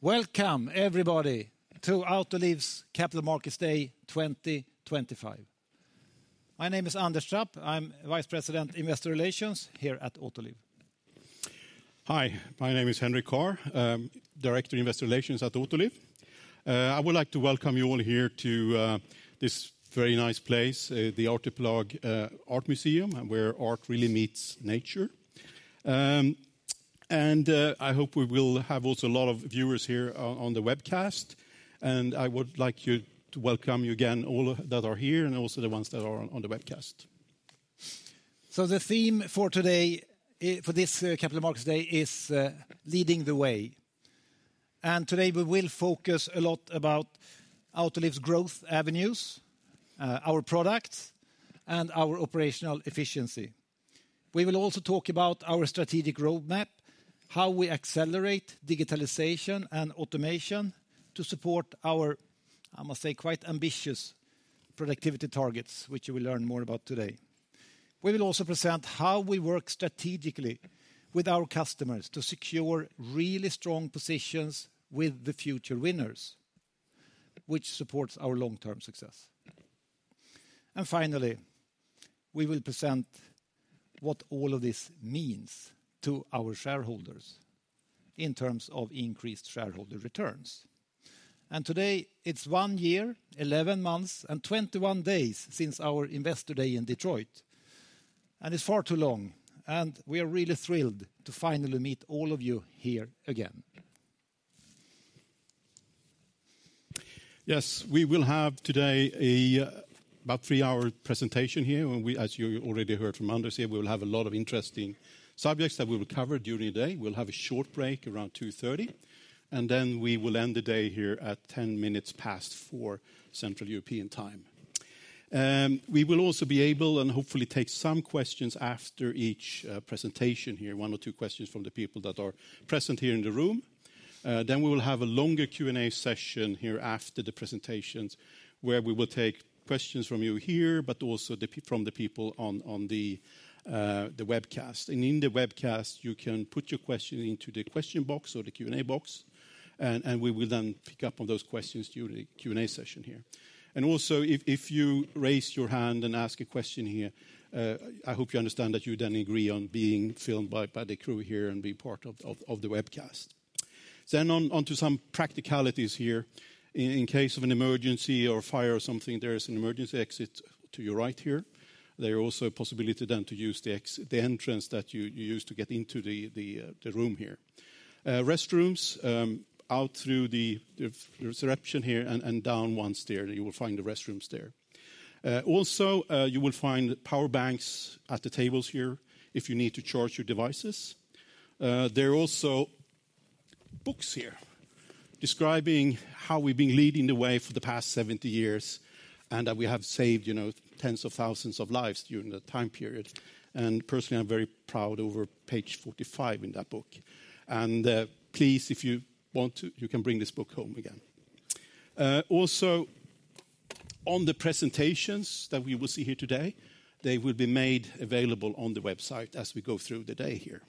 Welcome everybody to Autoliv's Capital Markets Day 2025. My name is Anders Trapp. I'm Vice President Investor Relations here at Autoliv. Hi, my name is Henrik Carr, Director of Investor Relations at Autoliv. I would like to welcome you all here to this very nice place, the ArtePlug Art Museum, where art really meets nature. I hope we will have also a lot of viewers here on the webcast. I would like to welcome you again, all that are here and also the ones that are on the webcast. The theme for today, for this Capital Markets Day, is Leading the Way. Today we will focus a lot about Autoliv's growth avenues, our products, and our operational efficiency. We will also talk about our strategic roadmap, how we accelerate digitalization and automation to support our, I must say, quite ambitious productivity targets, which you will learn more about today. We will also present how we work strategically with our customers to secure really strong positions with the future winners, which supports our long-term success. Finally, we will present what all of this means to our shareholders in terms of increased shareholder returns. Today, it is one year, eleven months, and twenty-one days since our Investor Day in Detroit. It is far too long. We are really thrilled to finally meet all of you here again. Yes, we will have today about a three-hour presentation here. As you already heard from Anders here, we will have a lot of interesting subjects that we will cover during the day. We'll have a short break around 2:30, and then we will end the day here at 4:10 P.M. Central European Time. We will also be able, and hopefully take some questions after each presentation here, one or two questions from the people that are present here in the room. We will have a longer Q&A session here after the presentations where we will take questions from you here, but also from the people on the webcast. In the webcast, you can put your question into the question box or the Q&A box, and we will then pick up on those questions during the Q&A session here. If you raise your hand and ask a question here, I hope you understand that you then agree on being filmed by the crew here and being part of the webcast. Onto some practicalities here. In case of an emergency or fire or something, there is an emergency exit to your right here. There is also a possibility to use the entrance that you used to get into the room here. Restrooms out through the reception here and down one stair, you will find the restrooms there. You will also find power banks at the tables here if you need to charge your devices. There are also books here describing how we have been leading the way for the past 70 years and that we have saved tens of thousands of lives during that time period. Personally, I am very proud over page 45 in that book. Please, if you want to, you can bring this book home again. Also, on the presentations that we will see here today, they will be made available on the website as we go through the day here.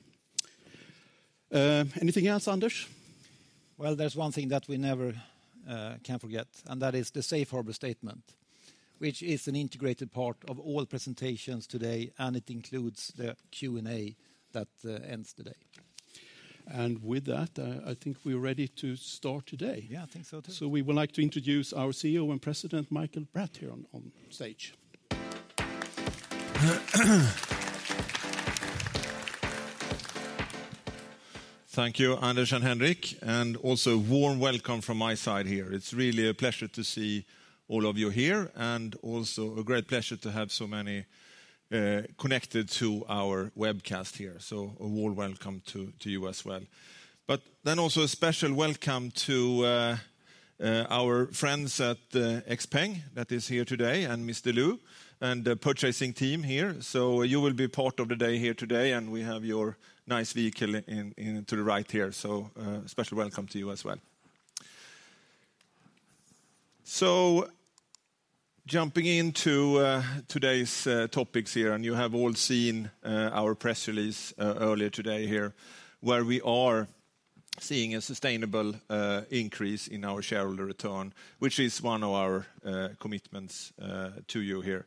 Anything else, Anders? There is one thing that we never can forget, and that is the Safe Harbor Statement, which is an integrated part of all presentations today, and it includes the Q&A that ends the day. I think we are ready to start today. Yeah, I think so too. We would like to introduce our CEO and President, Mikael Bratt, here on stage. Thank you, Anders and Henrik, and also a warm welcome from my side here. It's really a pleasure to see all of you here, and also a great pleasure to have so many connected to our webcast here. A warm welcome to you as well. A special welcome to our friends at XPeng that is here today, and Mr. Liu, and the purchasing team here. You will be part of the day here today, and we have your nice vehicle to the right here. A special welcome to you as well. Jumping into today's topics here, you have all seen our press release earlier today where we are seeing a sustainable increase in our shareholder return, which is one of our commitments to you here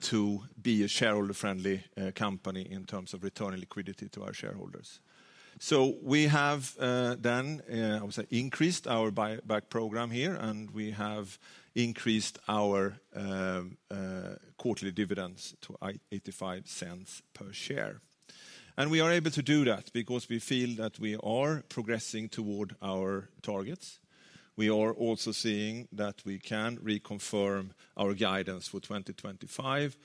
to be a shareholder-friendly company in terms of returning liquidity to our shareholders. We have then increased our buyback program here, and we have increased our quarterly dividends to $0.85 per share. We are able to do that because we feel that we are progressing toward our targets. We are also seeing that we can reconfirm our guidance for 2025.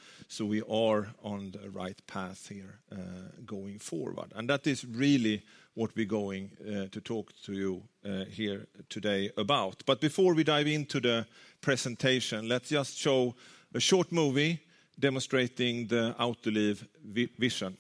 We are on the right path here going forward. That is really what we're going to talk to you here today about. Before we dive into the presentation, let's just show a short movie demonstrating the Autoliv vision.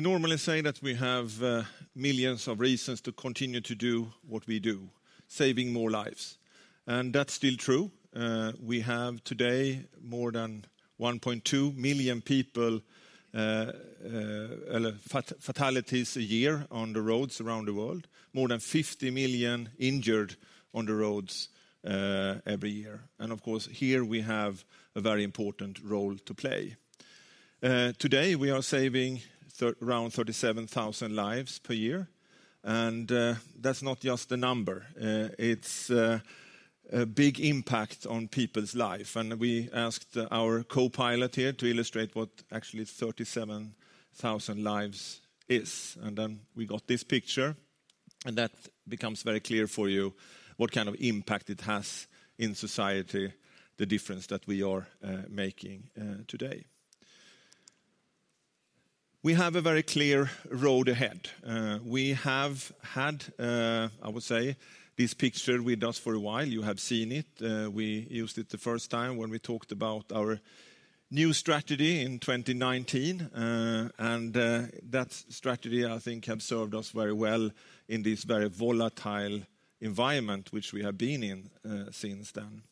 We normally say that we have millions of reasons to continue to do what we do, saving more lives. That is still true. We have today more than 1.2 million people, fatalities a year on the roads around the world, more than 50 million injured on the roads every year. Of course, here we have a very important role to play. Today, we are saving around 37,000 lives per year. That is not just a number. It is a big impact on people's lives. We asked our co-pilot here to illustrate what actually 37,000 lives is. We got this picture, and that becomes very clear for you what kind of impact it has in society, the difference that we are making today. We have a very clear road ahead. We have had, I would say, this picture with us for a while. You have seen it. We used it the first time when we talked about our new strategy in 2019. That strategy, I think, has served us very well in this very volatile environment, which we have been in since then.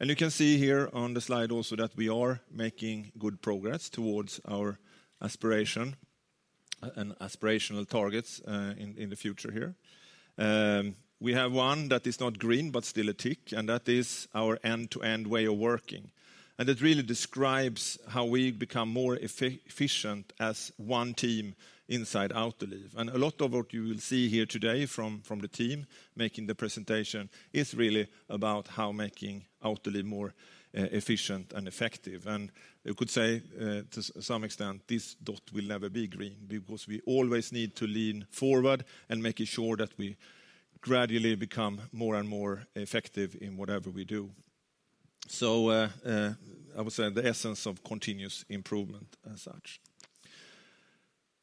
You can see here on the slide also that we are making good progress towards our aspiration and aspirational targets in the future here. We have one that is not green, but still a tick, and that is our end-to-end way of working. It really describes how we become more efficient as one team inside Autoliv. A lot of what you will see here today from the team making the presentation is really about how making Autoliv more efficient and effective. You could say to some extent, this dot will never be green because we always need to lean forward and make sure that we gradually become more and more effective in whatever we do. I would say the essence of continuous improvement as such.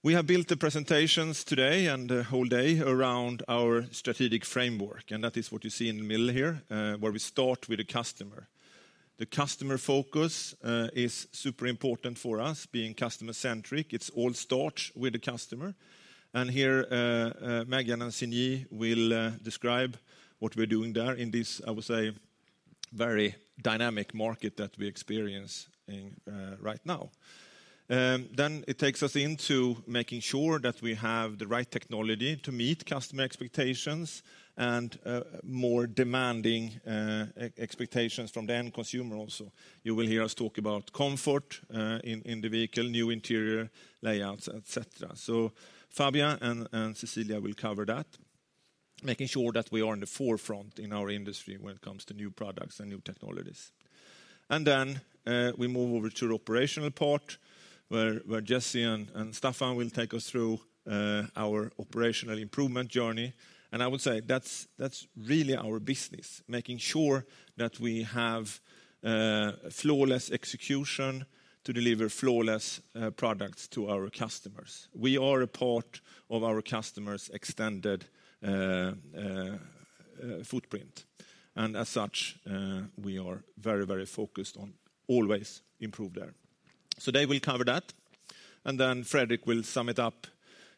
We have built the presentations today and the whole day around our strategic framework. That is what you see in the middle here, where we start with the customer. The customer focus is super important for us, being customer-centric. It all starts with the customer. Here, Megan and Sinyi will describe what we are doing there in this, I would say, very dynamic market that we experience right now. It takes us into making sure that we have the right technology to meet customer expectations and more demanding expectations from the end consumer also. You will hear us talk about comfort in the vehicle, new interior layouts, etc. Fabian and Cecilia will cover that, making sure that we are in the forefront in our industry when it comes to new products and new technologies. We move over to the operational part, where Jesse and Staffan will take us through our operational improvement journey. I would say that's really our business, making sure that we have flawless execution to deliver flawless products to our customers. We are a part of our customer's extended footprint. As such, we are very, very focused on always improving there. They will cover that. Fredrik will sum it up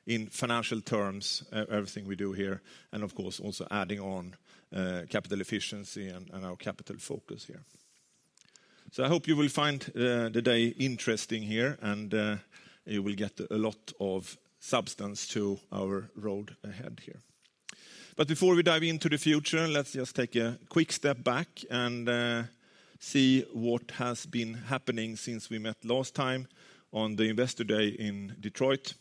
in financial terms, everything we do here, and of course, also adding on capital efficiency and our capital focus here. I hope you will find the day interesting here, and you will get a lot of substance to our road ahead here. Before we dive into the future, let's just take a quick step back and see what has been happening since we met last time on the Investor Day in Detroit,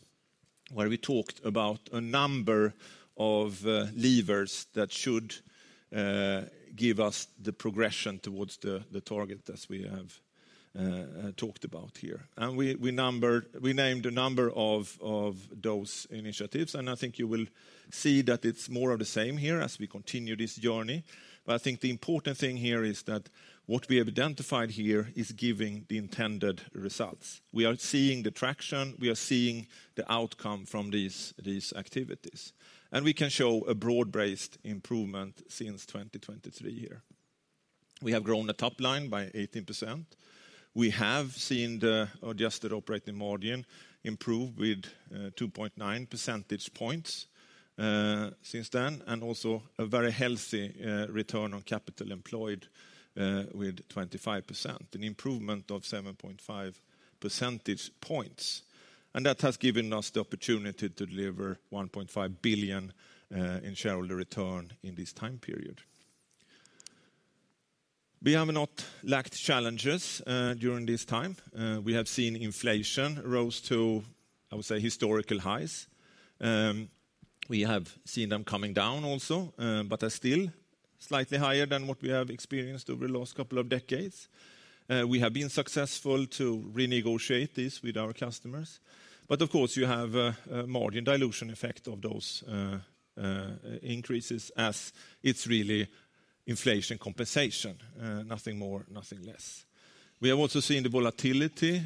where we talked about a number of levers that should give us the progression towards the target that we have talked about here. We named a number of those initiatives. I think you will see that it's more of the same here as we continue this journey. I think the important thing here is that what we have identified here is giving the intended results. We are seeing the traction. We are seeing the outcome from these activities. We can show a broad-based improvement since 2023 here. We have grown the top line by 18%. We have seen the adjusted operating margin improve with 2.9 percentage points since then, and also a very healthy return on capital employed with 25%, an improvement of 7.5 percentage points. That has given us the opportunity to deliver $1.5 billion in shareholder return in this time period. We have not lacked challenges during this time. We have seen inflation rose to, I would say, historical highs. We have seen them coming down also, but are still slightly higher than what we have experienced over the last couple of decades. We have been successful to renegotiate this with our customers. Of course, you have a margin dilution effect of those increases as it's really inflation compensation, nothing more, nothing less. We have also seen the volatility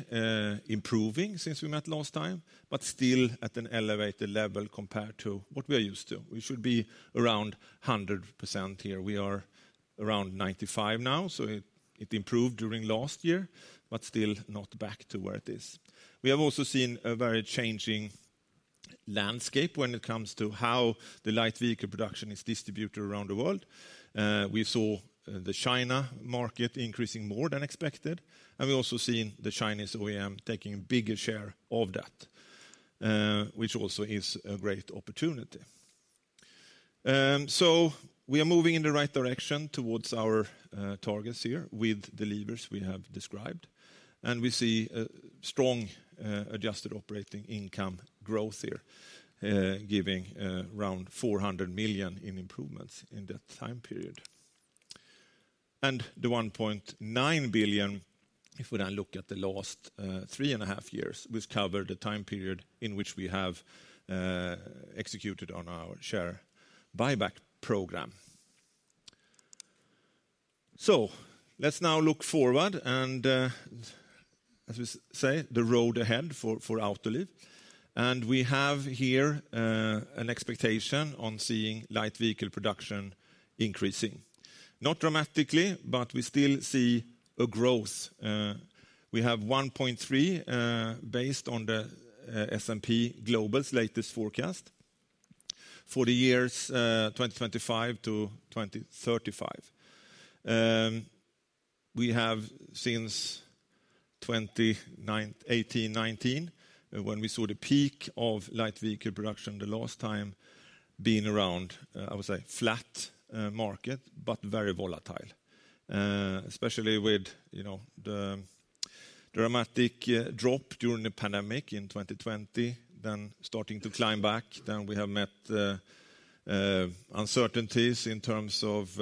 improving since we met last time, but still at an elevated level compared to what we are used to. We should be around 100% here. We are around 95% now, so it improved during last year, but still not back to where it is. We have also seen a very changing landscape when it comes to how the light vehicle production is distributed around the world. We saw the China market increasing more than expected, and we also seen the Chinese OEM taking a bigger share of that, which also is a great opportunity. We are moving in the right direction towards our targets here with the levers we have described. We see a strong adjusted operating income growth here, giving around $400 million in improvements in that time period. The $1.9 billion, if we then look at the last three and a half years, we've covered the time period in which we have executed on our share buyback program. Let's now look forward and, as we say, the road ahead for Autoliv. We have here an expectation on seeing light vehicle production increasing. Not dramatically, but we still see a growth. We have 1.3 based on the S&P Global's latest forecast for the years 2025 to 2035. We have since 2018-2019, when we saw the peak of light vehicle production the last time, been around, I would say, a flat market, but very volatile, especially with the dramatic drop during the pandemic in 2020, then starting to climb back. We have met uncertainties in terms of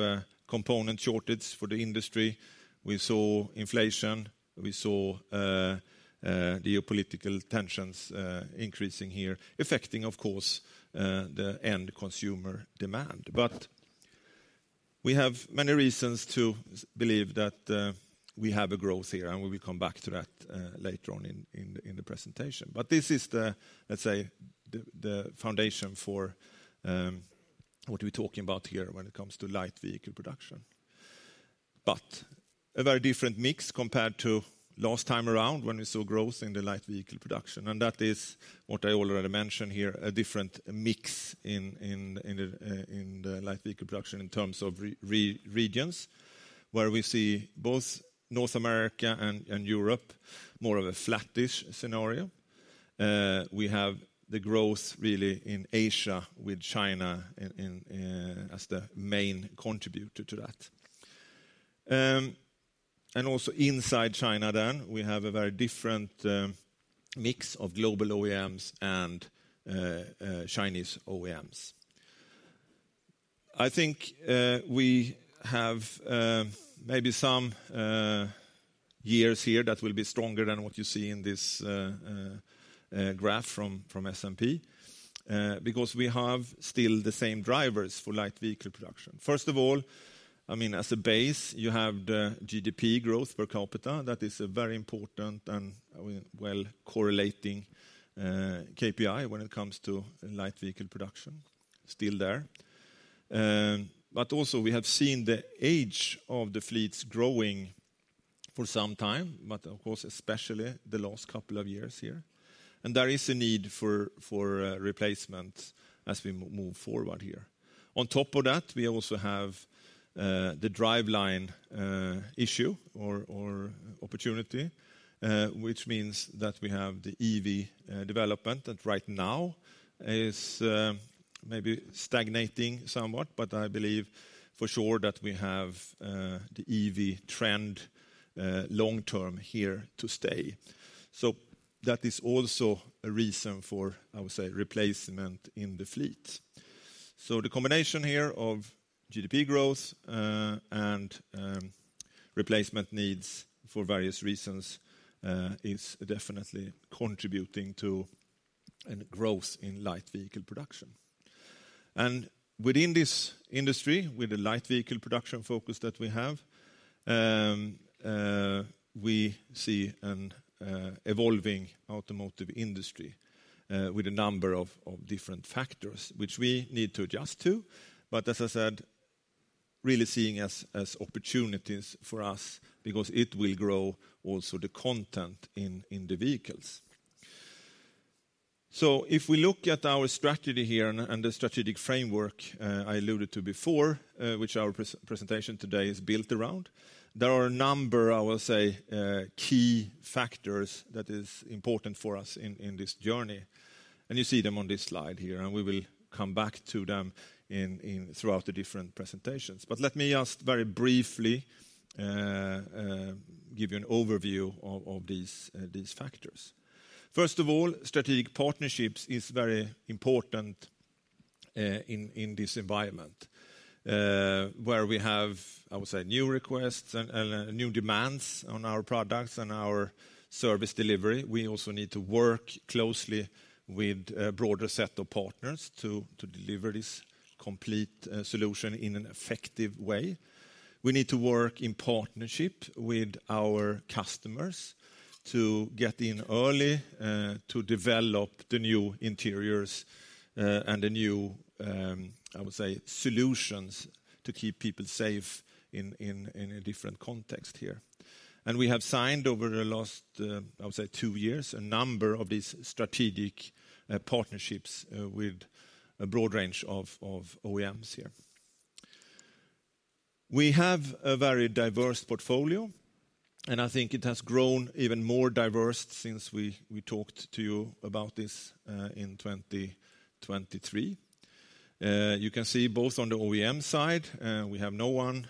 component shortages for the industry. We saw inflation. We saw geopolitical tensions increasing here, affecting, of course, the end consumer demand. We have many reasons to believe that we have a growth here, and we will come back to that later on in the presentation. This is the, let's say, the foundation for what we're talking about here when it comes to light vehicle production. A very different mix compared to last time around when we saw growth in the light vehicle production. That is what I already mentioned here, a different mix in the light vehicle production in terms of regions, where we see both North America and Europe more of a flattish scenario. We have the growth really in Asia with China as the main contributor to that. Also inside China then, we have a very different mix of global OEMs and Chinese OEMs. I think we have maybe some years here that will be stronger than what you see in this graph from S&P because we have still the same drivers for light vehicle production. First of all, I mean, as a base, you have the GDP growth per capita. That is a very important and well-correlating KPI when it comes to light vehicle production, still there. Also, we have seen the age of the fleets growing for some time, especially the last couple of years here. There is a need for replacements as we move forward here. On top of that, we also have the driveline issue or opportunity, which means that we have the EV development that right now is maybe stagnating somewhat, but I believe for sure that we have the EV trend long-term here to stay. That is also a reason for, I would say, replacement in the fleet. The combination here of GDP growth and replacement needs for various reasons is definitely contributing to a growth in light vehicle production. Within this industry, with the light vehicle production focus that we have, we see an evolving automotive industry with a number of different factors, which we need to adjust to. As I said, really seeing as opportunities for us because it will grow also the content in the vehicles. If we look at our strategy here and the strategic framework I alluded to before, which our presentation today is built around, there are a number, I would say, key factors that are important for us in this journey. You see them on this slide here, and we will come back to them throughout the different presentations. Let me just very briefly give you an overview of these factors. First of all, strategic partnerships are very important in this environment where we have, I would say, new requests and new demands on our products and our service delivery. We also need to work closely with a broader set of partners to deliver this complete solution in an effective way. We need to work in partnership with our customers to get in early to develop the new interiors and the new, I would say, solutions to keep people safe in a different context here. We have signed over the last, I would say, two years, a number of these strategic partnerships with a broad range of OEMs here. We have a very diverse portfolio, and I think it has grown even more diverse since we talked to you about this in 2023. You can see both on the OEM side, we have no one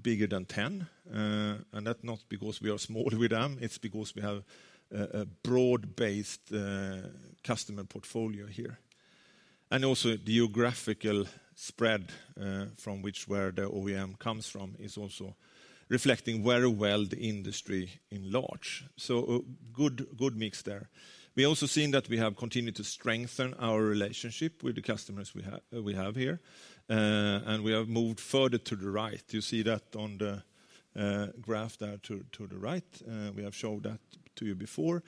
bigger than 10. That is not because we are small with them. It is because we have a broad-based customer portfolio here. Also, the geographical spread from which the OEM comes from is also reflecting very well the industry in large. A good mix there. We also see that we have continued to strengthen our relationship with the customers we have here. We have moved further to the right. You see that on the graph there to the right. We have showed that to you before.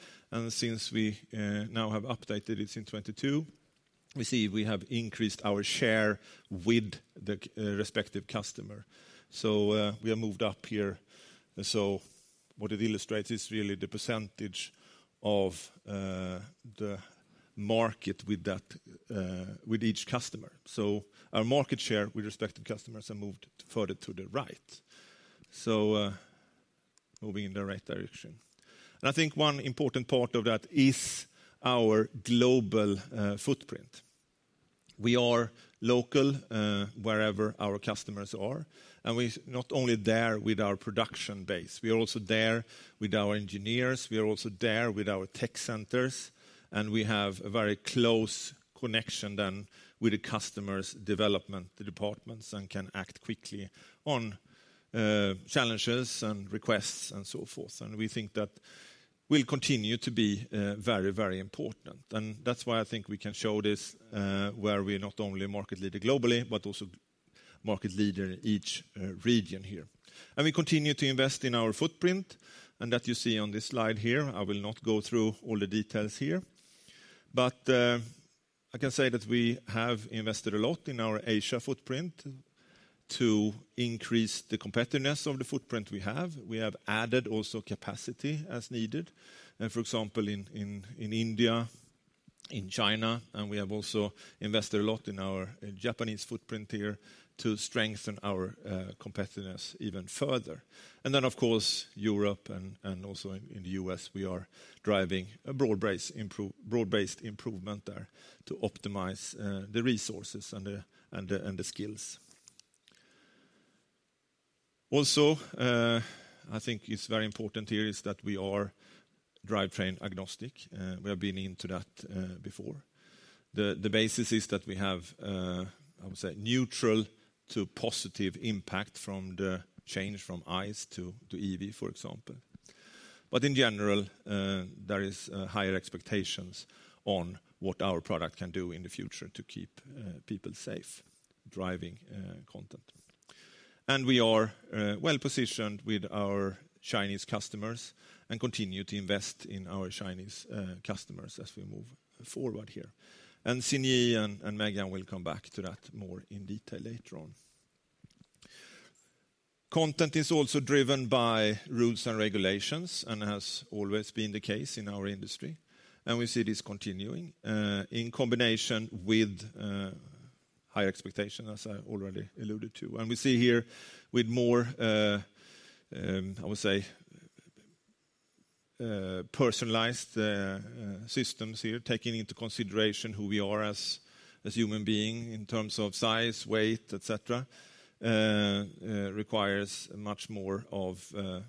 Since we now have updated it in 2022, we see we have increased our share with the respective customer. We have moved up here. What it illustrates is really the percentage of the market with each customer. Our market share with respective customers has moved further to the right. Moving in the right direction. I think one important part of that is our global footprint. We are local wherever our customers are. We are not only there with our production base. We are also there with our engineers. We are also there with our tech centers. We have a very close connection then with the customers' development departments and can act quickly on challenges and requests and so forth. We think that will continue to be very, very important. That is why I think we can show this, where we are not only a market leader globally, but also a market leader in each region here. We continue to invest in our footprint. You see that on this slide here. I will not go through all the details here. I can say that we have invested a lot in our Asia footprint to increase the competitiveness of the footprint we have. We have added also capacity as needed. For example, in India, in China, and we have also invested a lot in our Japanese footprint here to strengthen our competitiveness even further. Of course, Europe and also in the US, we are driving a broad-based improvement there to optimize the resources and the skills. Also, I think what is very important here is that we are drivetrain agnostic. We have been into that before. The basis is that we have, I would say, neutral to positive impact from the change from ICE to EV, for example. In general, there are higher expectations on what our product can do in the future to keep people safe driving content. We are well positioned with our Chinese customers and continue to invest in our Chinese customers as we move forward here. Sinyi and Megan will come back to that more in detail later on. Content is also driven by rules and regulations and has always been the case in our industry. We see this continuing in combination with high expectations, as I already alluded to. We see here with more, I would say, personalized systems here, taking into consideration who we are as human beings in terms of size, weight, etc., requires much more of,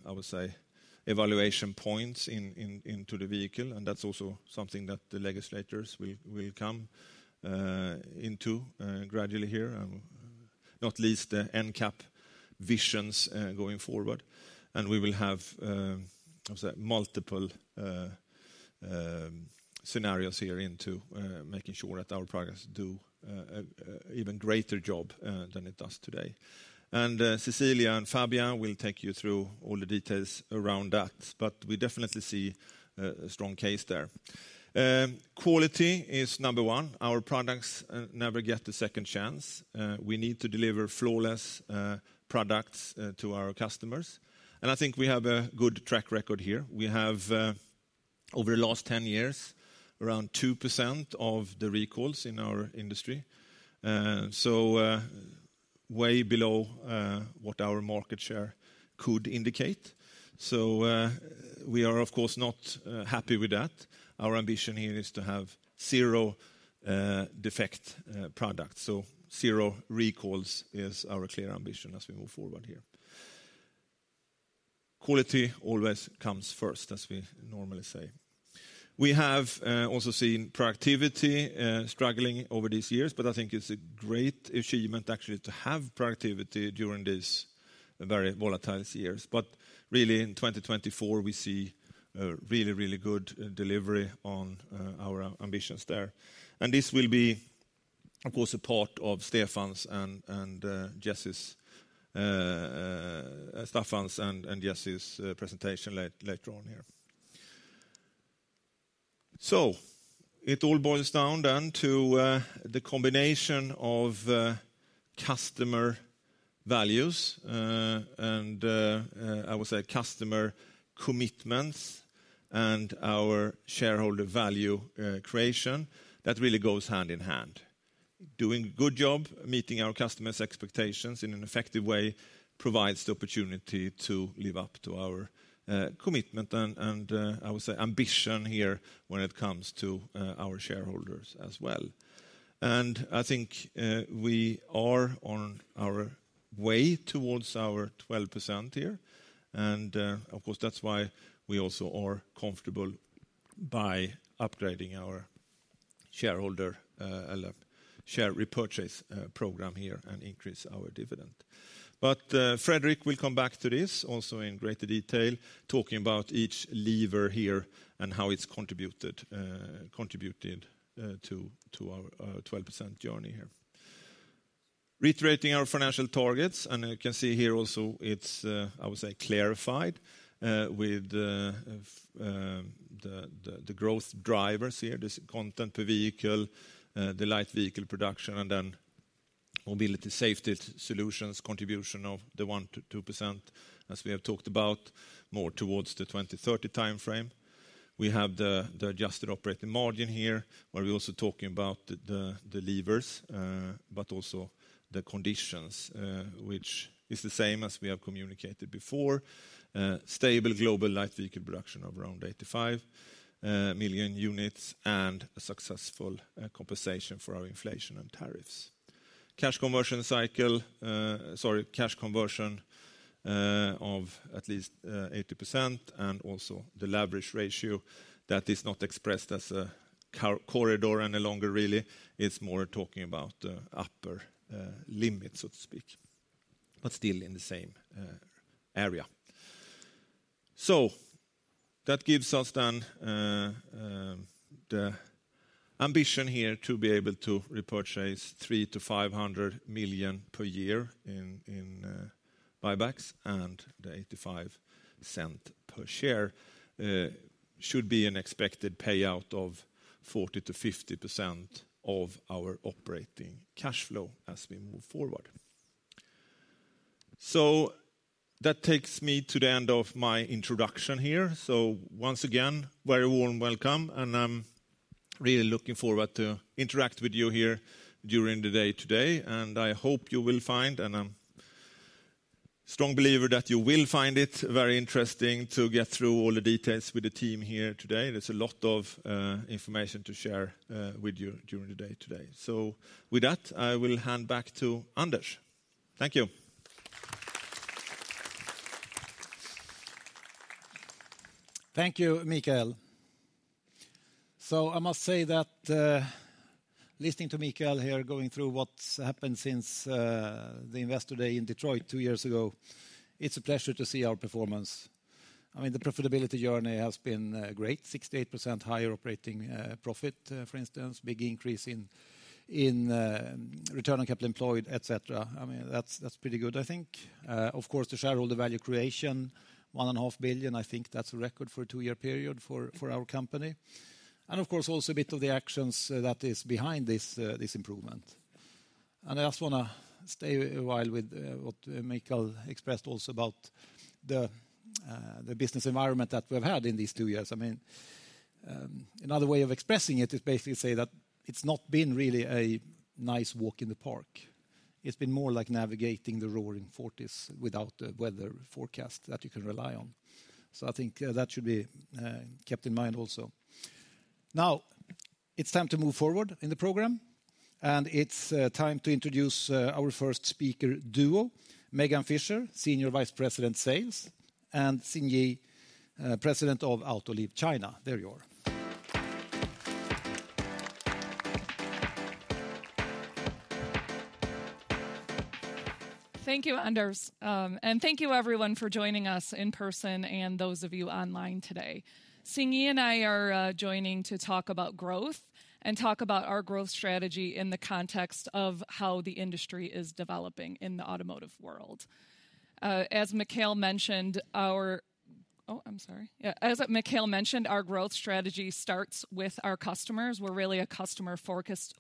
I would say, evaluation points into the vehicle. That is also something that the legislators will come into gradually here, not least the NCAP visions going forward. We will have multiple scenarios here into making sure that our products do an even greater job than it does today. Cecilia and Fabien will take you through all the details around that, but we definitely see a strong case there. Quality is number one. Our products never get a second chance. We need to deliver flawless products to our customers. I think we have a good track record here. We have, over the last 10 years, around 2% of the recalls in our industry, so way below what our market share could indicate. We are, of course, not happy with that. Our ambition here is to have zero defect products. Zero recalls is our clear ambition as we move forward here. Quality always comes first, as we normally say. We have also seen productivity struggling over these years, but I think it is a great achievement actually to have productivity during these very volatile years. Really, in 2024, we see a really, really good delivery on our ambitions there. This will be, of course, a part of Staffan's and Jesse's presentation later on here. It all boils down then to the combination of customer values and, I would say, customer commitments and our shareholder value creation that really goes hand in hand. Doing a good job, meeting our customers' expectations in an effective way provides the opportunity to live up to our commitment and, I would say, ambition here when it comes to our shareholders as well. I think we are on our way towards our 12% here. Of course, that's why we also are comfortable by upgrading our shareholder share repurchase program here and increasing our dividend. Fredrik will come back to this also in greater detail, talking about each lever here and how it's contributed to our 12% journey here. Reiterating our financial targets, and you can see here also it's, I would say, clarified with the growth drivers here, this content per vehicle, the light vehicle production, and then mobility safety solutions, contribution of the 1-2%, as we have talked about, more towards the 2030 timeframe. We have the adjusted operating margin here, where we're also talking about the levers, but also the conditions, which is the same as we have communicated before: stable global light vehicle production of around 85 million units and a successful compensation for our inflation and tariffs. Cash conversion cycle, sorry, cash conversion of at least 80% and also the leverage ratio that is not expressed as a corridor any longer, really. It's more talking about the upper limit, so to speak, but still in the same area. That gives us then the ambition here to be able to repurchase $300 million-$500 million per year in buybacks and the $0.85 per share should be an expected payout of 40%-50% of our operating cash flow as we move forward. That takes me to the end of my introduction here. Once again, very warm welcome, and I'm really looking forward to interacting with you here during the day today. I hope you will find, and I'm a strong believer that you will find it very interesting to get through all the details with the team here today. There's a lot of information to share with you during the day today. With that, I will hand back to Anders. Thank you. Thank you, Mikael. I must say that listening to Mikael here, going through what has happened since the Investor Day in Detroit two years ago, it is a pleasure to see our performance. I mean, the profitability journey has been great: 68% higher operating profit, for instance, big increase in return on capital employed, etc. I mean, that is pretty good, I think. Of course, the shareholder value creation, $1.5 billion, I think that is a record for a two-year period for our company. Of course, also a bit of the actions that are behind this improvement. I just want to stay a while with what Mikael expressed also about the business environment that we have had in these two years. I mean, another way of expressing it is basically to say that it has not been really a nice walk in the park. It's been more like navigating the roaring 40s without the weather forecast that you can rely on. I think that should be kept in mind also. Now, it's time to move forward in the program, and it's time to introduce our first speaker duo: Megan Fisher, Senior Vice President Sales, and Sinyi, President of Autoliv China. There you are. Thank you, Anders. Thank you, everyone, for joining us in person and those of you online today. Sinyi and I are joining to talk about growth and talk about our growth strategy in the context of how the industry is developing in the automotive world. As Mikael mentioned, our—oh, I'm sorry. Yeah, as Mikael mentioned, our growth strategy starts with our customers. We are really a customer-focused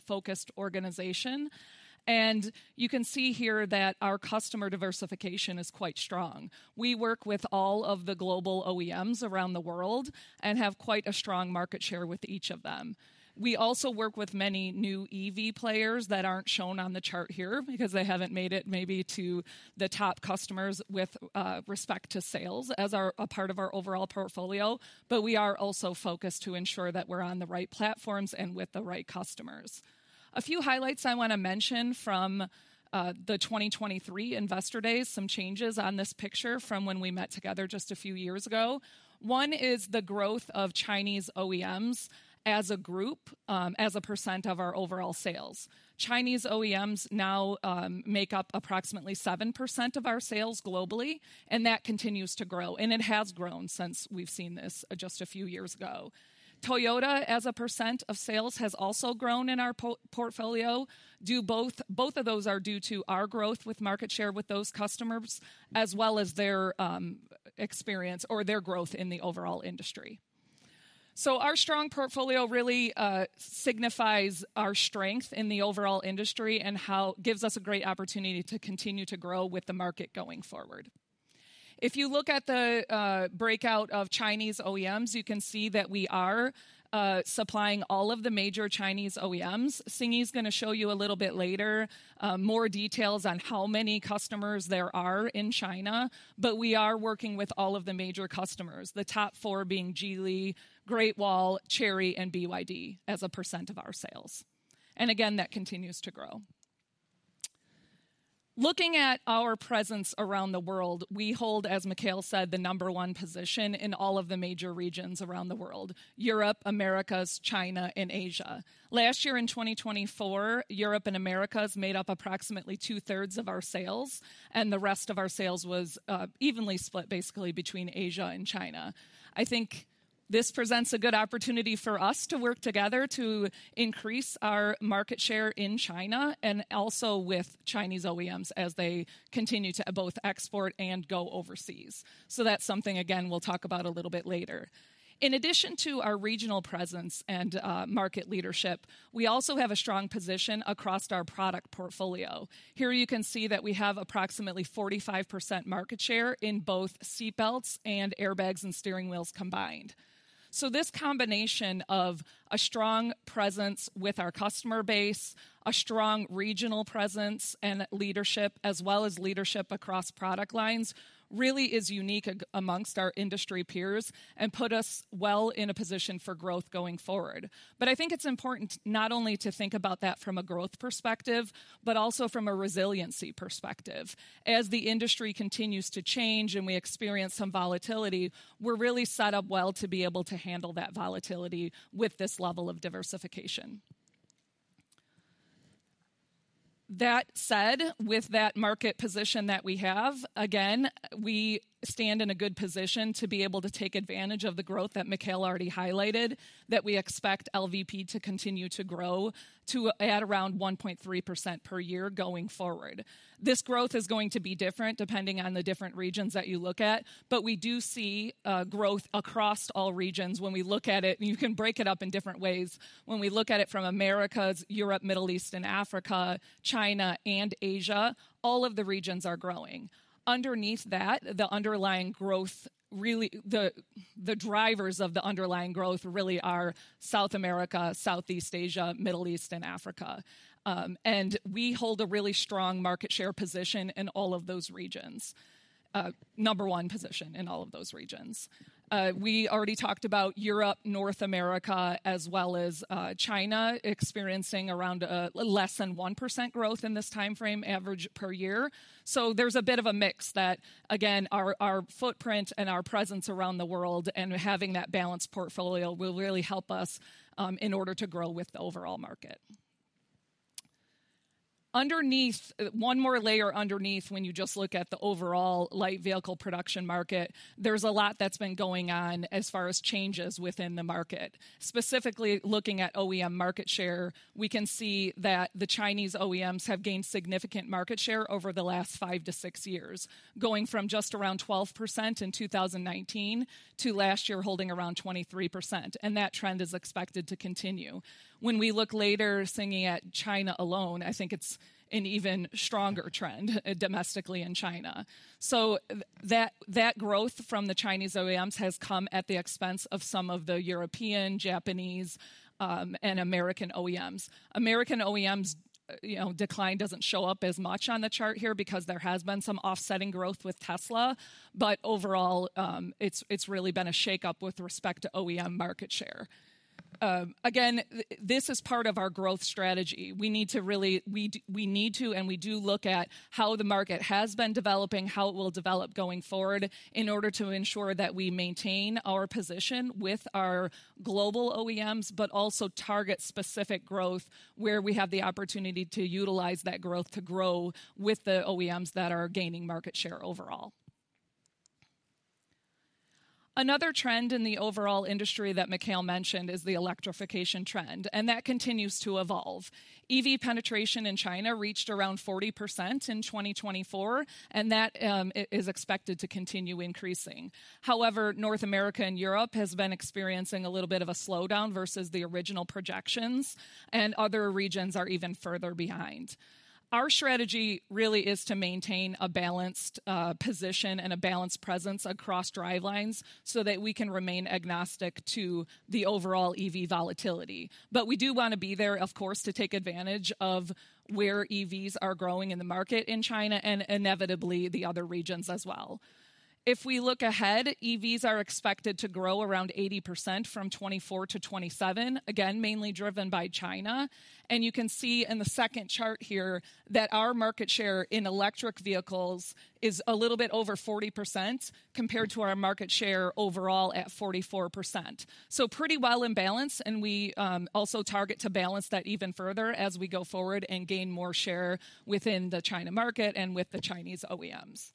organization. You can see here that our customer diversification is quite strong. We work with all of the global OEMs around the world and have quite a strong market share with each of them. We also work with many new EV players that are not shown on the chart here because they have not made it maybe to the top customers with respect to sales as a part of our overall portfolio. We are also focused to ensure that we're on the right platforms and with the right customers. A few highlights I want to mention from the 2023 Investor Days, some changes on this picture from when we met together just a few years ago. One is the growth of Chinese OEMs as a group, as a % of our overall sales. Chinese OEMs now make up approximately 7% of our sales globally, and that continues to grow. It has grown since we've seen this just a few years ago. Toyota, as a % of sales, has also grown in our portfolio. Both of those are due to our growth with market share with those customers, as well as their experience or their growth in the overall industry. Our strong portfolio really signifies our strength in the overall industry and gives us a great opportunity to continue to grow with the market going forward. If you look at the breakout of Chinese OEMs, you can see that we are supplying all of the major Chinese OEMs. Sinyi is going to show you a little bit later more details on how many customers there are in China, but we are working with all of the major customers, the top four being Geely, Great Wall, Chery, and BYD as a % of our sales. That continues to grow. Looking at our presence around the world, we hold, as Mikael said, the number one position in all of the major regions around the world: Europe, Americas, China, and Asia. Last year in 2024, Europe and Americas made up approximately two-thirds of our sales, and the rest of our sales was evenly split basically between Asia and China. I think this presents a good opportunity for us to work together to increase our market share in China and also with Chinese OEMs as they continue to both export and go overseas. That is something, again, we will talk about a little bit later. In addition to our regional presence and market leadership, we also have a strong position across our product portfolio. Here you can see that we have approximately 45% market share in both seatbelts and airbags and steering wheels combined. This combination of a strong presence with our customer base, a strong regional presence and leadership, as well as leadership across product lines, really is unique amongst our industry peers and puts us well in a position for growth going forward. I think it's important not only to think about that from a growth perspective, but also from a resiliency perspective. As the industry continues to change and we experience some volatility, we're really set up well to be able to handle that volatility with this level of diversification. That said, with that market position that we have, again, we stand in a good position to be able to take advantage of the growth that Mikael already highlighted, that we expect LVP to continue to grow at around 1.3% per year going forward. This growth is going to be different depending on the different regions that you look at, but we do see growth across all regions when we look at it. You can break it up in different ways. When we look at it from Americas, Europe, Middle East, and Africa, China, and Asia, all of the regions are growing. Underneath that, the underlying growth, really the drivers of the underlying growth really are South America, Southeast Asia, Middle East, and Africa. We hold a really strong market share position in all of those regions, number one position in all of those regions. We already talked about Europe, North America, as well as China experiencing around less than 1% growth in this timeframe average per year. There's a bit of a mix that, again, our footprint and our presence around the world and having that balanced portfolio will really help us in order to grow with the overall market. Underneath, one more layer underneath, when you just look at the overall light vehicle production market, there's a lot that's been going on as far as changes within the market. Specifically looking at OEM market share, we can see that the Chinese OEMs have gained significant market share over the last five to six years, going from just around 12% in 2019 to last year holding around 23%. That trend is expected to continue. When we look later, seeing it China alone, I think it's an even stronger trend domestically in China. That growth from the Chinese OEMs has come at the expense of some of the European, Japanese, and American OEMs. American OEMs' decline doesn't show up as much on the chart here because there has been some offsetting growth with Tesla, but overall, it's really been a shakeup with respect to OEM market share. Again, this is part of our growth strategy. We need to really, we need to, and we do look at how the market has been developing, how it will develop going forward in order to ensure that we maintain our position with our global OEMs, but also target specific growth where we have the opportunity to utilize that growth to grow with the OEMs that are gaining market share overall. Another trend in the overall industry that Mikael mentioned is the electrification trend, and that continues to evolve. EV penetration in China reached around 40% in 2024, and that is expected to continue increasing. However, North America and Europe have been experiencing a little bit of a slowdown versus the original projections, and other regions are even further behind. Our strategy really is to maintain a balanced position and a balanced presence across drivelines so that we can remain agnostic to the overall EV volatility. We do want to be there, of course, to take advantage of where EVs are growing in the market in China and inevitably the other regions as well. If we look ahead, EVs are expected to grow around 80% from 2024 to 2027, again, mainly driven by China. You can see in the second chart here that our market share in electric vehicles is a little bit over 40% compared to our market share overall at 44%. Pretty well in balance, and we also target to balance that even further as we go forward and gain more share within the China market and with the Chinese OEMs.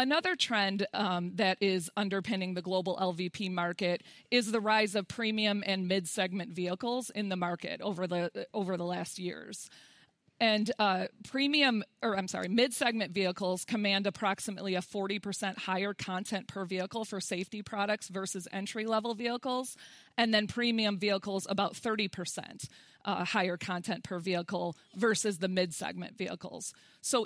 Another trend that is underpinning the global LVP market is the rise of premium and mid-segment vehicles in the market over the last years. Premium, or I'm sorry, mid-segment vehicles command approximately a 40% higher content per vehicle for safety products versus entry-level vehicles, and then premium vehicles about 30% higher content per vehicle versus the mid-segment vehicles.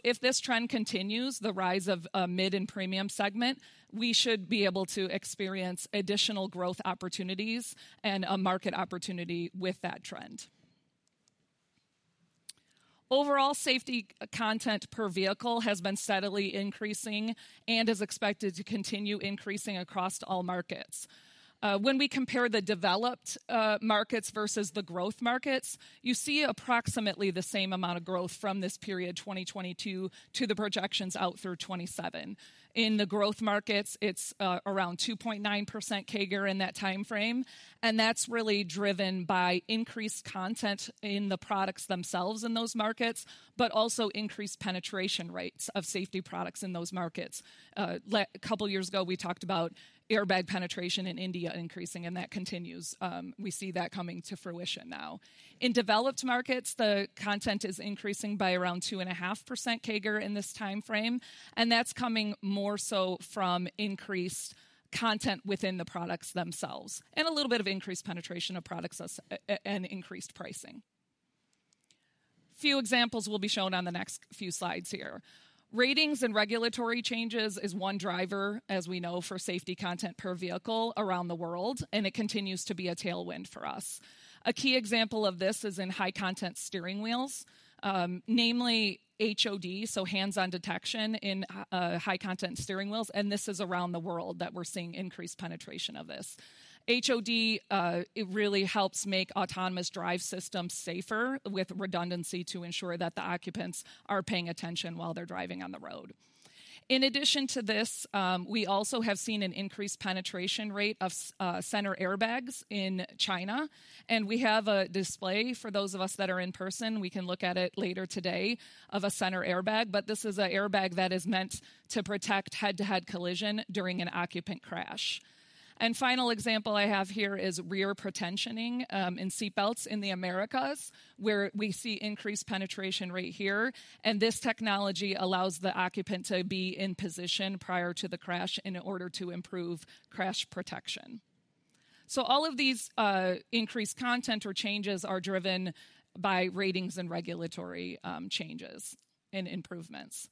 If this trend continues, the rise of mid and premium segment, we should be able to experience additional growth opportunities and a market opportunity with that trend. Overall, safety content per vehicle has been steadily increasing and is expected to continue increasing across all markets. When we compare the developed markets versus the growth markets, you see approximately the same amount of growth from this period, 2022, to the projections out through 2027. In the growth markets, it's around 2.9% CAGR in that timeframe, and that's really driven by increased content in the products themselves in those markets, but also increased penetration rates of safety products in those markets. A couple of years ago, we talked about airbag penetration in India increasing, and that continues. We see that coming to fruition now. In developed markets, the content is increasing by around 2.5% CAGR in this timeframe, and that's coming more so from increased content within the products themselves and a little bit of increased penetration of products and increased pricing. Few examples will be shown on the next few slides here. Ratings and regulatory changes is one driver, as we know, for safety content per vehicle around the world, and it continues to be a tailwind for us. A key example of this is in high-content steering wheels, namely HOD, so hands-on detection in high-content steering wheels, and this is around the world that we're seeing increased penetration of this. HOD really helps make autonomous drive systems safer with redundancy to ensure that the occupants are paying attention while they're driving on the road. In addition to this, we also have seen an increased penetration rate of center airbags in China, and we have a display for those of us that are in person. We can look at it later today of a center airbag, but this is an airbag that is meant to protect head-to-head collision during an occupant crash. A final example I have here is rear pretensioning in seatbelts in the Americas where we see increased penetration rate here, and this technology allows the occupant to be in position prior to the crash in order to improve crash protection. All of these increased content or changes are driven by ratings and regulatory changes and improvements.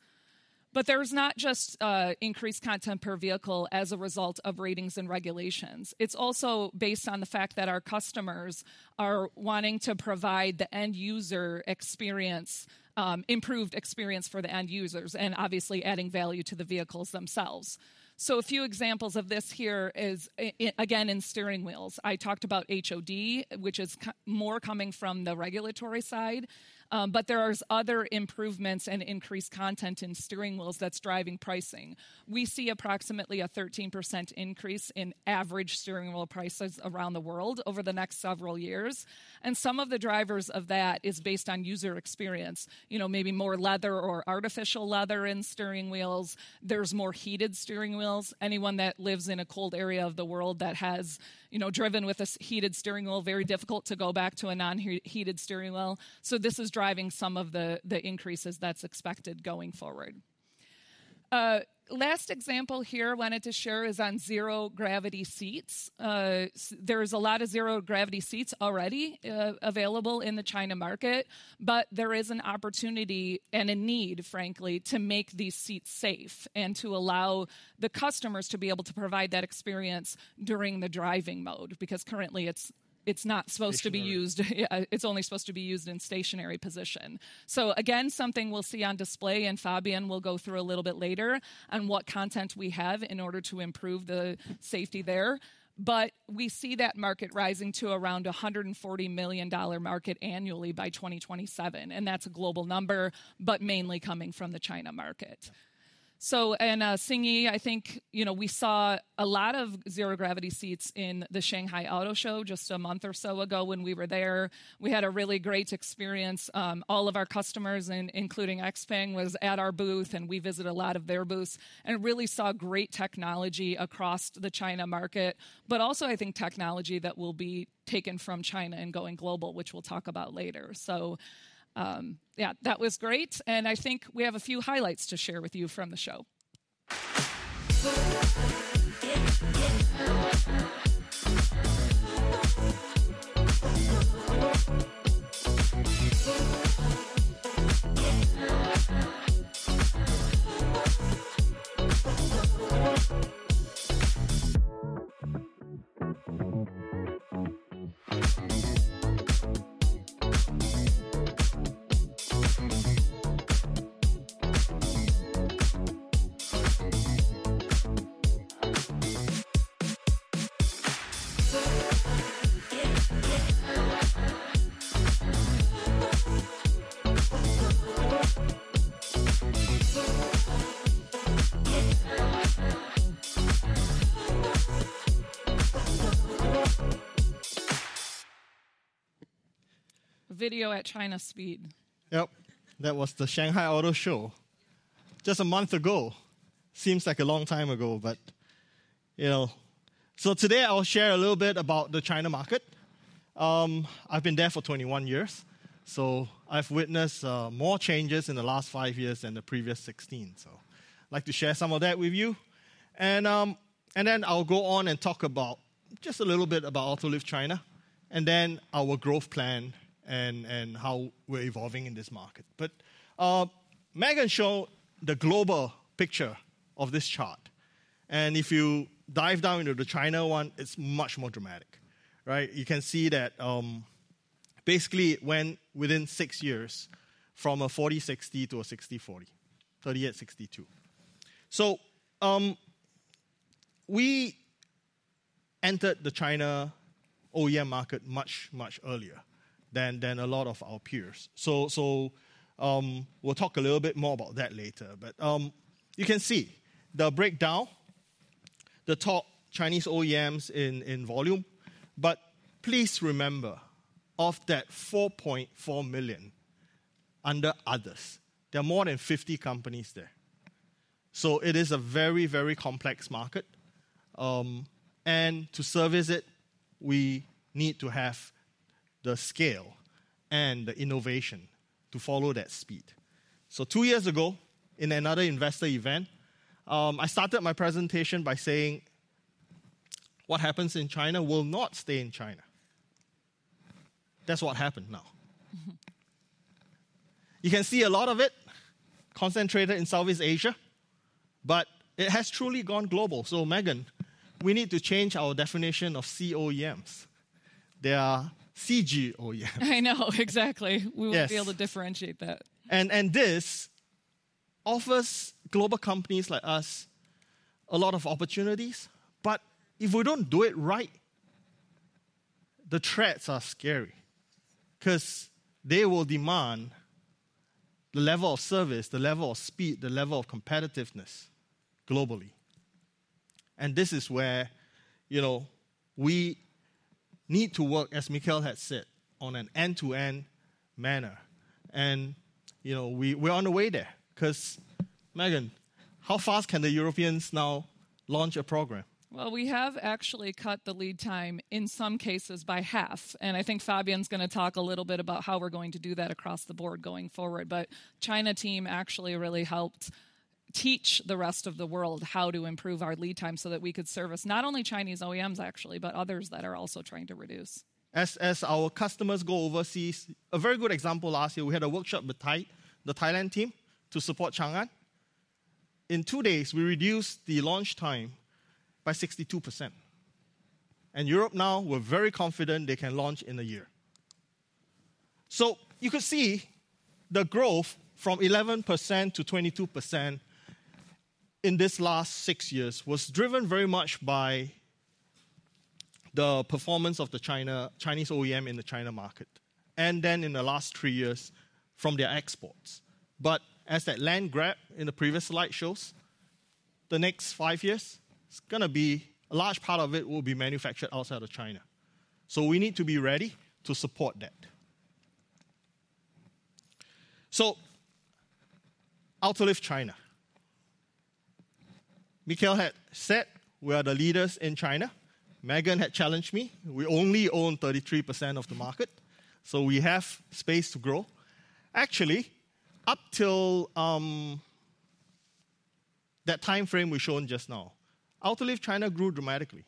There is not just increased content per vehicle as a result of ratings and regulations. It is also based on the fact that our customers are wanting to provide the end user experience, improved experience for the end users, and obviously adding value to the vehicles themselves. A few examples of this here is, again, in steering wheels. I talked about HOD, which is more coming from the regulatory side, but there are other improvements and increased content in steering wheels that is driving pricing. We see approximately a 13% increase in average steering wheel prices around the world over the next several years, and some of the drivers of that is based on user experience. You know, maybe more leather or artificial leather in steering wheels. There's more heated steering wheels. Anyone that lives in a cold area of the world that has driven with a heated steering wheel, very difficult to go back to a non-heated steering wheel. This is driving some of the increases that's expected going forward. Last example here I wanted to share is on zero gravity seats. There is a lot of zero gravity seats already available in the China market, but there is an opportunity and a need, frankly, to make these seats safe and to allow the customers to be able to provide that experience during the driving mode because currently it's not supposed to be used. It's only supposed to be used in stationary position. Again, something we'll see on display and Fabien will go through a little bit later on what content we have in order to improve the safety there, but we see that market rising to around $140 million market annually by 2027, and that's a global number, but mainly coming from the China market. In Xinyi, I think we saw a lot of zero gravity seats in the Shanghai Auto Show just a month or so ago when we were there. We had a really great experience. All of our customers, including XPeng, was at our booth, and we visited a lot of their booths and really saw great technology across the China market, but also I think technology that will be taken from China and going global, which we'll talk about later. Yeah, that was great, and I think we have a few highlights to share with you from the show. Video at China speed. [unintelligible] Yep, that was the Shanghai Auto Show just a month ago. Seems like a long time ago, but you know. Today I'll share a little bit about the China market. I've been there for 21 years, so I've witnessed more changes in the last five years than the previous 16. I'd like to share some of that with you, and then I'll go on and talk about just a little bit about Autoliv China and then our growth plan and how we're evolving in this market. Megan showed the global picture of this chart, and if you dive down into the China one, it's much more dramatic, right? You can see that basically within six years from a 40-60 to a 60-40, 38-62. We entered the China OEM market much, much earlier than a lot of our peers. We'll talk a little bit more about that later, but you can see the breakdown, the top Chinese OEMs in volume, but please remember of that 4.4 million under others, there are more than 50 companies there. It is a very, very complex market, and to service it, we need to have the scale and the innovation to follow that speed. Two years ago in another investor event, I started my presentation by saying, "What happens in China will not stay in China." That is what happened now. You can see a lot of it concentrated in Southeast Asia, but it has truly gone global. Megan, we need to change our definition of COEMs. They are CG OEMs. I know, exactly. We will be able to differentiate that. This offers global companies like us a lot of opportunities, but if we do not do it right, the threats are scary because they will demand the level of service, the level of speed, the level of competitiveness globally. This is where we need to work, as Mikael had said, on an end-to-end manner, and we're on the way there because Megan, how fast can the Europeans now launch a program? We have actually cut the lead time in some cases by half, and I think Fabien's going to talk a little bit about how we're going to do that across the board going forward, but the China team actually really helped teach the rest of the world how to improve our lead time so that we could service not only Chinese OEMs actually, but others that are also trying to reduce. As our customers go overseas, a very good example last year, we had a workshop with the Thailand team to support Changan. In two days, we reduced the launch time by 62%, and Europe now, we're very confident they can launch in a year. You could see the growth from 11% to 22% in this last six years was driven very much by the performance of the Chinese OEM in the China market, and then in the last three years from their exports. As that land grab in the previous slide shows, the next five years, it's going to be a large part of it will be manufactured outside of China. We need to be ready to support that. Autoliv China. Mikael had said we are the leaders in China. Megan had challenged me. We only own 33% of the market, so we have space to grow. Actually, up till that timeframe we showed just now, Autoliv China grew dramatically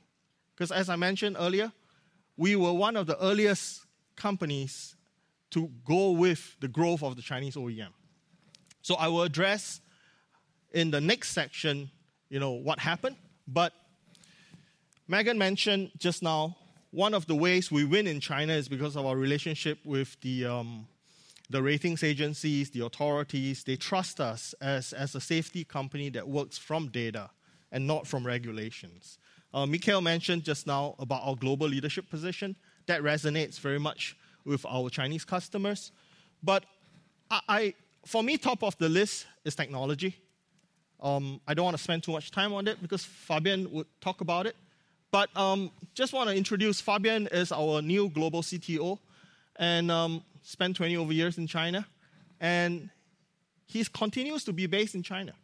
because, as I mentioned earlier, we were one of the earliest companies to go with the growth of the Chinese OEM. I will address in the next section what happened, but Megan mentioned just now one of the ways we win in China is because of our relationship with the ratings agencies, the authorities. They trust us as a safety company that works from data and not from regulations. Mikael mentioned just now about our global leadership position. That resonates very much with our Chinese customers, but for me, top of the list is technology. I do not want to spend too much time on it because Fabian would talk about it, but just want to introduce Fabian as our new global CTO and spent 20-over years in China, and he continues to be based in China.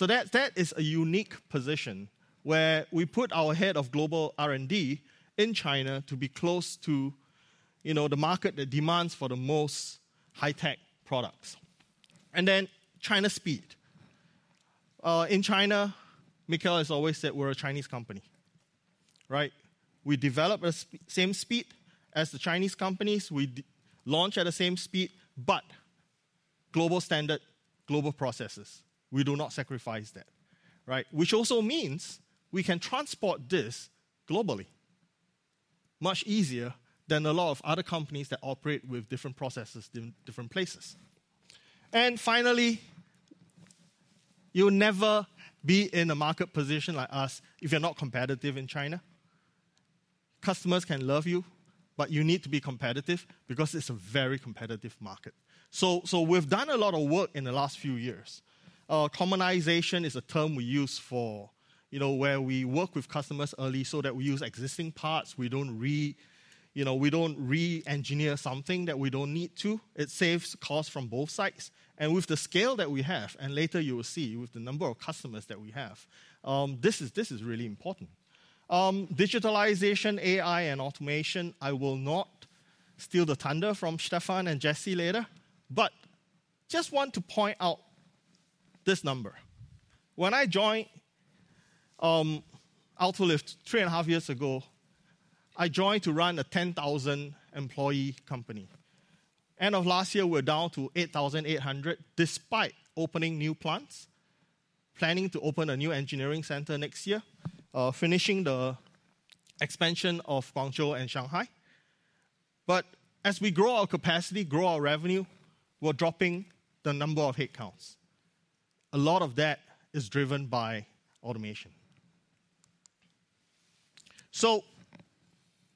That is a unique position where we put our head of global R&D in China to be close to the market that demands for the most high-tech products. Then China speed. In China, Mikael has always said we're a Chinese company, right? We develop at the same speed as the Chinese companies. We launch at the same speed, but global standard, global processes. We do not sacrifice that, right? Which also means we can transport this globally much easier than a lot of other companies that operate with different processes in different places. Finally, you'll never be in a market position like us if you're not competitive in China. Customers can love you, but you need to be competitive because it's a very competitive market. We've done a lot of work in the last few years. Commonization is a term we use for where we work with customers early so that we use existing parts. We don't re-engineer something that we don't need to. It saves costs from both sides, and with the scale that we have, and later you will see with the number of customers that we have, this is really important. Digitalization, AI, and automation, I will not steal the thunder from Staffan and Jesse later, but just want to point out this number. When I joined Autoliv three and a half years ago, I joined to run a 10,000-employee company. End of last year, we were down to 8,800 despite opening new plants, planning to open a new engineering center next year, finishing the expansion of Guangzhou and Shanghai. As we grow our capacity, grow our revenue, we are dropping the number of headcounts. A lot of that is driven by automation.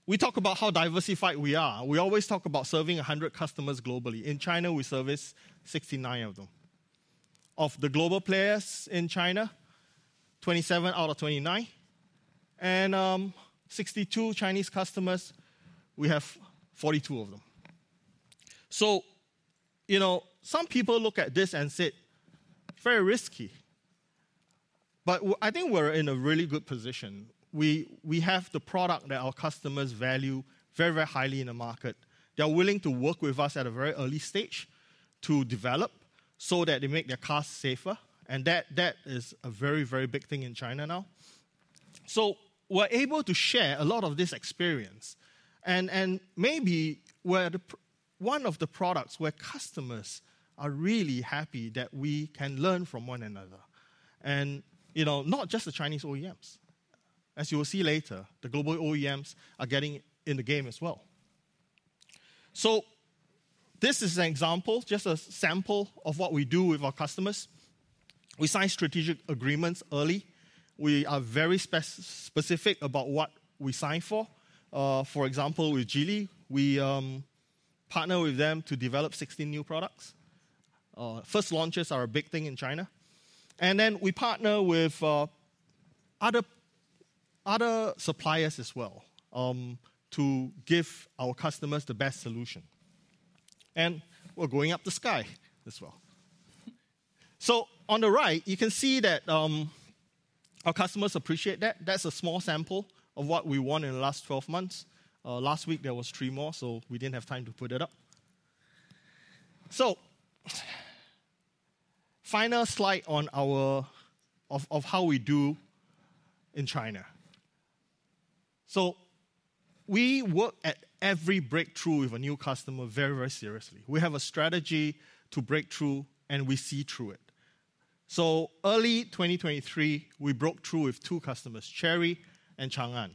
We talk about how diversified we are. We always talk about serving 100 customers globally. In China, we service 69 of them. Of the global players in China, 27 out of 29, and 62 Chinese customers, we have 42 of them. Some people look at this and say, "Very risky," but I think we're in a really good position. We have the product that our customers value very, very highly in the market. They're willing to work with us at a very early stage to develop so that they make their cars safer, and that is a very, very big thing in China now. We're able to share a lot of this experience, and maybe one of the products where customers are really happy that we can learn from one another, and not just the Chinese OEMs. As you will see later, the global OEMs are getting in the game as well. This is an example, just a sample of what we do with our customers. We sign strategic agreements early. We are very specific about what we sign for. For example, with Geely, we partner with them to develop 16 new products. First launches are a big thing in China, and then we partner with other suppliers as well to give our customers the best solution, and we're going up the sky as well. On the right, you can see that our customers appreciate that. That's a small sample of what we won in the last 12 months. Last week, there were three more, so we didn't have time to put it up. Final slide of how we do in China. We work at every breakthrough with a new customer very, very seriously. We have a strategy to break through, and we see through it. Early 2023, we broke through with two customers, Chery and Changan,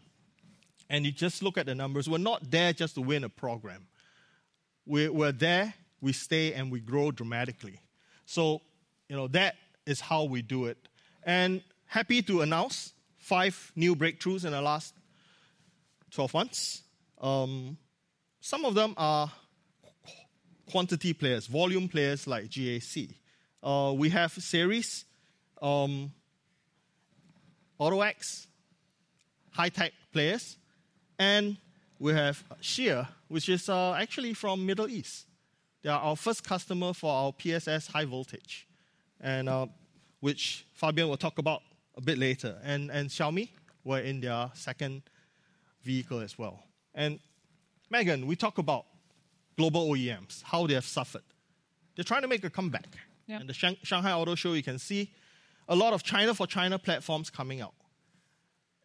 and you just look at the numbers. We're not there just to win a program. We're there, we stay, and we grow dramatically. That is how we do it, and happy to announce five new breakthroughs in the last 12 months. Some of them are volume players like GAC. We have Seres, AutoX, high-tech players, and we have Sheer, which is actually from the Middle East. They are our first customer for our PSS high voltage, which Fabien will talk about a bit later, and Xiaomi, we're in their second vehicle as well. Megan, we talk about global OEMs, how they have suffered. They're trying to make a comeback. In the Shanghai Auto Show, you can see a lot of China for China platforms coming out,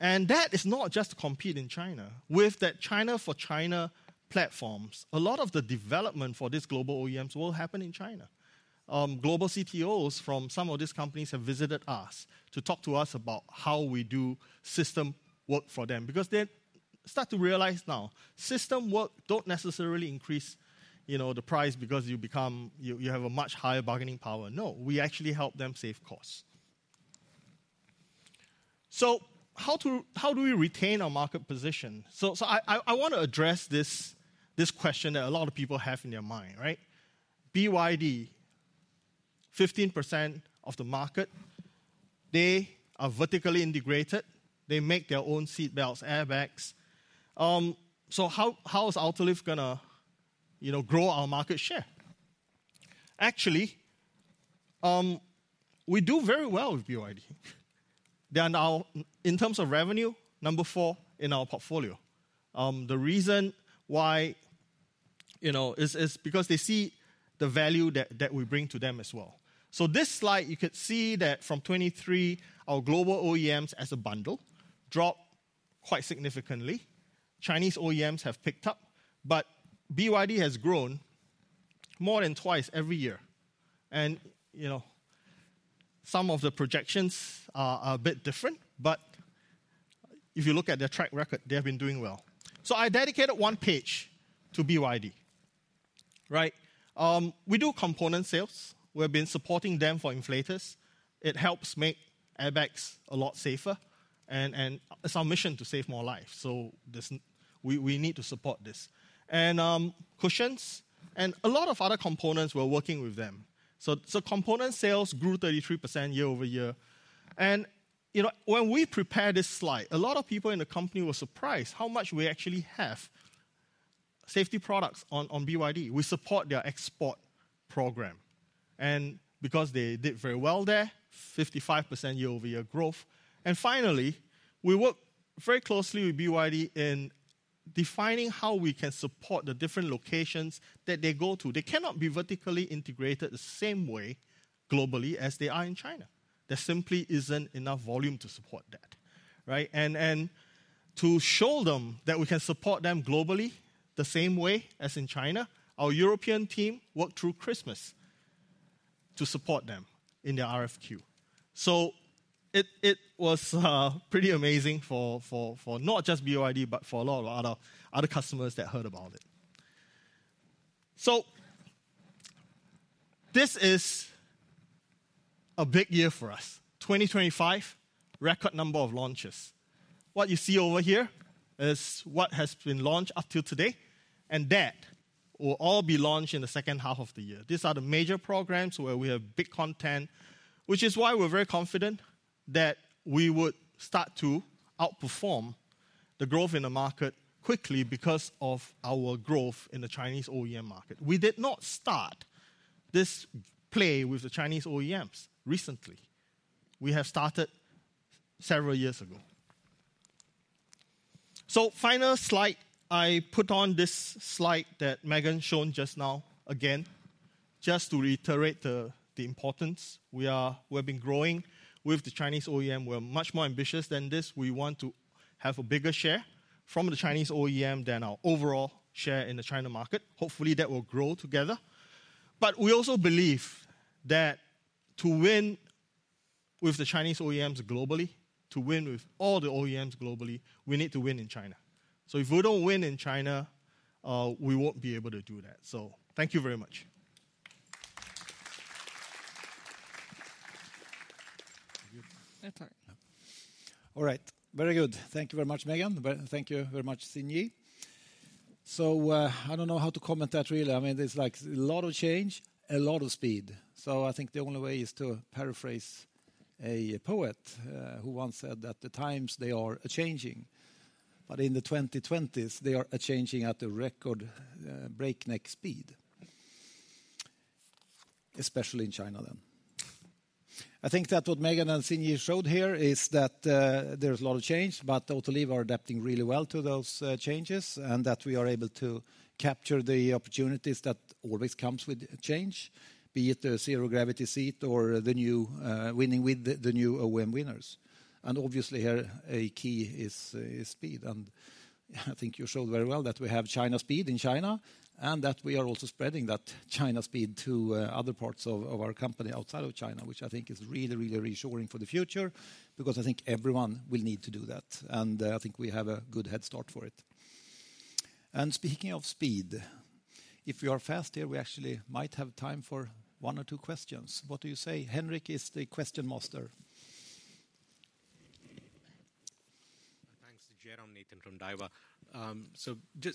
and that is not just to compete in China. With that China for China platforms, a lot of the development for these global OEMs will happen in China. Global CTOs from some of these companies have visited us to talk to us about how we do system work for them because they start to realize now system work does not necessarily increase the price because you have a much higher bargaining power. No, we actually help them save costs. How do we retain our market position? I want to address this question that a lot of people have in their mind, right? BYD, 15% of the market, they are vertically integrated. They make their own seatbelts, airbags. How is Autoliv going to grow our market share? Actually, we do very well with BYD. They are now, in terms of revenue, number four in our portfolio. The reason why is because they see the value that we bring to them as well. This slide, you could see that from 2023, our global OEMs as a bundle dropped quite significantly. Chinese OEMs have picked up, but BYD has grown more than twice every year, and some of the projections are a bit different, but if you look at their track record, they have been doing well. I dedicated one page to BYD, right? We do component sales. We have been supporting them for inflators. It helps make airbags a lot safer, and it's our mission to save more lives, so we need to support this. And cushions and a lot of other components, we're working with them. Component sales grew 33% year over year, and when we prepared this slide, a lot of people in the company were surprised how much we actually have safety products on BYD. We support their export program, and because they did very well there, 55% year over year growth. Finally, we work very closely with BYD in defining how we can support the different locations that they go to. They cannot be vertically integrated the same way globally as they are in China. There simply is not enough volume to support that, right? To show them that we can support them globally the same way as in China, our European team worked through Christmas to support them in their RFQ. It was pretty amazing for not just BYD, but for a lot of other customers that heard about it. This is a big year for us. 2025, record number of launches. What you see over here is what has been launched up till today, and that will all be launched in the second half of the year. These are the major programs where we have big content, which is why we're very confident that we would start to outperform the growth in the market quickly because of our growth in the Chinese OEM market. We did not start this play with the Chinese OEMs recently. We have started several years ago. Final slide. I put on this slide that Megan showed just now again, just to reiterate the importance. We have been growing with the Chinese OEM. We're much more ambitious than this. We want to have a bigger share from the Chinese OEM than our overall share in the China market. Hopefully, that will grow together, but we also believe that to win with the Chinese OEMs globally, to win with all the OEMs globally, we need to win in China. If we do not win in China, we will not be able to do that. Thank you very much. That's all right. Very good. Thank you very much, Megan. Thank you very much, Sig Yih I don't know how to comment on that really. I mean, there's like a lot of change, a lot of speed. I think the only way is to paraphrase a poet who once said that the times, they are a-changing, but in the 2020s, they are a-changing at a record breakneck speed, especially in China. I think that what Megan and Sinyi showed here is that there's a lot of change, but Autoliv are adapting really well to those changes and that we are able to capture the opportunities that always come with change, be it the zero gravity seat or the new winning with the new OEM winners. Obviously here, a key is speed, and I think you showed very well that we have China speed in China and that we are also spreading that China speed to other parts of our company outside of China, which I think is really, really reassuring for the future because I think everyone will need to do that, and I think we have a good head start for it. Speaking of speed, if we are fast here, we actually might have time for one or two questions. What do you say? Henrik is the question master. Thanks to Jerome, Nathan, from Daiwa.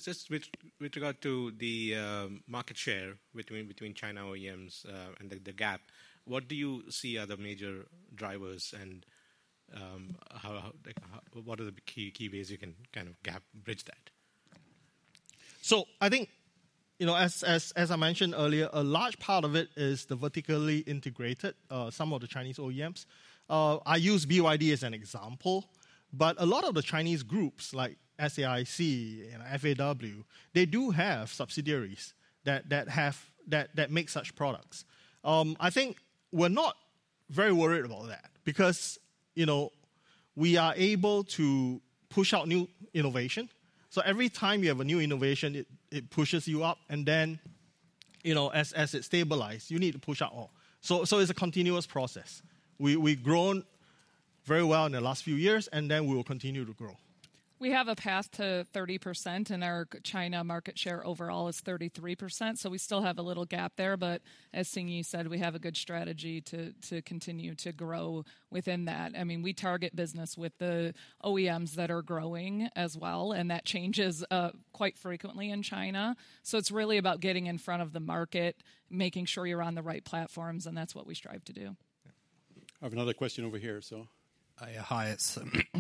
Just with regard to the market share between China OEMs and the gap, what do you see are the major drivers, and what are the key ways you can kind of gap bridge that? I think, as I mentioned earlier, a large part of it is the vertically integrated, some of the Chinese OEMs. I use BYD as an example, but a lot of the Chinese groups like SAIC and FAW, they do have subsidiaries that make such products. I think we're not very worried about that because we are able to push out new innovation. Every time you have a new innovation, it pushes you up, and then as it stabilizes, you need to push out more. It's a continuous process. We've grown very well in the last few years, and we will continue to grow. We have a path to 30%, and our China market share overall is 33%, so we still have a little gap there, but as Sinyi said, we have a good strategy to continue to grow within that. I mean, we target business with the OEMs that are growing as well, and that changes quite frequently in China. It is really about getting in front of the market, making sure you are on the right platforms, and that is what we strive to do. I have another question over here, so. Hi, it's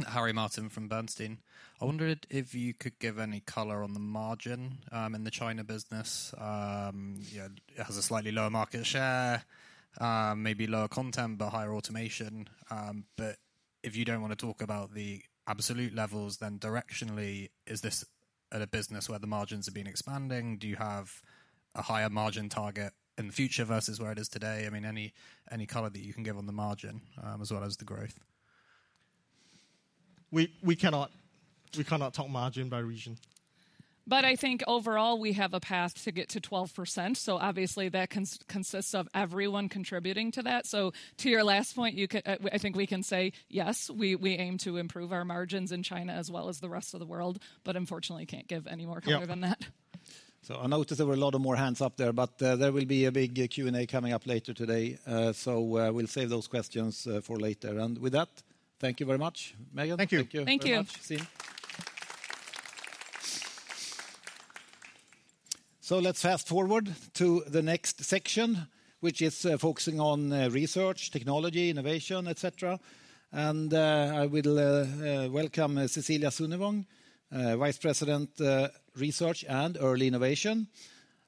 Harry Martin from Bernstein. I wondered if you could give any color on the margin in the China business. It has a slightly lower market share, maybe lower content, but higher automation. If you do not want to talk about the absolute levels, then directionally, is this a business where the margins are being expanding? Do you have a higher margin target in the future versus where it is today? I mean, any color that you can give on the margin as well as the growth? We cannot talk margin by region. I think overall, we have a path to get to 12%, so obviously that consists of everyone contributing to that. To your last point, I think we can say yes, we aim to improve our margins in China as well as the rest of the world, but unfortunately, can't give any more color than that. I noticed there were a lot of more hands up there, but there will be a big Q&A coming up later today, so we'll save those questions for later. With that, thank you very much, Megan. Thank you. Thank you. Thank you. Let's fast forward to the next section, which is focusing on research, technology, innovation, etc. I will welcome Cecilia Sunnevang, Vice President Research and Early Innovation,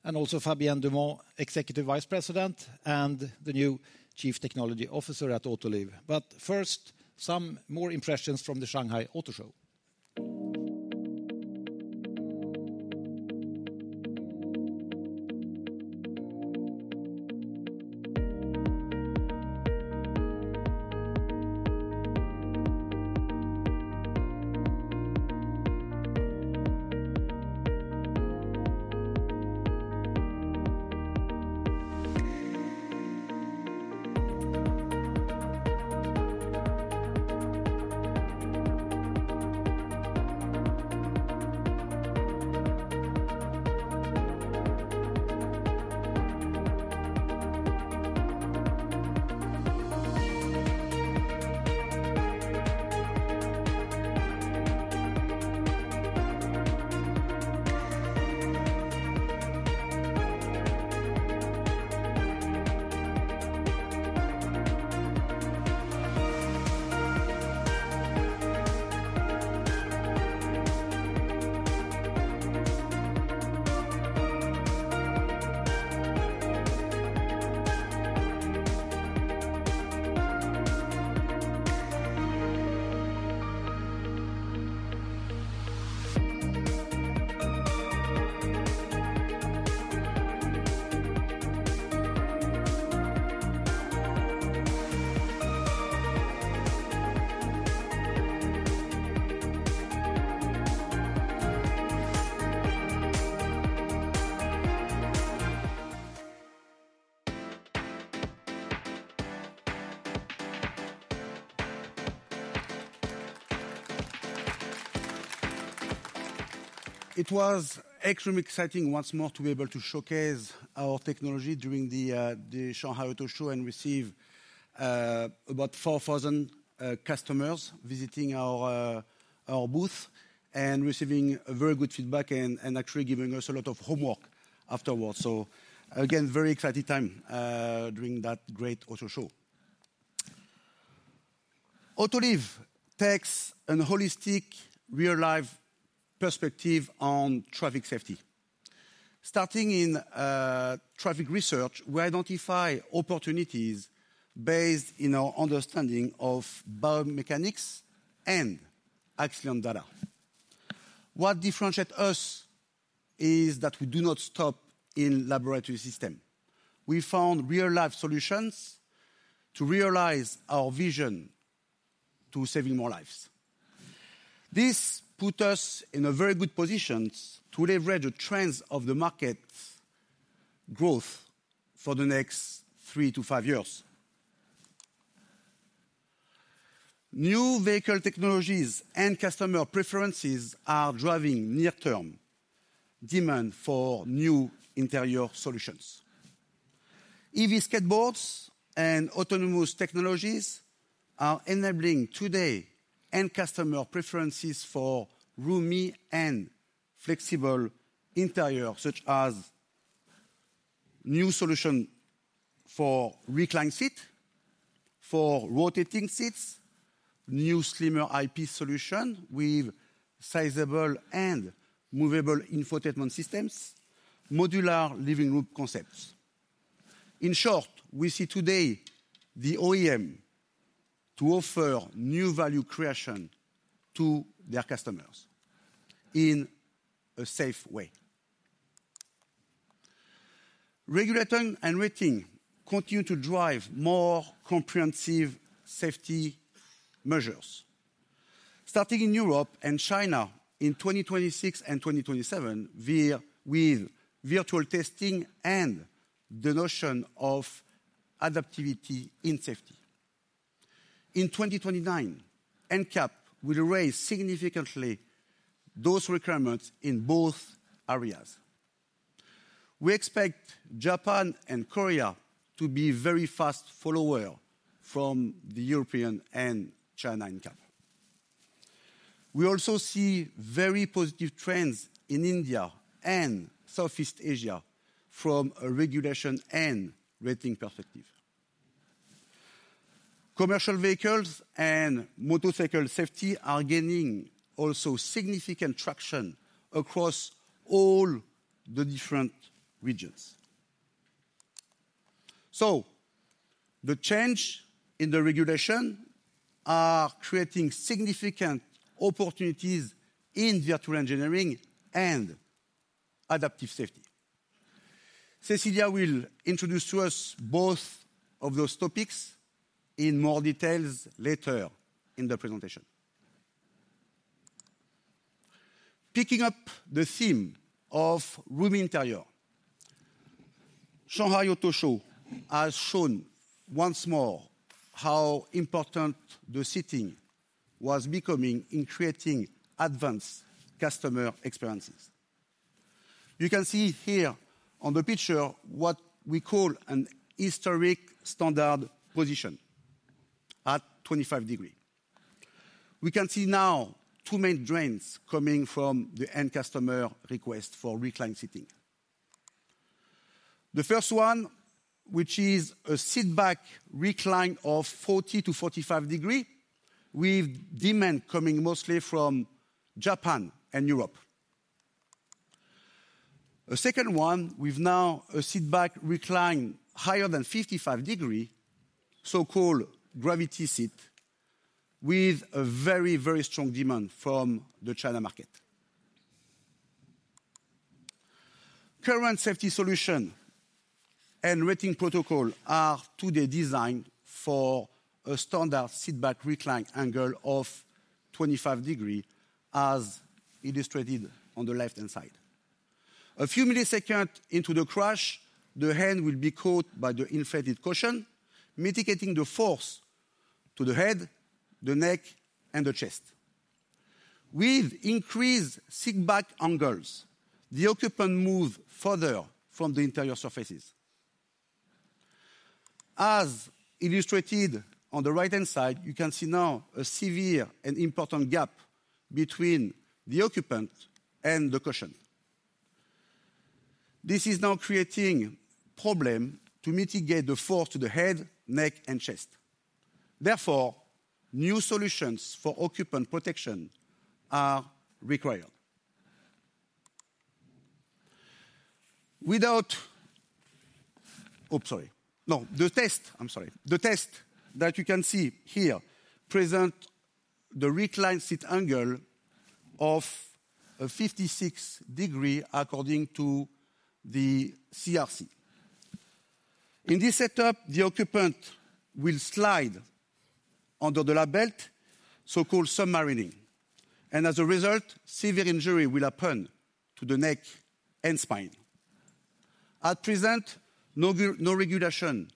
and also Fabien Dumont, Executive Vice President and the new Chief Technology Officer at Autoliv. First, some more impressions from the Shanghai Auto Show. It was extremely exciting once more to be able to showcase our technology during the Shanghai Auto Show and receive about 4,000 customers visiting our booth and receiving very good feedback and actually giving us a lot of homework afterwards. Again, very exciting time during that great auto show. Autoliv takes a holistic real-life perspective on traffic safety. Starting in traffic research, we identify opportunities based on our understanding of biomechanics and accident data. What differentiates us is that we do not stop in laboratory systems. We found real-life solutions to realize our vision to save more lives. This puts us in a very good position to leverage the trends of the market growth for the next three to five years. New vehicle technologies and customer preferences are driving near-term demand for new interior solutions. EV skateboards and autonomous technologies are enabling today end-customer preferences for roomy and flexible interiors, such as new solutions for reclined seats, for rotating seats, new slimmer IP solutions with sizable and movable infotainment systems, and modular living room concepts. In short, we see today the OEM to offer new value creation to their customers in a safe way. Regulatory enriching continues to drive more comprehensive safety measures. Starting in Europe and China in 2026 and 2027, we're with virtual testing and the notion of adaptivity in safety. In 2029, NCAP will raise significantly those requirements in both areas. We expect Japan and Korea to be very fast followers from the European and China NCAP. We also see very positive trends in India and Southeast Asia from a regulation and rating perspective. Commercial vehicles and motorcycle safety are gaining also significant traction across all the different regions. The change in the regulation is creating significant opportunities in virtual engineering and adaptive safety. Cecilia will introduce to us both of those topics in more detail later in the presentation. Picking up the theme of roomy interior, Shanghai Auto Show has shown once more how important the seating was becoming in creating advanced customer experiences. You can see here on the picture what we call an historic standard position at 25 degrees. We can see now two main trends coming from the end-customer request for reclined seating. The first one, which is a seatback reclined of 40-45 degrees, with demand coming mostly from Japan and Europe. A second one, we have now a seatback reclined higher than 55 degrees, so-called gravity seat, with a very, very strong demand from the China market. Current safety solutions and rating protocols are today designed for a standard seatback reclined angle of 25 degrees, as illustrated on the left-hand side. A few milliseconds into the crash, the head will be caught by the inflated cushion, mitigating the force to the head, the neck, and the chest. With increased seatback angles, the occupant moves further from the interior surfaces. As illustrated on the right-hand side, you can see now a severe and important gap between the occupant and the cushion. This is now creating a problem to mitigate the force to the head, neck, and chest. Therefore, new solutions for occupant protection are required. Without—oh, sorry. No, the test—I'm sorry. The test that you can see here presents the reclined seat angle of 56 degrees according to the CRC. In this setup, the occupant will slide under the lap belt, so-called submarining, and as a result, severe injury will happen to the neck and spine. At present, no regulation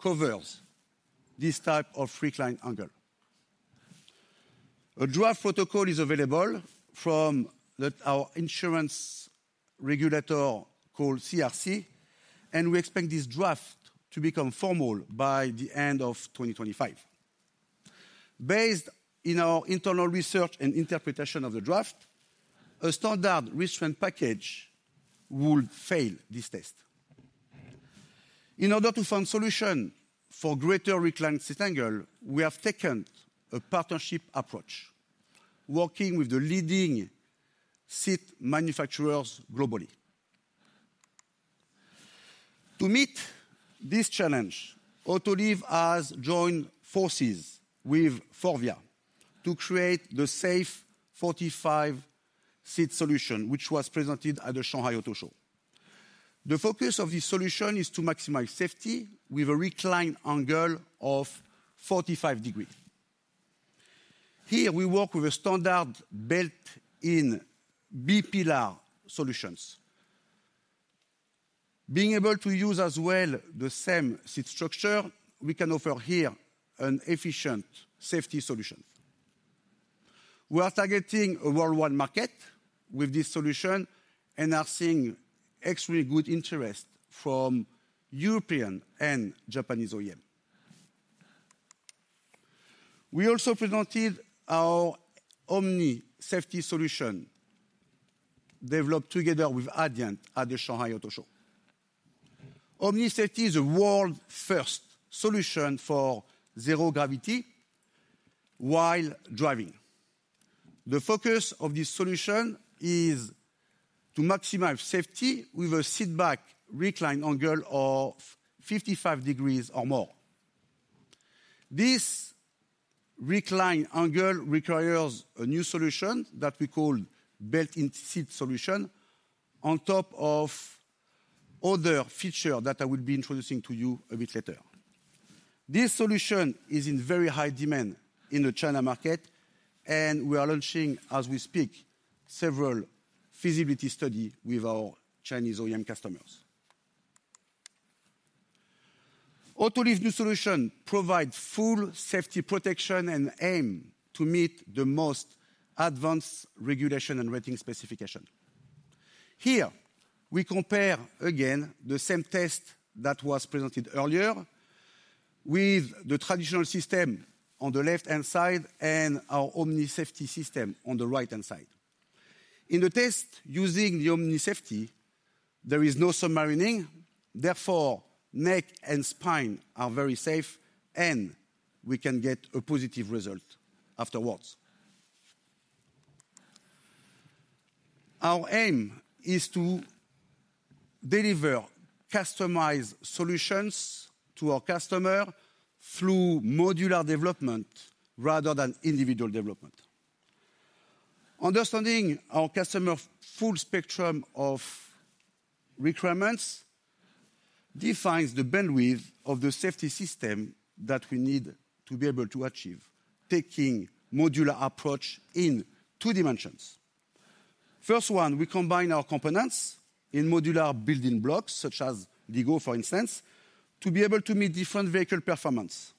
covers this type of reclined angle. A draft protocol is available from our insurance regulator called CRC, and we expect this draft to become formal by the end of 2025. Based on our internal research and interpretation of the draft, a standard restraint package would fail this test. In order to find solutions for greater reclined seat angles, we have taken a partnership approach, working with the leading seat manufacturers globally. To meet this challenge, Autoliv has joined forces with FORVIA to create the SAFE 45 seat solution, which was presented at the Shanghai Auto Show. The focus of this solution is to maximize safety with a reclined angle of 45 degrees. Here, we work with a standard built-in B-pillar solutions. Being able to use as well the same seat structure, we can offer here an efficient safety solution. We are targeting a worldwide market with this solution, and I've seen extremely good interest from European and Japanese OEMs. We also presented our Omni safety solution developed together with Adient at the Shanghai Auto Show. Omni safety is a world-first solution for zero gravity while driving. The focus of this solution is to maximize safety with a seatback reclined angle of 55 degrees or more. This reclined angle requires a new solution that we call built-in seat solution on top of other features that I will be introducing to you a bit later. This solution is in very high demand in the China market, and we are launching, as we speak, several feasibility studies with our Chinese OEM customers. Autoliv's new solution provides full safety protection and aims to meet the most advanced regulation and rating specifications. Here, we compare again the same test that was presented earlier with the traditional system on the left-hand side and our Omni safety system on the right-hand side. In the test using the Omni safety, there is no submarining. Therefore, neck and spine are very safe, and we can get a positive result afterwards. Our aim is to deliver customized solutions to our customers through modular development rather than individual development. Understanding our customer's full spectrum of requirements defines the bandwidth of the safety system that we need to be able to achieve, taking a modular approach in two dimensions. First, we combine our components in modular built-in blocks, such as LIGO, for instance, to be able to meet different vehicle performances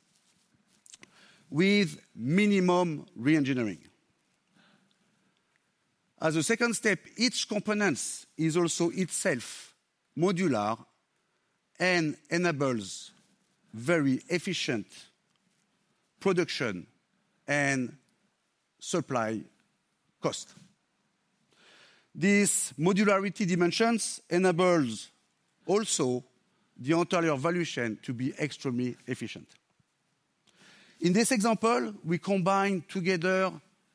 with minimum re-engineering. As a second step, each component is also itself modular and enables very efficient production and supply costs. These modularity dimensions enable also the entire evolution to be extremely efficient. In this example, we combine together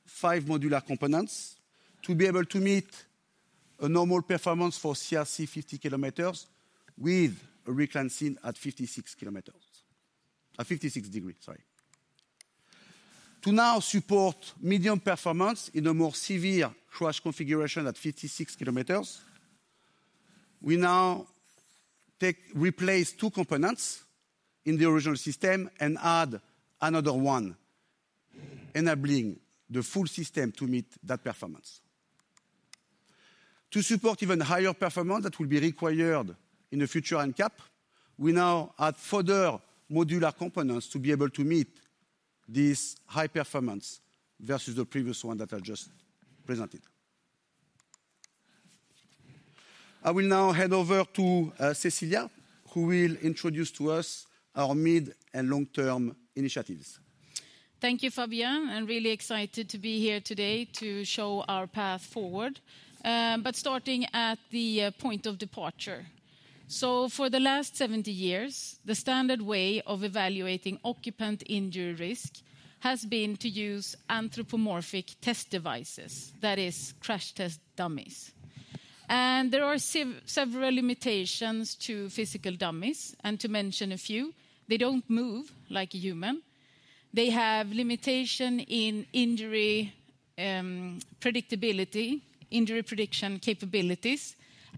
five modular components to be able to meet a normal performance for CRC 50 km with a reclined seat at 56 degrees, sorry. To now support medium performance in a more severe crash configuration at 56 kilometers, we now replace two components in the original system and add another one, enabling the full system to meet that performance. To support even higher performance that will be required in the future NCAP, we now add further modular components to be able to meet this high performance versus the previous one that I just presented. I will now hand over to Cecilia, who will introduce to us our mid and long-term initiatives. Thank you, Fabien. I'm really excited to be here today to show our path forward, but starting at the point of departure. For the last 70 years, the standard way of evaluating occupant injury risk has been to use anthropomorphic test devices, that is, crash test dummies. There are several limitations to physical dummies, and to mention a few, they don't move like a human. They have limitations in injury predictability, injury prediction capabilities,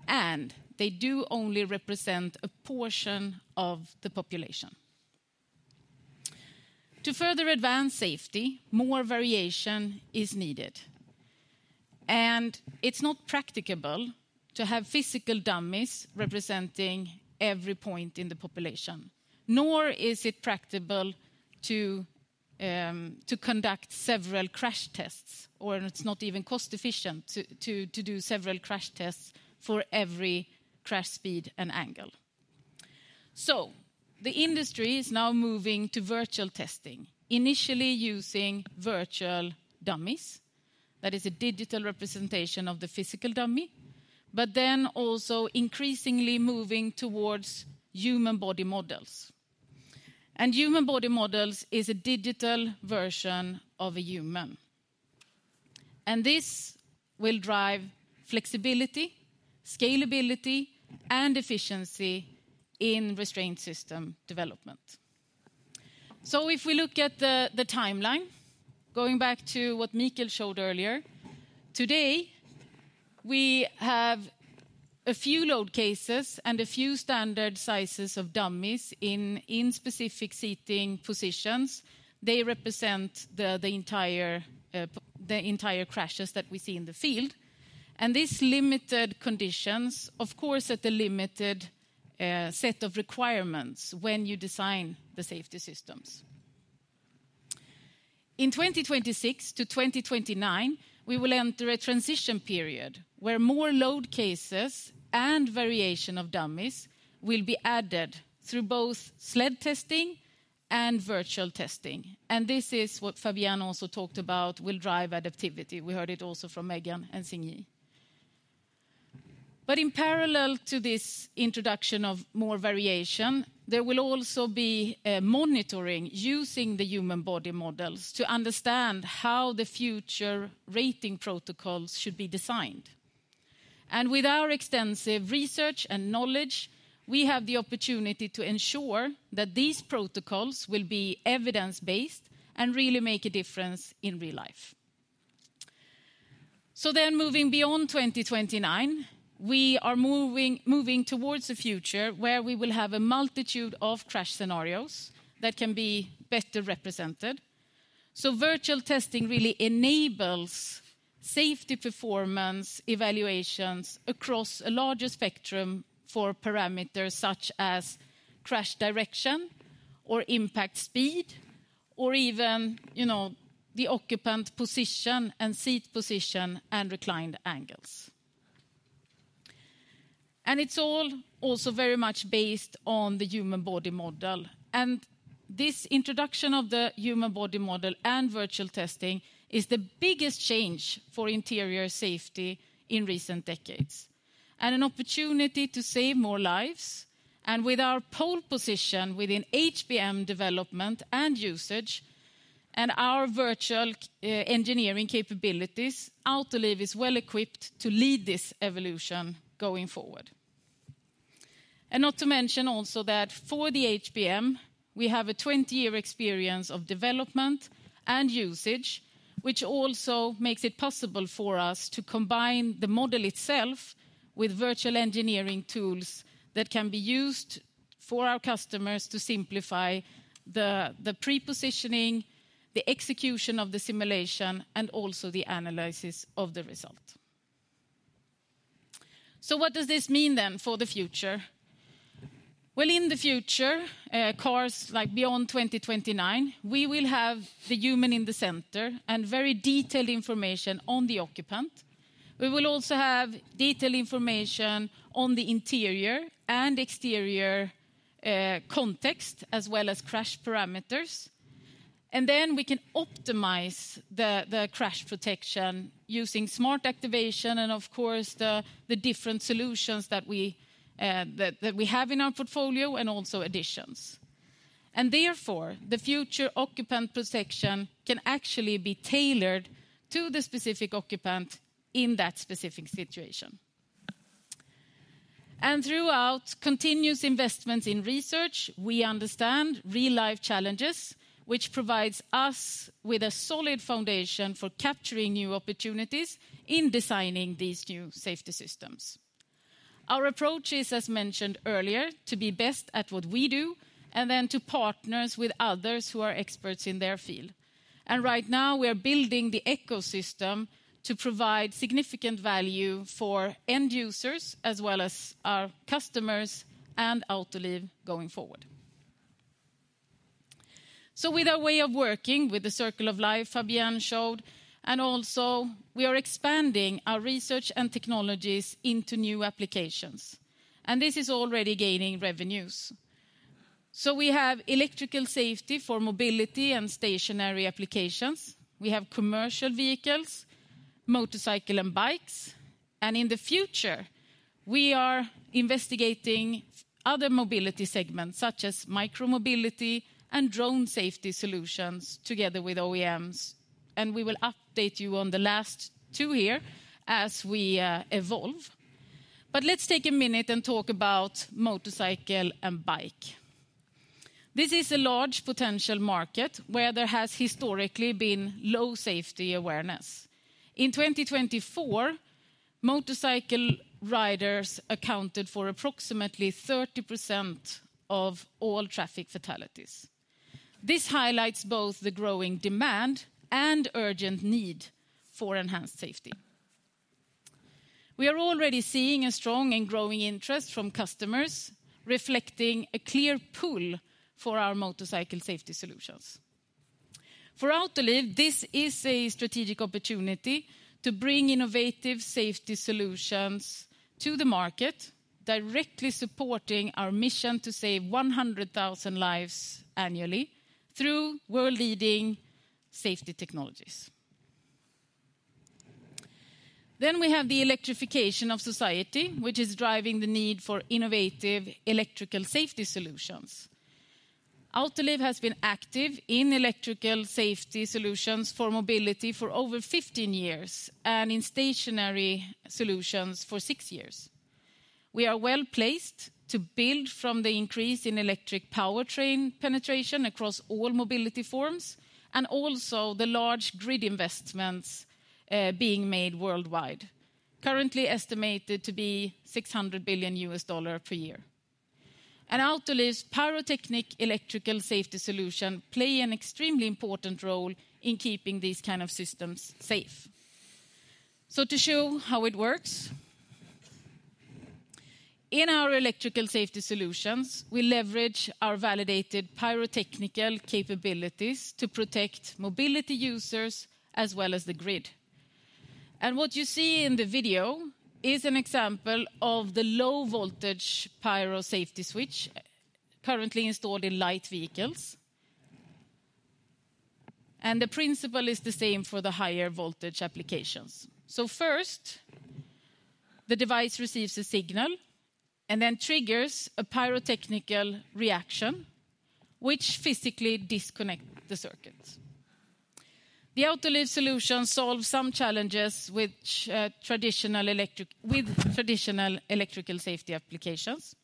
and they do only represent a portion of the population. To further advance safety, more variation is needed. It is not practicable to have physical dummies representing every point in the population, nor is it practicable to conduct several crash tests, or it is not even cost-efficient to do several crash tests for every crash speed and angle. The industry is now moving to virtual testing, initially using virtual dummies, that is, a digital representation of the physical dummy, but then also increasingly moving towards human body models. Human body models are a digital version of a human. This will drive flexibility, scalability, and efficiency in restraint system development. If we look at the timeline, going back to what Mikael showed earlier, today we have a few load cases and a few standard sizes of dummies in specific seating positions. They represent the entire crashes that we see in the field. These limited conditions, of course, set a limited set of requirements when you design the safety systems. In 2026 to 2029, we will enter a transition period where more load cases and variation of dummies will be added through both sled testing and virtual testing. This is what Fabien also talked about will drive adaptivity. We heard it also from Megan and Sinyi. In parallel to this introduction of more variation, there will also be monitoring using the human body models to understand how the future rating protocols should be designed. With our extensive research and knowledge, we have the opportunity to ensure that these protocols will be evidence-based and really make a difference in real life. Moving beyond 2029, we are moving towards a future where we will have a multitude of crash scenarios that can be better represented. Virtual testing really enables safety performance evaluations across a larger spectrum for parameters such as crash direction or impact speed, or even the occupant position and seat position and reclined angles. It is also very much based on the human body model. This introduction of the human body model and virtual testing is the biggest change for interior safety in recent decades and an opportunity to save more lives. With our pole position within HBM development and usage and our virtual engineering capabilities, Autoliv is well equipped to lead this evolution going forward. Not to mention also that for the HBM, we have a 20-year experience of development and usage, which also makes it possible for us to combine the model itself with virtual engineering tools that can be used for our customers to simplify the pre-positioning, the execution of the simulation, and also the analysis of the result. What does this mean then for the future? In the future, cars like beyond 2029, we will have the human in the center and very detailed information on the occupant. We will also have detailed information on the interior and exterior context, as well as crash parameters. Then we can optimize the crash protection using smart activation and, of course, the different solutions that we have in our portfolio and also additions. Therefore, the future occupant protection can actually be tailored to the specific occupant in that specific situation. Throughout continuous investments in research, we understand real-life challenges, which provides us with a solid foundation for capturing new opportunities in designing these new safety systems. Our approach is, as mentioned earlier, to be best at what we do and then to partner with others who are experts in their field. Right now, we are building the ecosystem to provide significant value for end users, as well as our customers and Autoliv going forward. With our way of working with the circle of life Fabien showed, we are also expanding our research and technologies into new applications. This is already gaining revenues. We have electrical safety for mobility and stationary applications. We have commercial vehicles, motorcycles, and bikes. In the future, we are investigating other mobility segments, such as micromobility and drone safety solutions together with OEMs. We will update you on the last two here as we evolve. Let's take a minute and talk about motorcycle and bike. This is a large potential market where there has historically been low safety awareness. In 2024, motorcycle riders accounted for approximately 30% of all traffic fatalities. This highlights both the growing demand and urgent need for enhanced safety. We are already seeing a strong and growing interest from customers, reflecting a clear pull for our motorcycle safety solutions. For Autoliv, this is a strategic opportunity to bring innovative safety solutions to the market, directly supporting our mission to save 100,000 lives annually through world-leading safety technologies. We have the electrification of society, which is driving the need for innovative electrical safety solutions. Autoliv has been active in electrical safety solutions for mobility for over 15 years and in stationary solutions for six years. We are well placed to build from the increase in electric powertrain penetration across all mobility forms and also the large grid investments being made worldwide, currently estimated to be $600 billion per year. Autoliv's pyrotechnic electrical safety solutions play an extremely important role in keeping these kinds of systems safe. To show how it works, in our electrical safety solutions, we leverage our validated pyrotechnic capabilities to protect mobility users as well as the grid. What you see in the video is an example of the low-voltage pyro safety switch currently installed in light vehicles. The principle is the same for the higher voltage applications. First, the device receives a signal and then triggers a pyrotechnic reaction, which physically disconnects the circuits. The Autoliv solution solves some challenges with traditional electrical safety applications.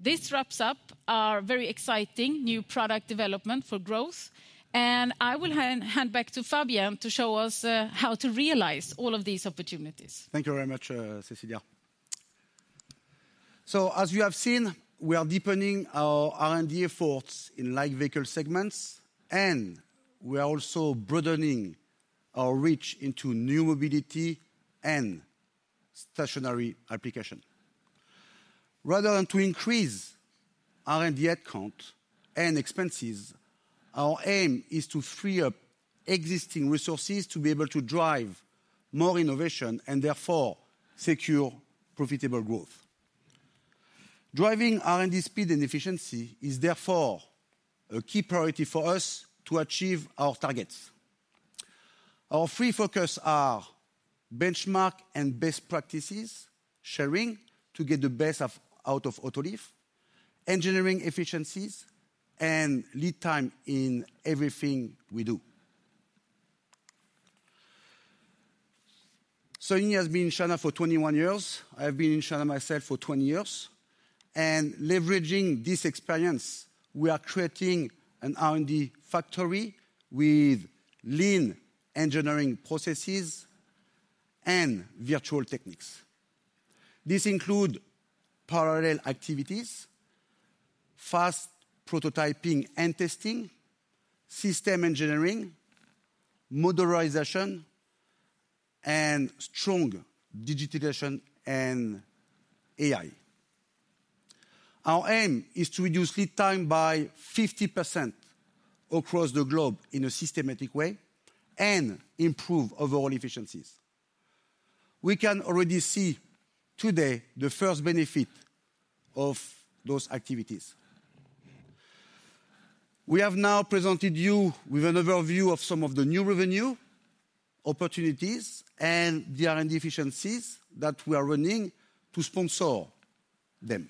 This wraps up our very exciting new product development for growth. I will hand back to Fabien to show us how to realize all of these opportunities. Thank you very much, Cecilia. As you have seen, we are deepening our R&D efforts in light vehicle segments, and we are also broadening our reach into new mobility and stationary applications. Rather than increase R&D headcount and expenses, our aim is to free up existing resources to be able to drive more innovation and therefore secure profitable growth. Driving R&D speed and efficiency is therefore a key priority for us to achieve our targets. Our three focuses are benchmark and best practices sharing to get the best out of Autoliv, engineering efficiencies, and lead time in everything we do. I have been in China for 21 years. I have been in China myself for 20 years. Leveraging this experience, we are creating an R&D factory with lean engineering processes and virtual techniques. This includes parallel activities, fast prototyping and testing, system engineering, modernization, and strong digitization and AI. Our aim is to reduce lead time by 50% across the globe in a systematic way and improve overall efficiencies. We can already see today the first benefit of those activities. We have now presented you with an overview of some of the new revenue opportunities and the R&D efficiencies that we are running to sponsor them.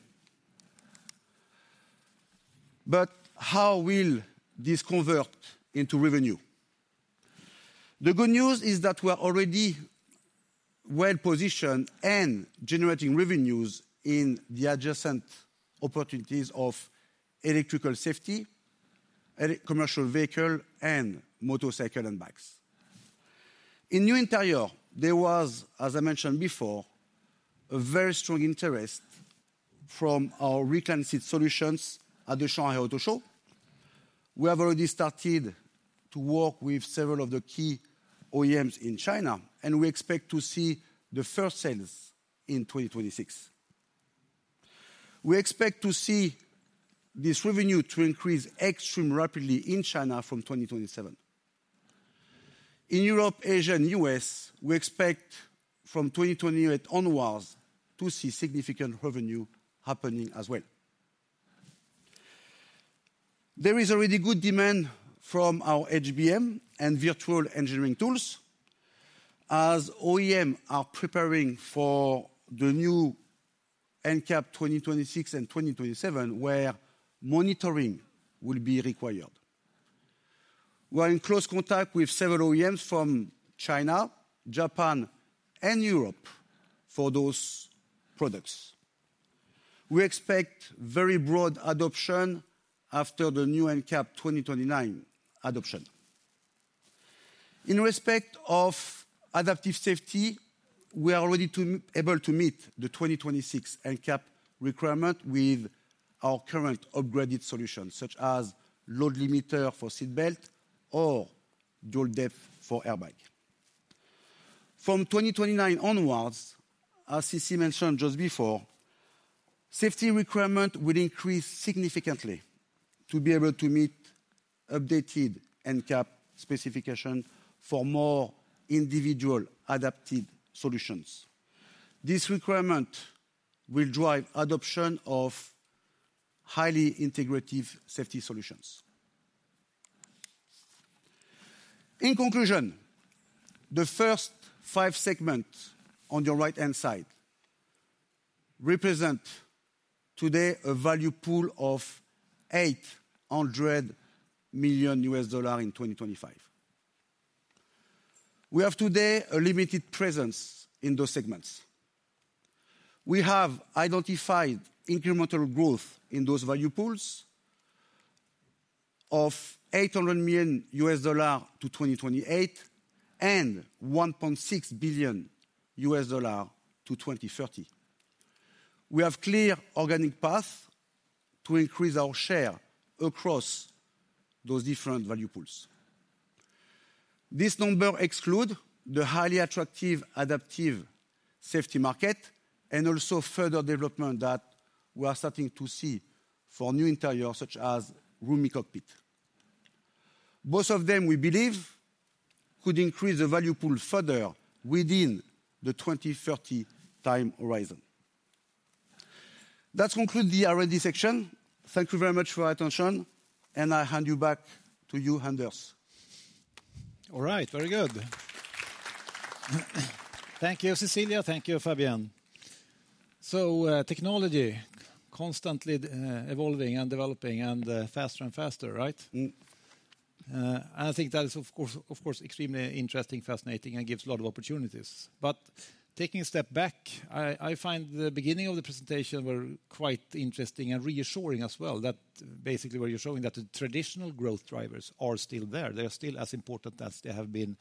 How will this convert into revenue? The good news is that we are already well positioned and generating revenues in the adjacent opportunities of electrical safety, commercial vehicles, and motorcycles and bikes. In new interior, there was, as I mentioned before, a very strong interest from our reclined seat solutions at the Shanghai Auto Show. We have already started to work with several of the key OEMs in China, and we expect to see the first sales in 2026. We expect to see this revenue increase extremely rapidly in China from 2027. In Europe, Asia, and the U.S., we expect from 2028 onwards to see significant revenue happening as well. There is already good demand from our HBM and virtual engineering tools as OEMs are preparing for the new NCAP 2026 and 2027, where monitoring will be required. We are in close contact with several OEMs from China, Japan, and Europe for those products. We expect very broad adoption after the new NCAP 2029 adoption. In respect of adaptive safety, we are already able to meet the 2026 NCAP requirement with our current upgraded solutions, such as load limiters for seatbelts or dual depth for airbags. From 2029 onwards, as CC mentioned just before, safety requirements will increase significantly to be able to meet updated NCAP specifications for more individual adapted solutions. This requirement will drive adoption of highly integrative safety solutions. In conclusion, the first five segments on your right-hand side represent today a value pool of $800 million in 2025. We have today a limited presence in those segments. We have identified incremental growth in those value pools of $800 million to 2028 and $1.6 billion to 2030. We have clear organic paths to increase our share across those different value pools. This number excludes the highly attractive adaptive safety market and also further development that we are starting to see for new interiors, such as roomy cockpits. Both of them, we believe, could increase the value pool further within the 2030 time horizon. That concludes the R&D section. Thank you very much for your attention, and I hand you back to you, Anders. All right, very good. Thank you, Cecilia. Thank you, Fabien. Technology is constantly evolving and developing and faster and faster, right? I think that is, of course, extremely interesting, fascinating, and gives a lot of opportunities. Taking a step back, I find the beginning of the presentation quite interesting and reassuring as well. Basically what you're showing, that the traditional growth drivers are still there. They are still as important as they have been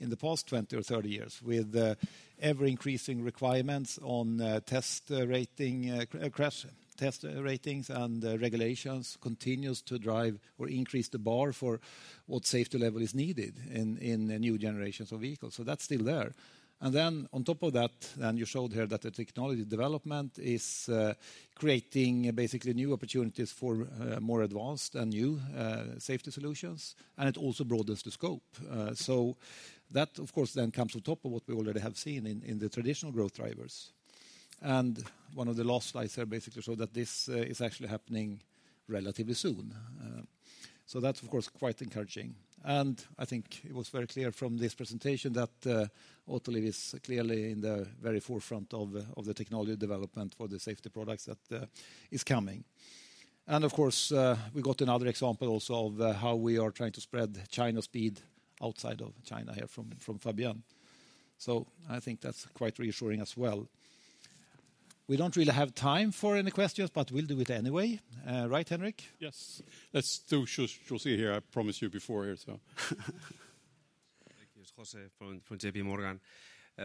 in the past 20 or 30 years, with ever-increasing requirements on test ratings and regulations continuing to drive or increase the bar for what safety level is needed in new generations of vehicles. That is still there. On top of that, you showed here that the technology development is creating basically new opportunities for more advanced and new safety solutions, and it also broadens the scope. That, of course, then comes on top of what we already have seen in the traditional growth drivers. One of the last slides here basically showed that this is actually happening relatively soon. That is, of course, quite encouraging. I think it was very clear from this presentation that Autoliv is clearly in the very forefront of the technology development for the safety products that is coming. Of course, we got another example also of how we are trying to spread China speed outside of China here from Fabien. I think that is quite reassuring as well. We do not really have time for any questions, but we will do it anyway. Right, Henrik? Yes. Let's do José here. I promised you before here, so. Thank you, José, from JP Morgan.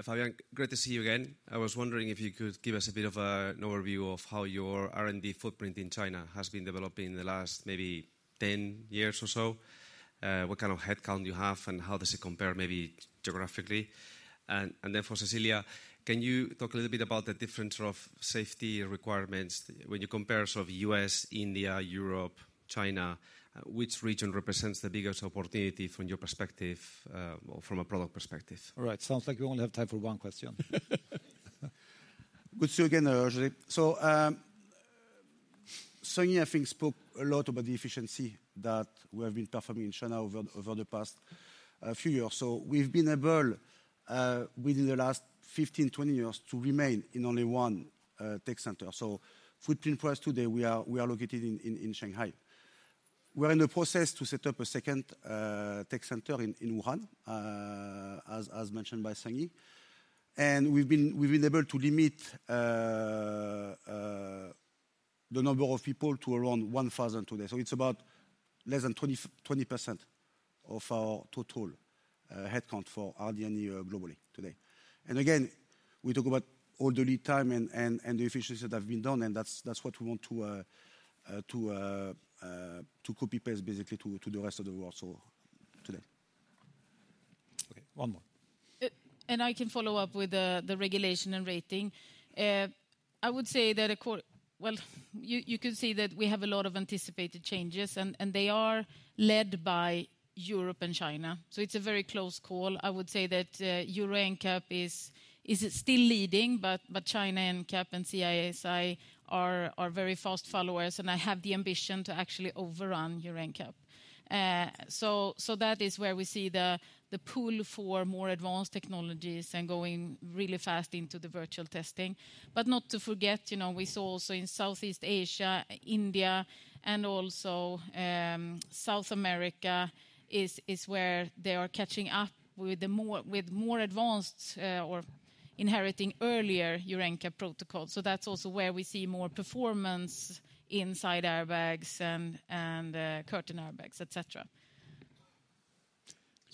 Fabien, great to see you again. I was wondering if you could give us a bit of an overview of how your R&D footprint in China has been developing in the last maybe 10 years or so, what kind of headcount you have, and how does it compare maybe geographically. And then for Cecilia, can you talk a little bit about the difference of safety requirements when you compare sort of U.S., India, Europe, China? Which region represents the biggest opportunity from your perspective or from a product perspective? All right, sounds like we only have time for one question. Good to see you again, José. Sonia I think spoke a lot about the efficiency that we have been performing in China over the past few years. We have been able within the last 15-20 years to remain in only one tech center. Footprint-wise today, we are located in Shanghai. We are in the process to set up a second tech center in Wuhan, as mentioned by Sinyi. We have been able to limit the number of people to around 1,000 today. It is less than 20% of our total headcount for R&D globally today. Again, we talk about all the lead time and the efficiencies that have been done, and that is what we want to copy-paste basically to the rest of the world today. Okay, one more. I can follow up with the regulation and rating. I would say that you could see that we have a lot of anticipated changes, and they are led by Europe and China. It is a very close call. I would say that Euro NCAP is still leading, but China NCAP and CISI are very fast followers, and I have the ambition to actually overrun Euro NCAP. That is where we see the pull for more advanced technologies and going really fast into the virtual testing. Not to forget, we saw also in Southeast Asia, India, and also South America is where they are catching up with more advanced or inheriting earlier Euro NCAP protocols. That is also where we see more performance inside airbags and curtain airbags, etc.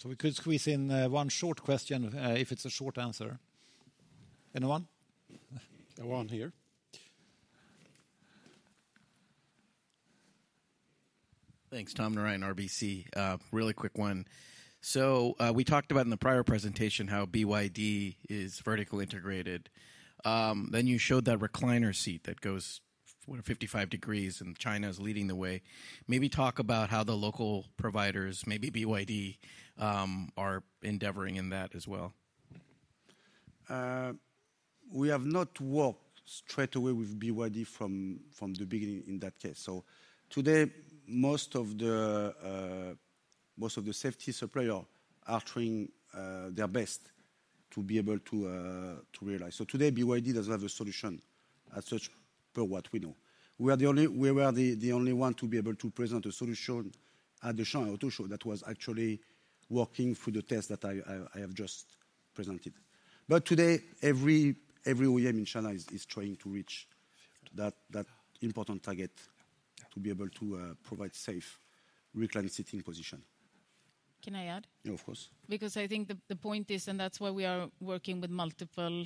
We could squeeze in one short question if it's a short answer. Anyone? One here. Thanks, Tom Narain, RBC. Really quick one. We talked about in the prior presentation how BYD is vertically integrated. Then you showed that recliner seat that goes 55 degrees, and China is leading the way. Maybe talk about how the local providers, maybe BYD, are endeavoring in that as well. We have not worked straight away with BYD from the beginning in that case. Today, most of the safety suppliers are trying their best to be able to realize. Today, BYD does not have a solution as such per what we know. We were the only one to be able to present a solution at the Shanghai Auto Show that was actually working through the tests that I have just presented. Today, every OEM in China is trying to reach that important target to be able to provide safe reclined seating position. Can I add? Yeah, of course. I think the point is, and that is why we are working with multiple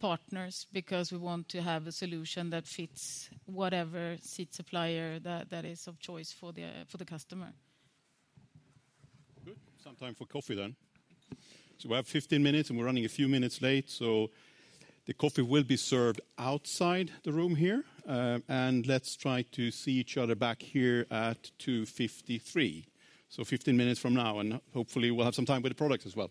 partners, because we want to have a solution that fits whatever seat supplier that is of choice for the customer. Good. Some time for coffee then. We have 15 minutes, and we're running a few minutes late. The coffee will be served outside the room here. Let's try to see each other back here at 2:53 P.M. Fifteen minutes from now, and hopefully we'll have some time with the products as well.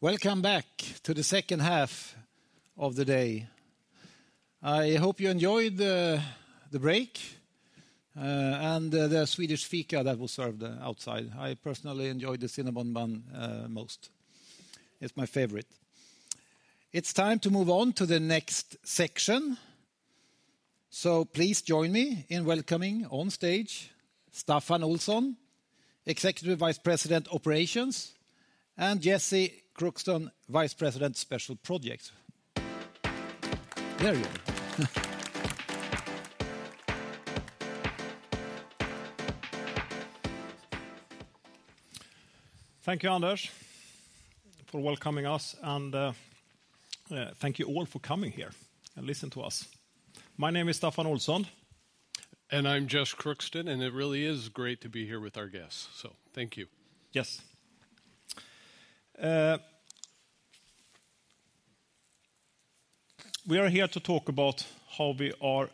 Welcome back to the second half of the day. I hope you enjoyed the break and the Swedish fika that was served outside. I personally enjoyed the cinnamon bun most. It's my favorite. It's time to move on to the next section. Please join me in welcoming on stage Staffan Olsson, Executive Vice President Operations, and Jesse Crookston, Vice President Special Projects. There you are. Thank you, Anders, for welcoming us, and thank you all for coming here and listening to us. My name is Staffan Olsson. I'm Jesse Crookston, and it really is great to be here with our guests. Thank you. Yes. We are here to talk about how we are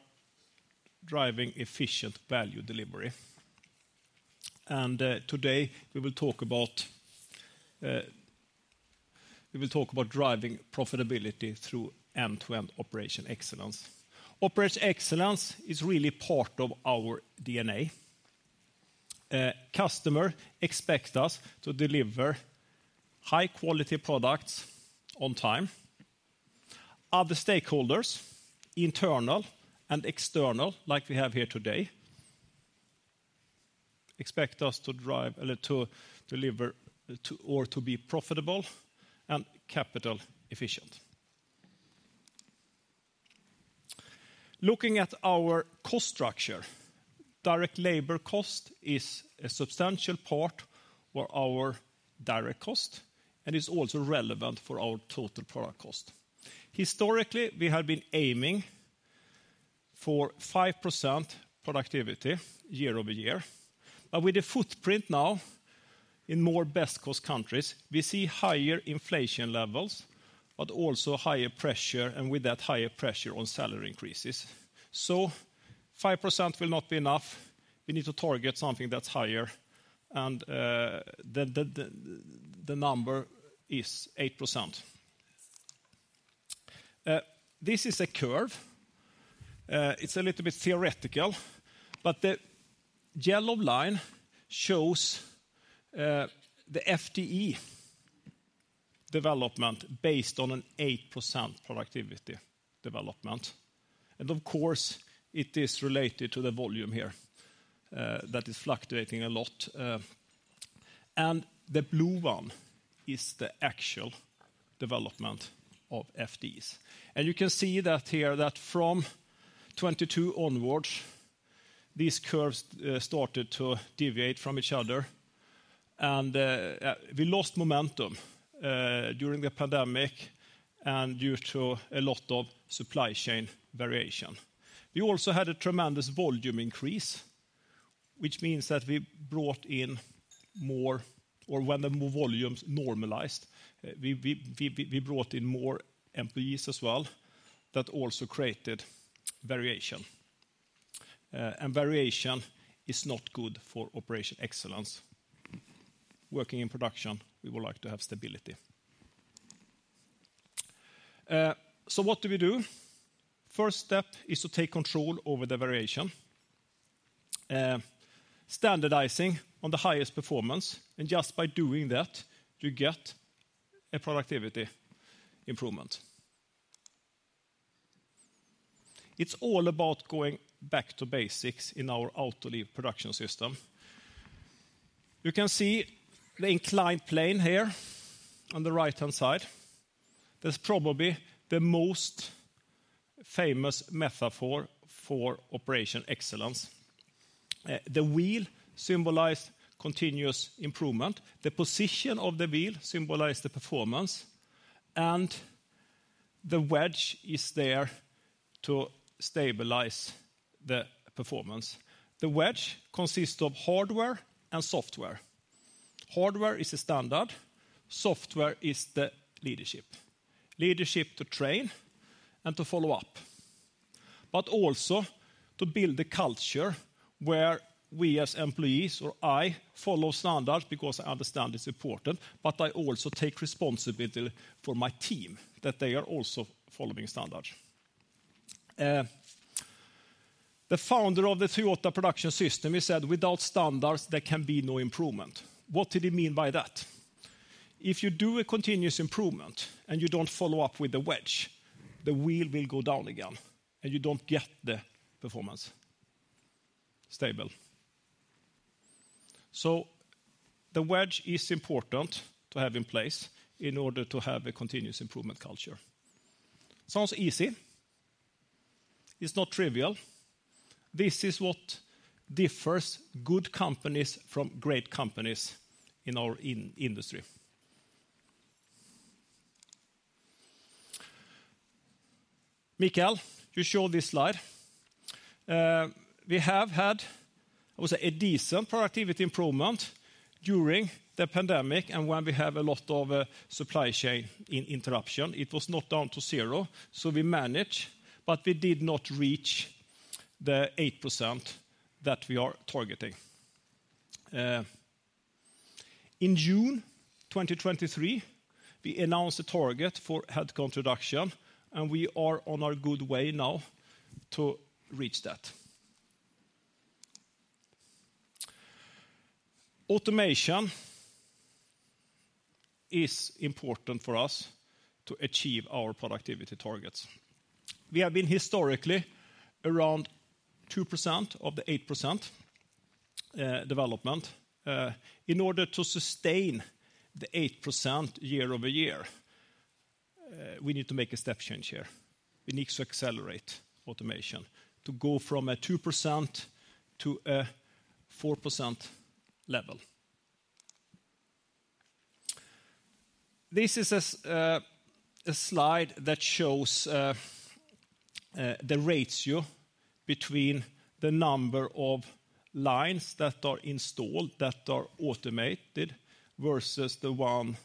driving efficient value delivery. Today we will talk about driving profitability through end-to-end operation excellence. Operation excellence is really part of our DNA. Customers expect us to deliver high-quality products on time. Other stakeholders, internal and external, like we have here today, expect us to drive or to be profitable and capital efficient. Looking at our cost structure, direct labor cost is a substantial part of our direct cost, and it's also relevant for our total product cost. Historically, we have been aiming for 5% productivity year over year, but with the footprint now in more best-cost countries, we see higher inflation levels, but also higher pressure, and with that, higher pressure on salary increases. Five percent will not be enough. We need to target something that's higher, and the number is 8%. This is a curve. It's a little bit theoretical, but the yellow line shows the FTE development based on an 8% productivity development. Of course, it is related to the volume here that is fluctuating a lot. The blue one is the actual development of FTEs. You can see here that from 2022 onwards, these curves started to deviate from each other, and we lost momentum during the pandemic and due to a lot of supply chain variation. We also had a tremendous volume increase, which means that we brought in more, or when the volumes normalized, we brought in more employees as well. That also created variation. Variation is not good for operational excellence. Working in production, we would like to have stability. What do we do? First step is to take control over the variation. Standardizing on the highest performance, and just by doing that, you get a productivity improvement. It's all about going back to basics in our Autoliv production system. You can see the inclined plane here on the right-hand side. That's probably the most famous metaphor for operational excellence. The wheel symbolizes continuous improvement. The position of the wheel symbolizes the performance, and the wedge is there to stabilize the performance. The wedge consists of hardware and software. Hardware is a standard. Software is the leadership. Leadership to train and to follow up, but also to build a culture where we as employees, or I, follow standards because I understand it's important, but I also take responsibility for my team that they are also following standards. The founder of the Toyota production system said, "Without standards, there can be no improvement." What did he mean by that? If you do a continuous improvement and you do not follow up with the wedge, the wheel will go down again, and you do not get the performance stable. The wedge is important to have in place in order to have a continuous improvement culture. Sounds easy. It is not trivial. This is what differs good companies from great companies in our industry. Michael, you show this slide. We have had, I would say, a decent productivity improvement during the pandemic, and when we have a lot of supply chain interruption, it was not down to zero. We managed, but we did not reach the 8% that we are targeting. In June 2023, we announced a target for headcount reduction, and we are on our good way now to reach that. Automation is important for us to achieve our productivity targets. We have been historically around 2% of the 8% development. In order to sustain the 8% year over year, we need to make a step change here. We need to accelerate automation to go from a 2% to a 4% level. This is a slide that shows the ratio between the number of lines that are installed, that are automated, versus the one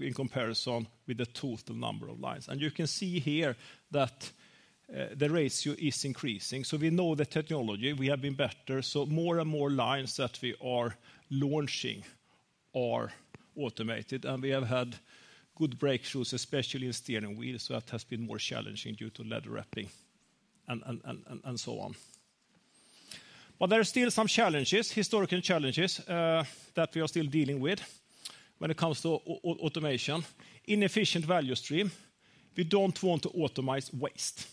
in comparison with the total number of lines. You can see here that the ratio is increasing. We know the technology. We have been better. More and more lines that we are launching are automated, and we have had good breakthroughs, especially in steering wheels. That has been more challenging due to leather wrapping and so on. There are still some challenges, historical challenges, that we are still dealing with when it comes to automation. Inefficient value stream. We do not want to automate waste.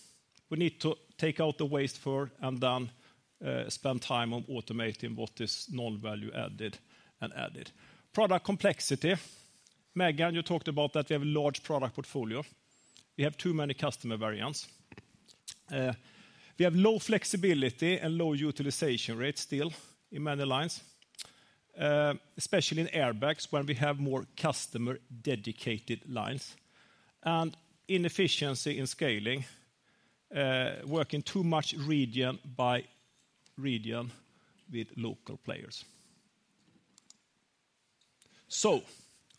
We need to take out the waste first and then spend time on automating what is non-value added and added. Product complexity. Megan, you talked about that we have a large product portfolio. We have too many customer variants. We have low flexibility and low utilization rates still in many lines, especially in airbags when we have more customer dedicated lines. Inefficiency in scaling, working too much region by region with local players.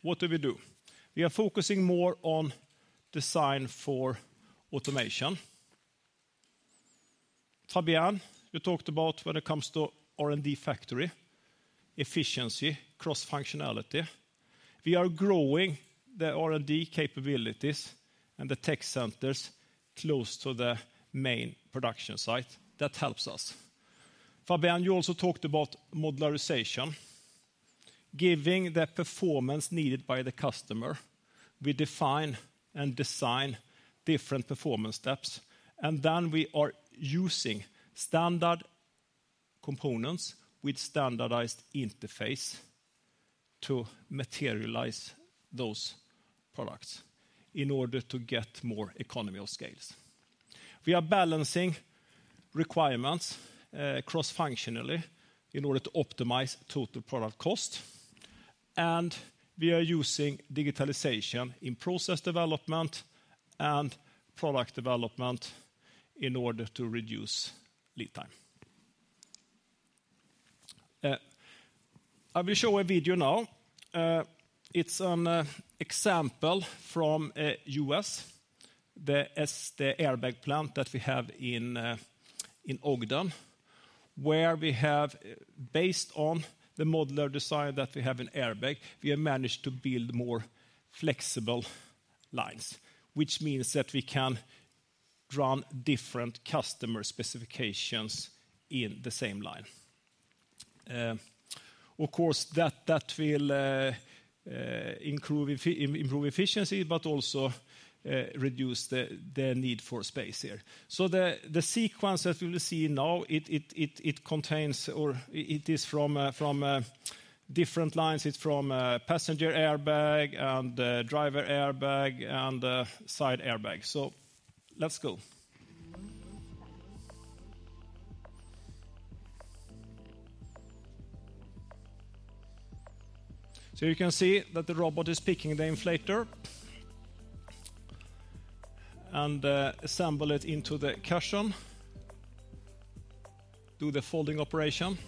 What do we do? We are focusing more on design for automation. Fabien, you talked about when it comes to R&D factory, efficiency, cross-functionality. We are growing the R&D capabilities and the tech centers close to the main production site. That helps us. Fabien, you also talked about modularization, giving the performance needed by the customer. We define and design different performance steps, and then we are using standard components with standardized interface to materialize those products in order to get more economy of scales. We are balancing requirements cross-functionally in order to optimize total product cost, and we are using digitalization in process development and product development in order to reduce lead time. I will show a video now. It's an example from the U.S., the airbag plant that we have in Ogden, where we have, based on the modular design that we have in airbag, we have managed to build more flexible lines, which means that we can run different customer specifications in the same line. Of course, that will improve efficiency, but also reduce the need for space here. The sequence that we will see now, it contains or it is from different lines. It is from a passenger airbag and driver airbag and side airbag. Let's go. You can see that the robot is picking the inflator and assembling it into the cushion, doing the folding operation.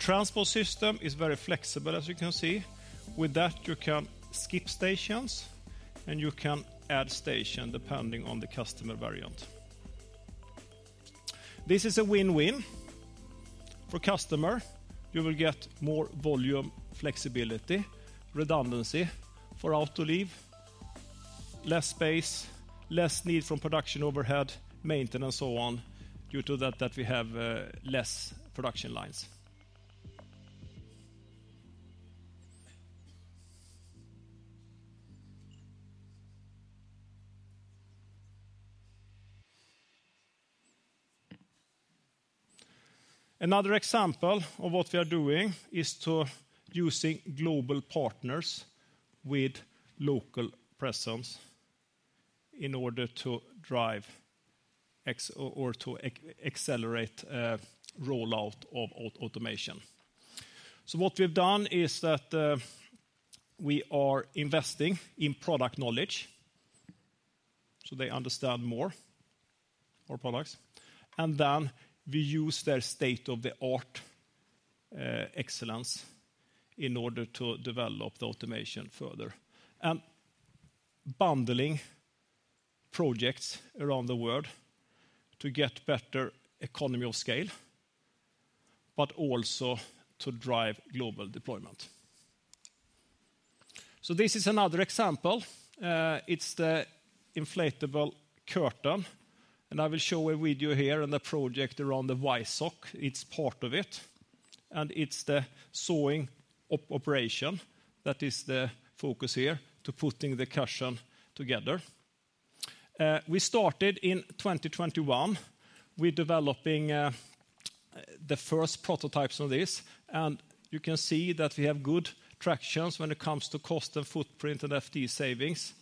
The transport system is very flexible, as you can see. With that, you can skip stations, and you can add stations depending on the customer variant. This is a win-win for the customer. You will get more volume, flexibility, redundancy for Autoliv, less space, less need for production overhead, maintenance, and so on, due to that we have less production lines. Another example of what we are doing is using global partners with local presence in order to drive or to accelerate the rollout of automation. What we have done is that we are investing in product knowledge so they understand more of our products, and then we use their state-of-the-art excellence in order to develop the automation further and bundling projects around the world to get better economy of scale, but also to drive global deployment. This is another example. It is the inflatable curtain, and I will show a video here and a project around the Y-SOC. It is part of it, and it is the sewing operation that is the focus here to putting the cushion together. We started in 2021 with developing the first prototypes of this, and you can see that we have good tractions when it comes to cost and footprint and FTE savings.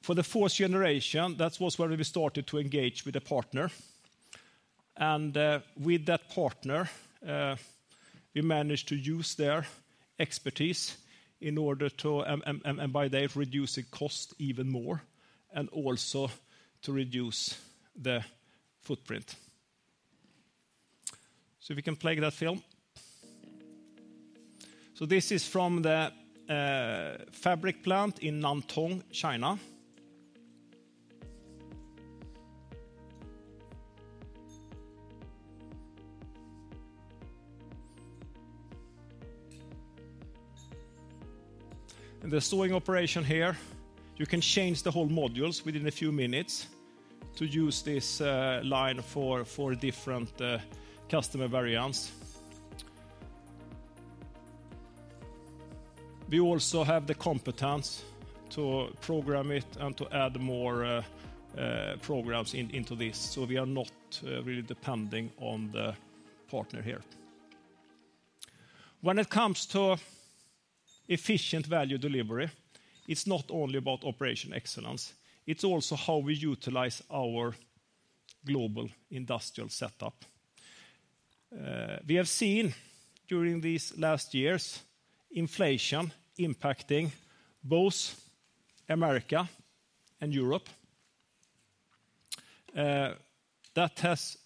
For the fourth generation, that was where we started to engage with a partner, and with that partner, we managed to use their expertise in order to, and by that, reduce the cost even more and also to reduce the footprint. If we can play that film. This is from the fabric plant in Nantong, China. The sewing operation here, you can change the whole modules within a few minutes to use this line for different customer variants. We also have the competence to program it and to add more programs into this. We are not really depending on the partner here. When it comes to efficient value delivery, it is not only about operation excellence. It is also how we utilize our global industrial setup. We have seen during these last years inflation impacting both America and Europe. That has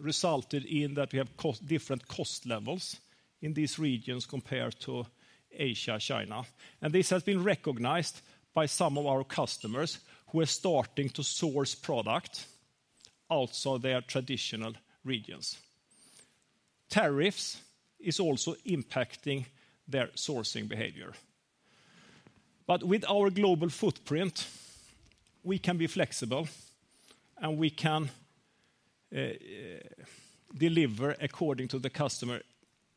resulted in that we have different cost levels in these regions compared to Asia, China. This has been recognized by some of our customers who are starting to source product outside their traditional regions. Tariffs are also impacting their sourcing behavior. With our global footprint, we can be flexible, and we can deliver according to the customer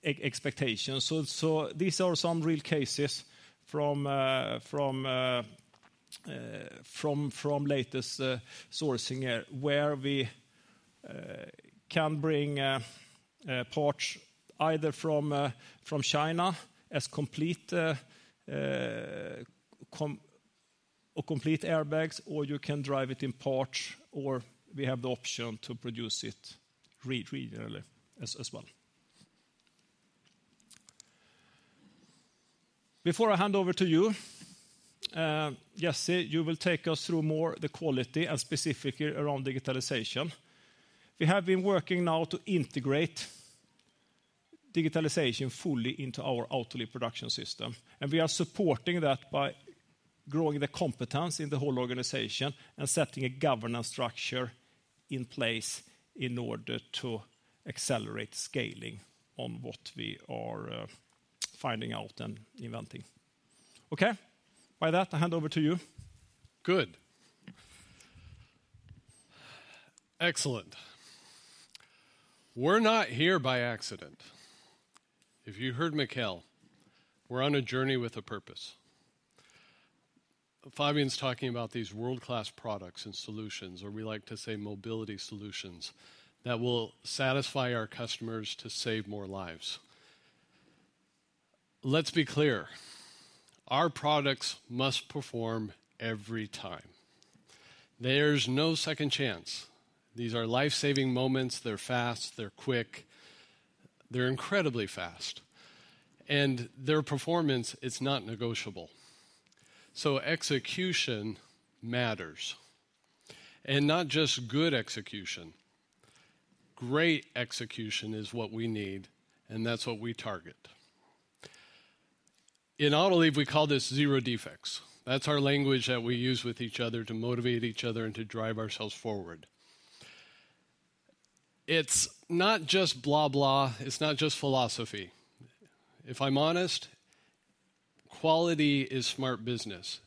expectations. These are some real cases from latest sourcing here where we can bring parts either from China as complete airbags, or you can drive it in parts, or we have the option to produce it regionally as well. Before I hand over to you, Jesse, you will take us through more the quality and specifically around digitalization. We have been working now to integrate digitalization fully into our Autoliv production system, and we are supporting that by growing the competence in the whole organization and setting a governance structure in place in order to accelerate scaling on what we are finding out and inventing. Okay, by that, I hand over to you. Good. Excellent. We're not here by accident. If you heard Mikael, we're on a journey with a purpose. Fabien's talking about these world-class products and solutions, or we like to say mobility solutions that will satisfy our customers to save more lives. Let's be clear. Our products must perform every time. There's no second chance. These are life-saving moments. They're fast. They're quick. They're incredibly fast. And their performance, it's not negotiable. Execution matters. Not just good execution. Great execution is what we need, and that's what we target. In Autoliv, we call this zero defects. That's our language that we use with each other to motivate each other and to drive ourselves forward. It's not just blah, blah. It's not just philosophy. If I'm honest, quality is smart business.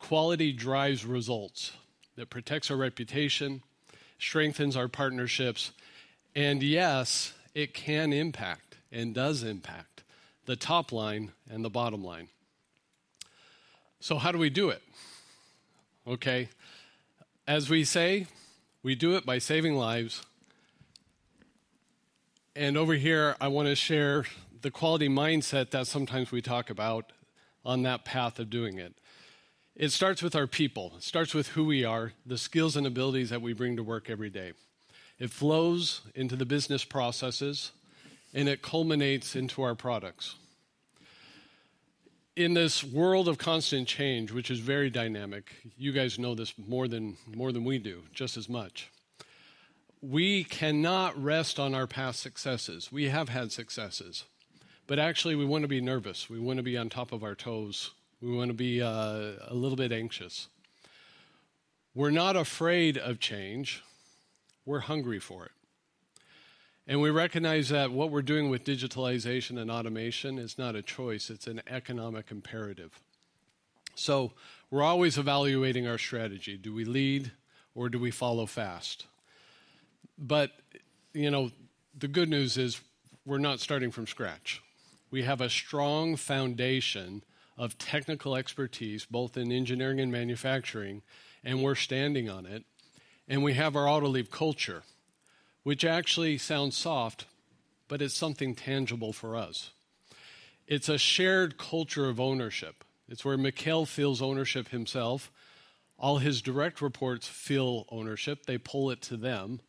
Quality drives results. It protects our reputation, strengthens our partnerships, and yes, it can impact and does impact the top line and the bottom line. How do we do it? Okay. As we say, we do it by saving lives. Over here, I want to share the quality mindset that sometimes we talk about on that path of doing it. It starts with our people. It starts with who we are, the skills and abilities that we bring to work every day. It flows into the business processes, and it culminates into our products. In this world of constant change, which is very dynamic, you guys know this more than we do, just as much. We cannot rest on our past successes. We have had successes, but actually, we want to be nervous. We want to be on top of our toes. We want to be a little bit anxious. We're not afraid of change. We're hungry for it. We recognize that what we're doing with digitalization and automation is not a choice. It's an economic imperative. We're always evaluating our strategy. Do we lead, or do we follow fast? The good news is we're not starting from scratch. We have a strong foundation of technical expertise, both in engineering and manufacturing, and we're standing on it. We have our Autoliv culture, which actually sounds soft, but it's something tangible for us. It's a shared culture of ownership. It's where Mikael feels ownership himself. All his direct reports feel ownership. They pull it to them.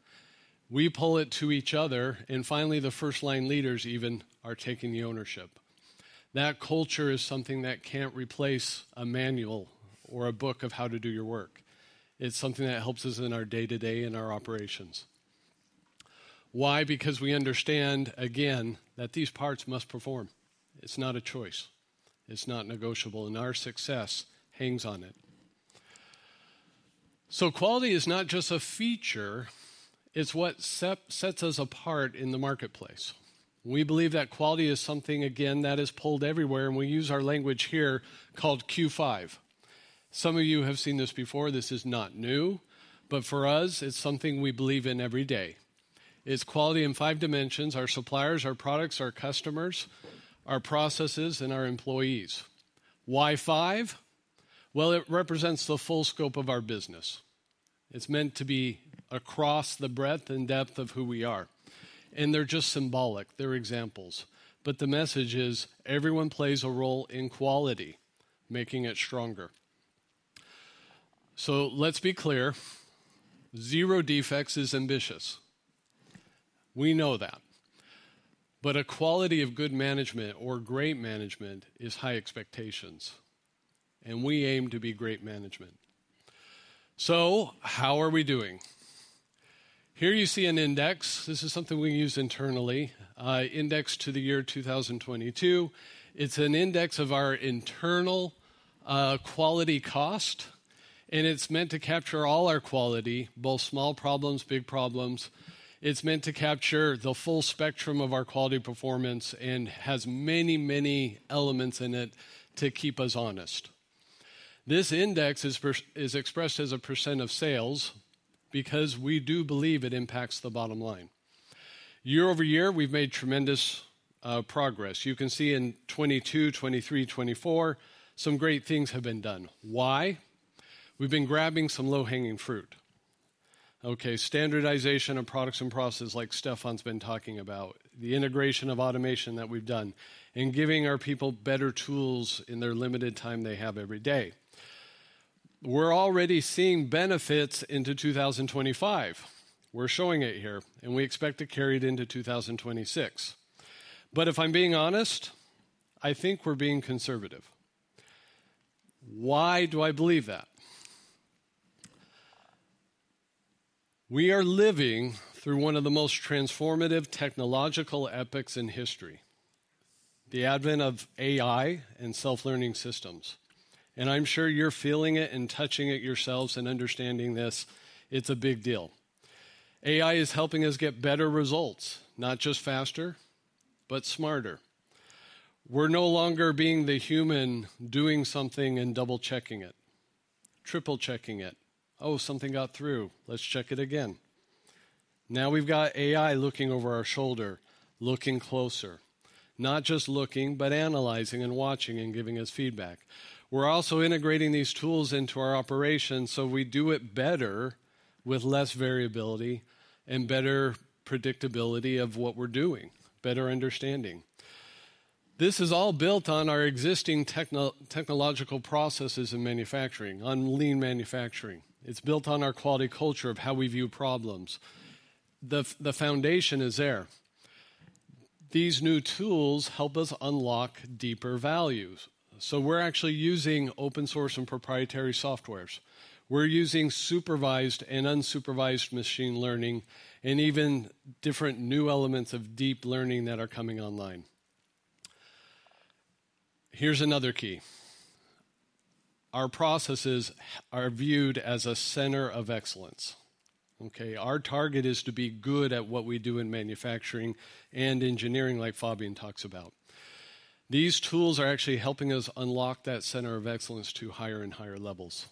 We pull it to each other. Finally, the first-line leaders even are taking the ownership. That culture is something that can't replace a manual or a book of how to do your work. It's something that helps us in our day-to-day and our operations. Why? Because we understand, again, that these parts must perform. It's not a choice. It's not negotiable. Our success hangs on it. Quality is not just a feature. It's what sets us apart in the marketplace. We believe that quality is something, again, that is pulled everywhere. We use our language here called Q5. Some of you have seen this before. This is not new, but for us, it's something we believe in every day. It's quality in five dimensions: our suppliers, our products, our customers, our processes, and our employees. Why five? It represents the full scope of our business. It's meant to be across the breadth and depth of who we are. They're just symbolic. They're examples. The message is everyone plays a role in quality making it stronger. Let's be clear. Zero defects is ambitious. We know that. A quality of good management or great management is high expectations. We aim to be great management. How are we doing? Here you see an index. This is something we use internally. Index to the year 2022. It's an index of our internal quality cost. It's meant to capture all our quality, both small problems, big problems. It's meant to capture the full spectrum of our quality performance and has many, many elements in it to keep us honest. This index is expressed as a % of sales because we do believe it impacts the bottom line. Year over year, we've made tremendous progress. You can see in 2022, 2023, 2024, some great things have been done. Why? We've been grabbing some low-hanging fruit. Okay, standardization of products and processes like Stefan's been talking about, the integration of automation that we've done, and giving our people better tools in their limited time they have every day. We're already seeing benefits into 2025. We're showing it here, and we expect to carry it into 2026. If I'm being honest, I think we're being conservative. Why do I believe that? We are living through one of the most transformative technological epics in history, the advent of AI and self-learning systems. I'm sure you're feeling it and touching it yourselves and understanding this. It's a big deal. AI is helping us get better results, not just faster, but smarter. We're no longer being the human doing something and double-checking it, triple-checking it. Oh, something got through. Let's check it again. Now we've got AI looking over our shoulder, looking closer, not just looking, but analyzing and watching and giving us feedback. We're also integrating these tools into our operations so we do it better with less variability and better predictability of what we're doing, better understanding. This is all built on our existing technological processes in manufacturing, on lean manufacturing. It's built on our quality culture of how we view problems. The foundation is there. These new tools help us unlock deeper values. We're actually using open-source and proprietary software. We're using supervised and unsupervised machine learning and even different new elements of deep learning that are coming online. Here's another key. Our processes are viewed as a center of excellence. Our target is to be good at what we do in manufacturing and engineering like Fabien talks about. These tools are actually helping us unlock that center of excellence to higher and higher levels.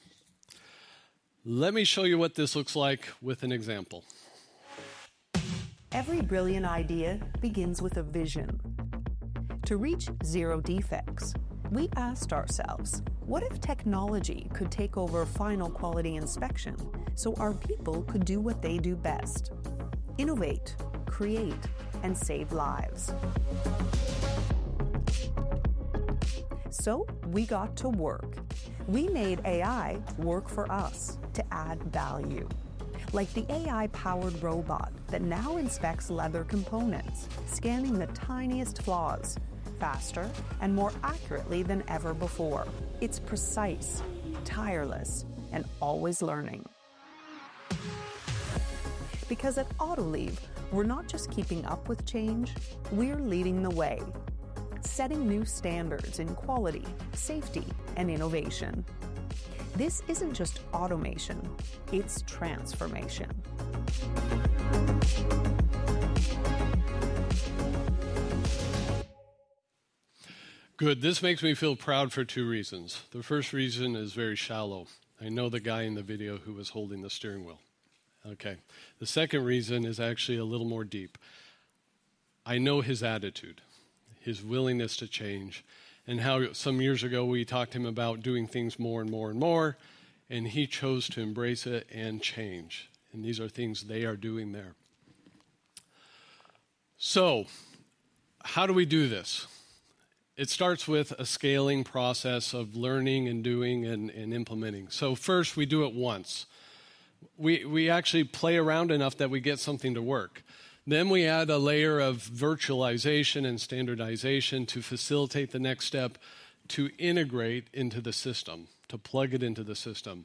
Let me show you what this looks like with an example. [unintelligible] Every brilliant idea begins with a vision. To reach zero defects, we asked ourselves, what if technology could take over final quality inspection so our people could do what they do best: innovate, create, and save lives? We got to work. We made AI work for us to add value, like the AI-powered robot that now inspects leather components, scanning the tiniest flaws faster and more accurately than ever before. It's precise, tireless, and always learning. Because at Autoliv, we're not just keeping up with change. We're leading the way, setting new standards in quality, safety, and innovation. This isn't just automation. It's transformation. Good. This makes me feel proud for two reasons. The first reason is very shallow. I know the guy in the video who was holding the steering wheel. Okay. The second reason is actually a little more deep. I know his attitude, his willingness to change, and how some years ago we talked to him about doing things more and more and more, and he chose to embrace it and change. And these are things they are doing there. So how do we do this? It starts with a scaling process of learning and doing and implementing. First, we do it once. We actually play around enough that we get something to work. We add a layer of virtualization and standardization to facilitate the next step to integrate into the system, to plug it into the system.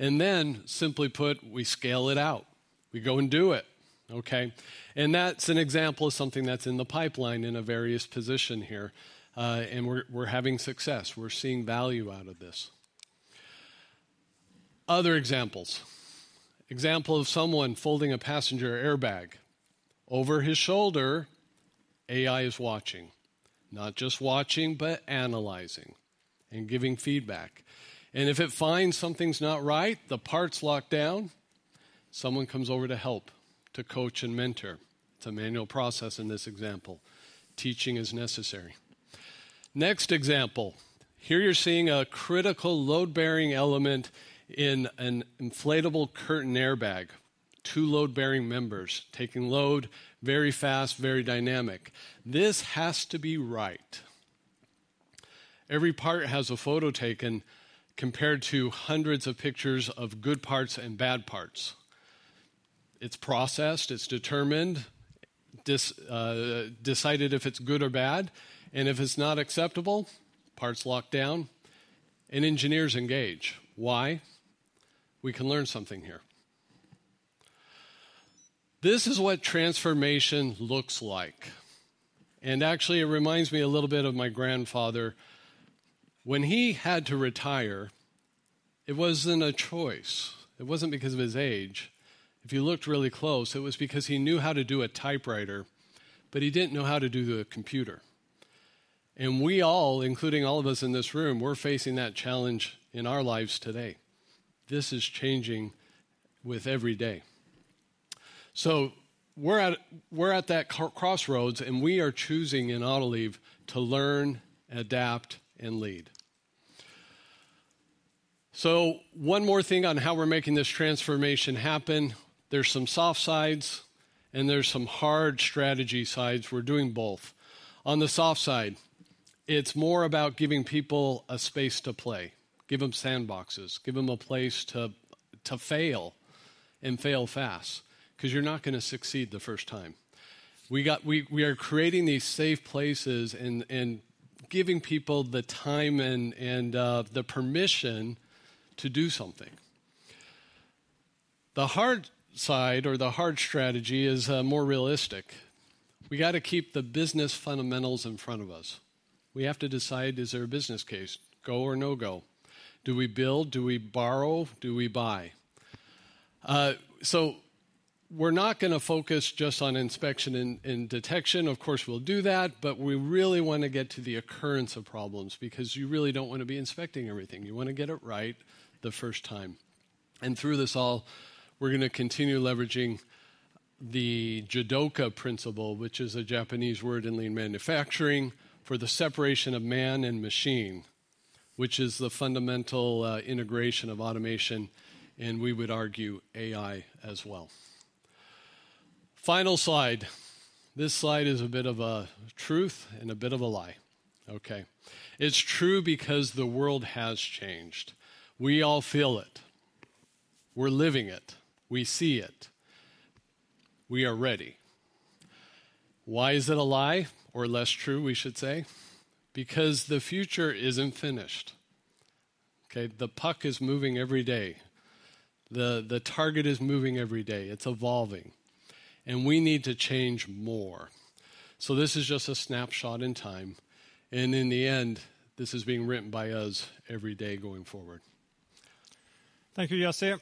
Simply put, we scale it out. We go and do it. Okay. That's an example of something that's in the pipeline in a various position here. We're having success. We're seeing value out of this. Other examples. Example of someone folding a passenger airbag over his shoulder. AI is watching, not just watching, but analyzing and giving feedback. If it finds something's not right, the parts lock down. Someone comes over to help, to coach and mentor. It's a manual process in this example. Teaching is necessary. Next example. Here you're seeing a critical load-bearing element in an inflatable curtain airbag. Two load-bearing members taking load very fast, very dynamic. This has to be right. Every part has a photo taken compared to hundreds of pictures of good parts and bad parts. It's processed. It's determined, decided if it's good or bad. If it's not acceptable, parts lock down. Engineers engage. Why? We can learn something here. This is what transformation looks like. Actually, it reminds me a little bit of my grandfather. When he had to retire, it wasn't a choice. It wasn't because of his age. If you looked really close, it was because he knew how to do a typewriter, but he didn't know how to do the computer. We all, including all of us in this room, we're facing that challenge in our lives today. This is changing with every day. We're at that crossroads, and we are choosing in Autoliv to learn, adapt, and lead. One more thing on how we're making this transformation happen. There are some soft sides, and there are some hard strategy sides. We're doing both. On the soft side, it's more about giving people a space to play. Give them sandboxes. Give them a place to fail and fail fast because you're not going to succeed the first time. We are creating these safe places and giving people the time and the permission to do something. The hard side or the hard strategy is more realistic. We got to keep the business fundamentals in front of us. We have to decide, is there a business case? Go or no go? Do we build? Do we borrow? Do we buy? We're not going to focus just on inspection and detection. Of course, we'll do that, but we really want to get to the occurrence of problems because you really don't want to be inspecting everything. You want to get it right the first time. Through this all, we're going to continue leveraging the Jidoka principle, which is a Japanese word in lean manufacturing, for the separation of man and machine, which is the fundamental integration of automation, and we would argue AI as well. Final slide. This slide is a bit of a truth and a bit of a lie. Okay. It's true because the world has changed. We all feel it. We're living it. We see it. We are ready. Why is it a lie or less true, we should say? Because the future isn't finished. Okay. The puck is moving every day. The target is moving every day. It's evolving. We need to change more. This is just a snapshot in time. In the end, this is being written by us every day going forward. Thank you, Yasir.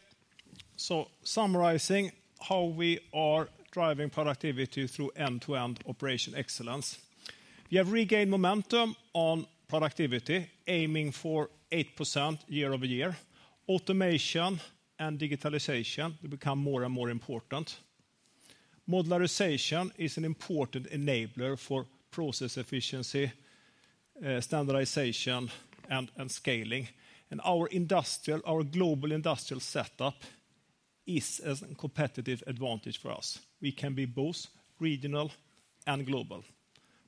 Summarizing how we are driving productivity through end-to-end operation excellence, we have regained momentum on productivity, aiming for 8% year over year. Automation and digitalization become more and more important. Modularization is an important enabler for process efficiency, standardization, and scaling. Our global industrial setup is a competitive advantage for us. We can be both regional and global.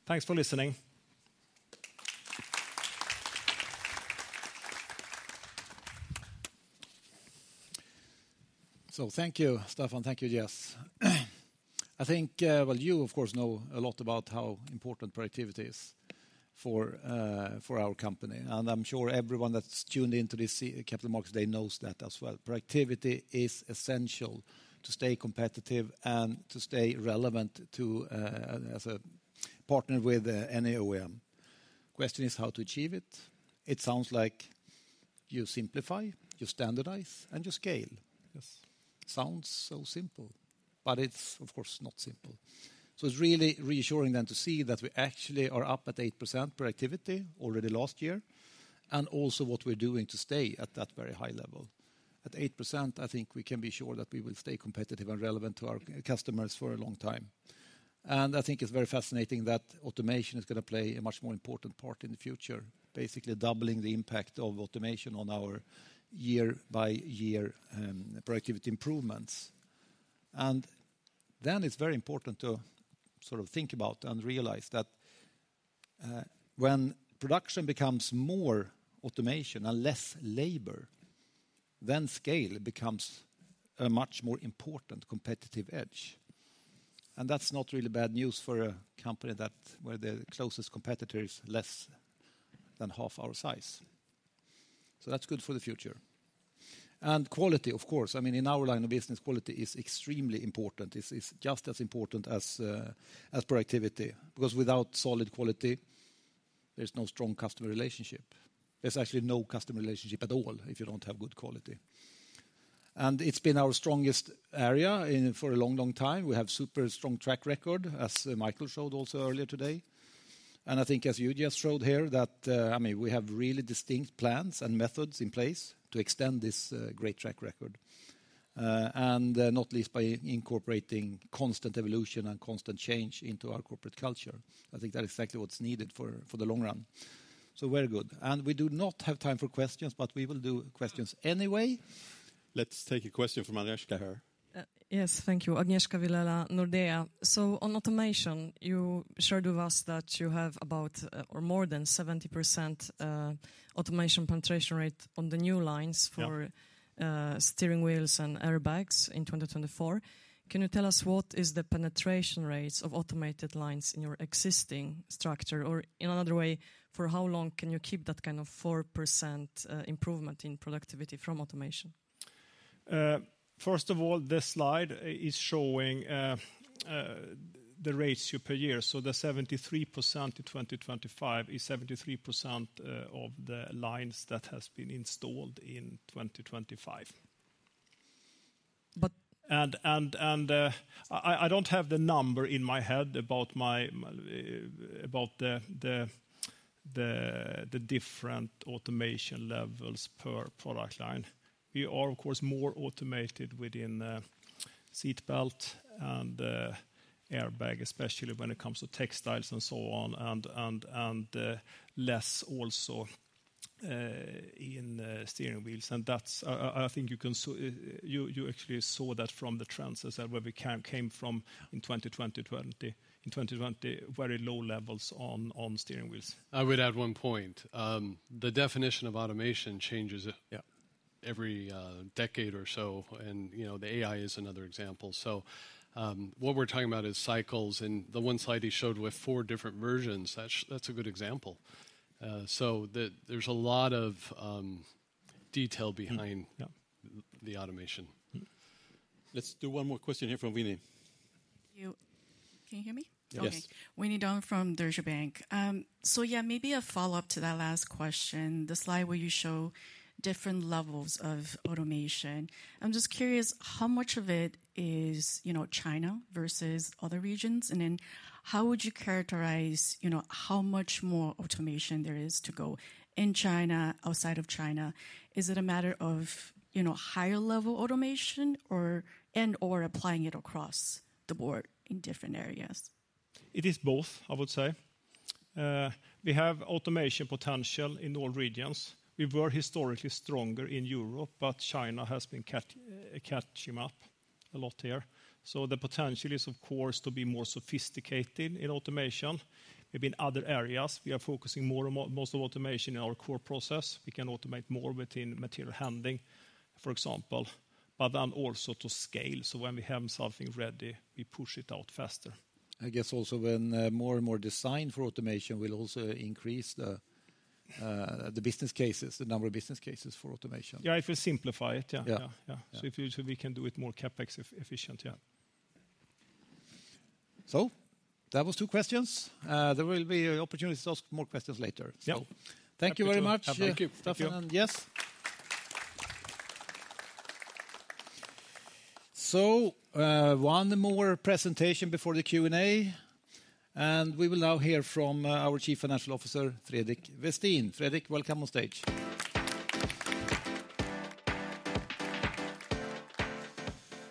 Thanks for listening. Thank you, Stefan. Thank you, Jess. I think you, of course, know a lot about how important productivity is for our company. I am sure everyone that is tuned into this Capital Markets Day knows that as well. Productivity is essential to stay competitive and to stay relevant as a partner with any OEM. The question is how to achieve it. It sounds like you simplify, you standardize, and you scale. Yes. Sounds so simple, but it's, of course, not simple. It is really reassuring then to see that we actually are up at 8% productivity already last year and also what we're doing to stay at that very high level. At 8%, I think we can be sure that we will stay competitive and relevant to our customers for a long time. I think it's very fascinating that automation is going to play a much more important part in the future, basically doubling the impact of automation on our year-by-year productivity improvements. It is very important to sort of think about and realize that when production becomes more automation and less labor, then scale becomes a much more important competitive edge. That's not really bad news for a company where the closest competitor is less than half our size. That's good for the future. Quality, of course. In our line of business, quality is extremely important. It's just as important as productivity because without solid quality, there's no strong customer relationship. There's actually no customer relationship at all if you don't have good quality. It's been our strongest area for a long, long time. We have a super strong track record, as Mikael showed also earlier today. I think, as you just showed here, we have really distinct plans and methods in place to extend this great track record, and not least by incorporating constant evolution and constant change into our corporate culture. I think that's exactly what's needed for the long run. Very good. We do not have time for questions, but we will do questions anyway. Let's take a question from Agnieszka here. Yes, thank you. Agnieszka Vilela, Nordea. On automation, you shared with us that you have about or more than 70% automation penetration rate on the new lines for steering wheels and airbags in 2024. Can you tell us what is the penetration rates of automated lines in your existing structure? Or in another way, for how long can you keep that kind of 4% improvement in productivity from automation? First of all, this slide is showing the rates per year. The 73% in 2025 is 73% of the lines that have been installed in 2025. I do not have the number in my head about the different automation levels per product line. We are, of course, more automated within seatbelt and airbag, especially when it comes to textiles and so on, and less also in steering wheels. I think you actually saw that from the trends where we came from in 2020, very low levels on steering wheels. I would add one point. The definition of automation changes every decade or so. AI is another example. What we are talking about is cycles. The one slide he showed with four different versions, that is a good example. There is a lot of detail behind the automation. Let's do one more question here from Winnie. Can you hear me? Yes. Okay. Winnie Dong from Deutsche Bank. Yeah, maybe a follow-up to that last question. The slide where you show different levels of automation. I am just curious how much of it is China versus other regions. How would you characterize how much more automation there is to go in China, outside of China? Is it a matter of higher-level automation and/or applying it across the board in different areas? It is both, I would say. We have automation potential in all regions. We were historically stronger in Europe, but China has been catching up a lot here. The potential is, of course, to be more sophisticated in automation. Maybe in other areas, we are focusing more and more on automation in our core process. We can automate more within material handling, for example, but then also to scale. When we have something ready, we push it out faster. I guess also when more and more design for automation will also increase the business cases, the number of business cases for automation. Yeah, if we simplify it, yeah. So we can do it more CapEx efficient, yeah. That was two questions. There will be opportunities to ask more questions later. Thank you very much, Stefan. Yes. One more presentation before the Q&A. We will now hear from our Chief Financial Officer, Fredrik Westin. Fredrik, welcome on stage.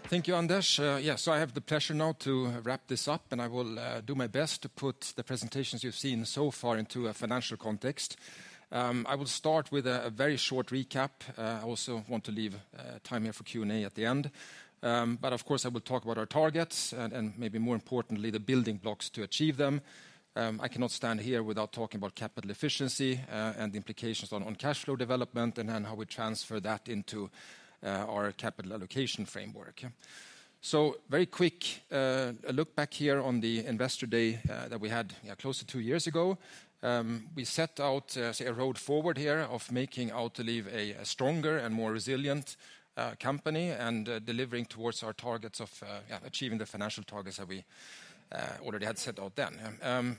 Thank you, Agnieszka. Yes, I have the pleasure now to wrap this up, and I will do my best to put the presentations you've seen so far into a financial context. I will start with a very short recap. I also want to leave time here for Q&A at the end. Of course, I will talk about our targets and maybe more importantly, the building blocks to achieve them. I cannot stand here without talking about capital efficiency and the implications on cash flow development and how we transfer that into our capital allocation framework. A very quick look back here on the investor day that we had close to two years ago. We set out a road forward here of making Autoliv a stronger and more resilient company and delivering towards our targets of achieving the financial targets that we already had set out then.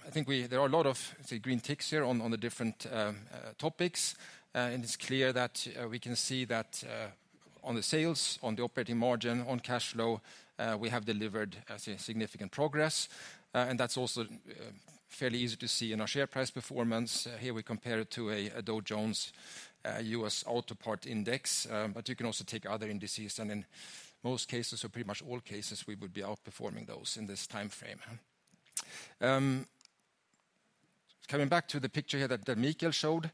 I think there are a lot of green ticks here on the different topics. It is clear that we can see that on the sales, on the operating margin, on cash flow, we have delivered significant progress. That is also fairly easy to see in our share price performance. Here we compare it to a Dow Jones US Auto Part Index. You can also take other indices. In most cases, or pretty much all cases, we would be outperforming those in this time frame. Coming back to the picture here that Mikael showed,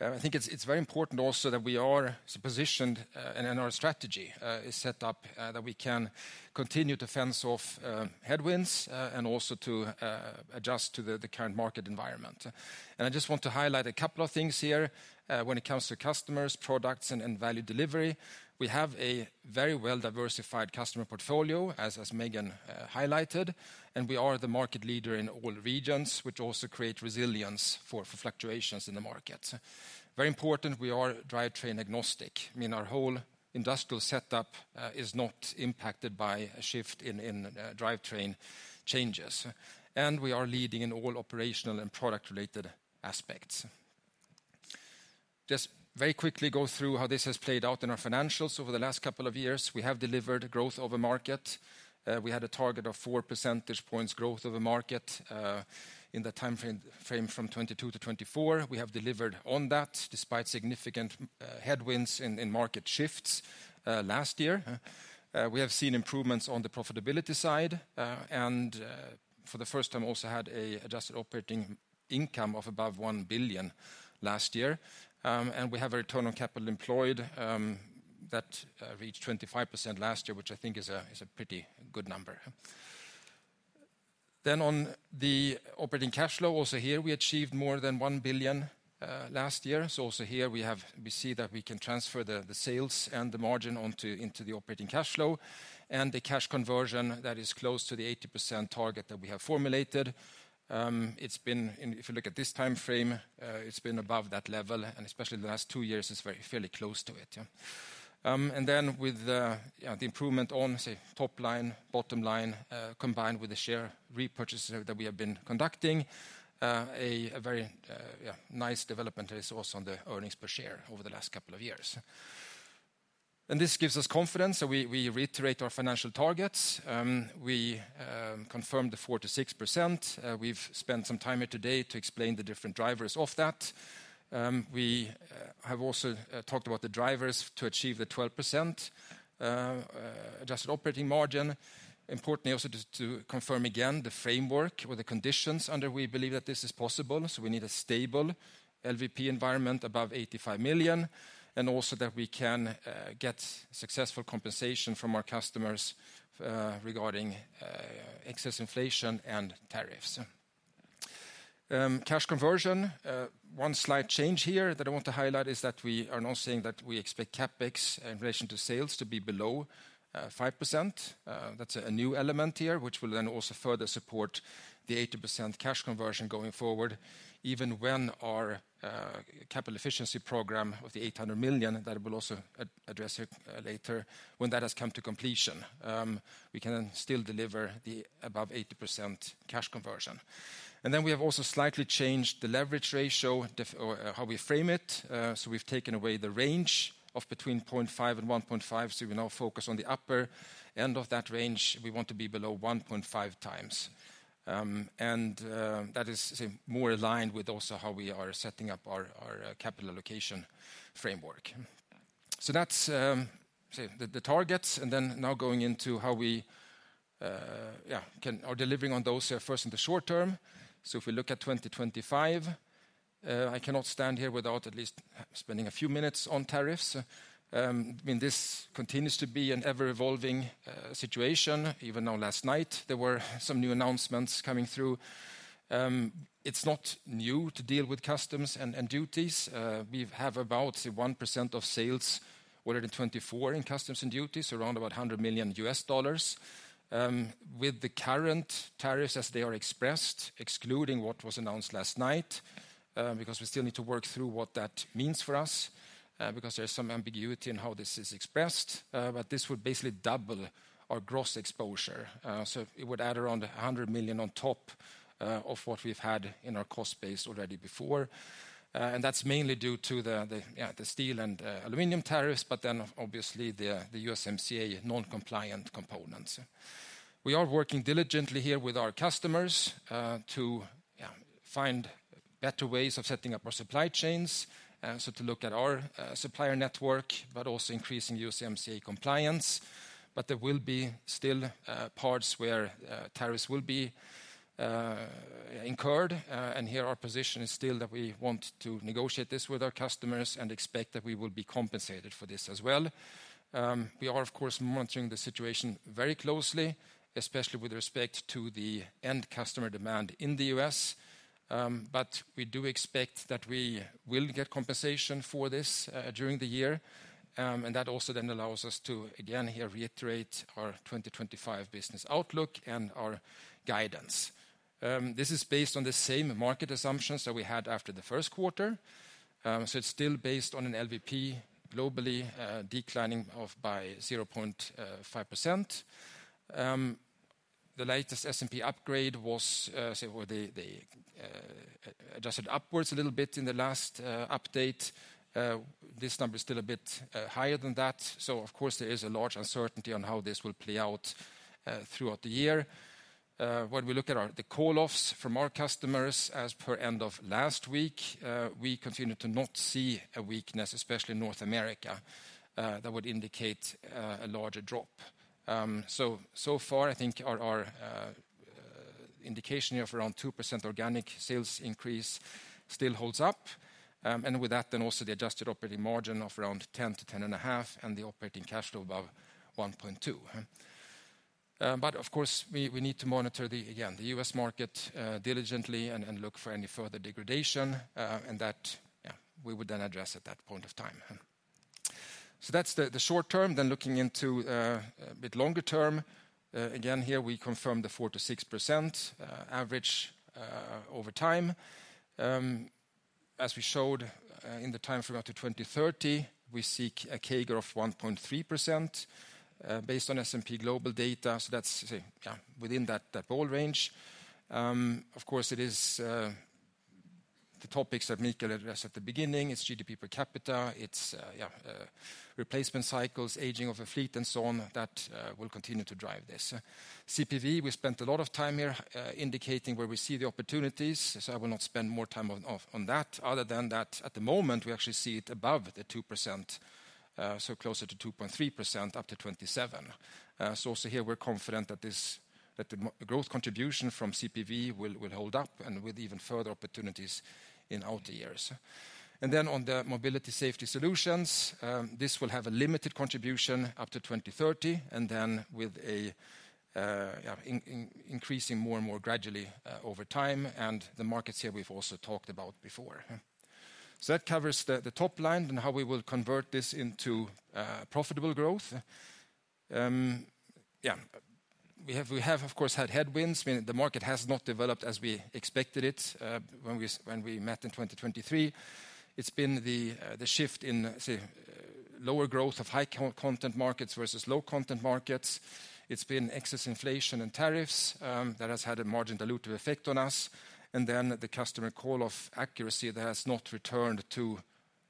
I think it's very important also that we are positioned and our strategy is set up that we can continue to fence off headwinds and also to adjust to the current market environment. I just want to highlight a couple of things here when it comes to customers, products, and value delivery. We have a very well-diversified customer portfolio, as Megan highlighted. We are the market leader in all regions, which also creates resilience for fluctuations in the market. Very important, we are drivetrain agnostic. I mean, our whole industrial setup is not impacted by a shift in drivetrain changes. We are leading in all operational and product-related aspects. Just very quickly go through how this has played out in our financials over the last couple of years. We have delivered growth over market. We had a target of 4 percentage points growth over market in the time frame from 2022 to 2024. We have delivered on that despite significant headwinds in market shifts last year. We have seen improvements on the profitability side. For the first time, we also had an adjusted operating income of above $1 billion last year. We have a return on capital employed that reached 25% last year, which I think is a pretty good number. On the operating cash flow, also here we achieved more than $1 billion last year. Also here we see that we can transfer the sales and the margin into the operating cash flow. The cash conversion is close to the 80% target that we have formulated. If you look at this time frame, it has been above that level. Especially the last two years, it's fairly close to it. With the improvement on top line, bottom line, combined with the share repurchase that we have been conducting, a very nice development is also on the earnings per share over the last couple of years. This gives us confidence. We reiterate our financial targets. We confirm the 4-6%. We've spent some time here today to explain the different drivers of that. We have also talked about the drivers to achieve the 12% adjusted operating margin. Importantly, also to confirm again the framework or the conditions under which we believe that this is possible. We need a stable LVP environment above 85 million. Also, that we can get successful compensation from our customers regarding excess inflation and tariffs. Cash conversion, one slight change here that I want to highlight is that we are now saying that we expect CapEx in relation to sales to be below 5%. That's a new element here, which will then also further support the 80% cash conversion going forward. Even when our capital efficiency program of the $800 million that we'll also address later when that has come to completion, we can still deliver the above 80% cash conversion. We have also slightly changed the leverage ratio, how we frame it. We have taken away the range of between 0.5 and 1.5. We now focus on the upper end of that range. We want to be below 1.5 times. That is more aligned with also how we are setting up our capital allocation framework. That's the targets. Now going into how we are delivering on those first in the short term. If we look at 2025, I cannot stand here without at least spending a few minutes on tariffs. I mean, this continues to be an ever-evolving situation. Even now last night, there were some new announcements coming through. It is not new to deal with customs and duties. We have about 1% of sales ordered in 2024 in customs and duties, around about $100 million. With the current tariffs as they are expressed, excluding what was announced last night, because we still need to work through what that means for us, because there is some ambiguity in how this is expressed, this would basically double our gross exposure. It would add around $100 million on top of what we have had in our cost base already before. That is mainly due to the steel and aluminum tariffs, but then obviously the USMCA non-compliant components. We are working diligently here with our customers to find better ways of setting up our supply chains, to look at our supplier network, but also increasing USMCA compliance. There will still be parts where tariffs will be incurred. Here our position is still that we want to negotiate this with our customers and expect that we will be compensated for this as well. We are, of course, monitoring the situation very closely, especially with respect to the end customer demand in the U.S. We do expect that we will get compensation for this during the year. That also then allows us to, again here, reiterate our 2025 business outlook and our guidance. This is based on the same market assumptions that we had after the first quarter. It is still based on an LVP globally declining by 0.5%. The latest S&P upgrade was adjusted upwards a little bit in the last update. This number is still a bit higher than that. Of course, there is a large uncertainty on how this will play out throughout the year. When we look at the call-offs from our customers as per end of last week, we continue to not see a weakness, especially in North America, that would indicate a larger drop. So far, I think our indication here of around 2% organic sales increase still holds up. With that, then also the adjusted operating margin of around 10-10.5% and the operating cash flow above $1.2 billion. Of course, we need to monitor the, again, the U.S. market diligently and look for any further degradation. That we would then address at that point of time. That's the short term. Then looking into a bit longer term, again here we confirm the 4-6% average over time. As we showed in the time frame up to 2030, we seek a CAGR of 1.3% based on S&P Global data. That's within that ball range. Of course, it is the topics that Mikael addressed at the beginning. It's GDP per capita, it's replacement cycles, aging of a fleet, and so on that will continue to drive this. CPV, we spent a lot of time here indicating where we see the opportunities. I will not spend more time on that. Other than that, at the moment, we actually see it above the 2%, so closer to 2.3% up to 2027. Also here, we're confident that the growth contribution from CPV will hold up and with even further opportunities in outer years. On the mobility safety solutions, this will have a limited contribution up to 2030 and then with increasing more and more gradually over time. The markets here we have also talked about before. That covers the top line and how we will convert this into profitable growth. We have, of course, had headwinds. The market has not developed as we expected it when we met in 2023. It has been the shift in lower growth of high content markets versus low content markets. It has been excess inflation and tariffs that have had a margin dilutive effect on us. The customer call-off accuracy has not returned to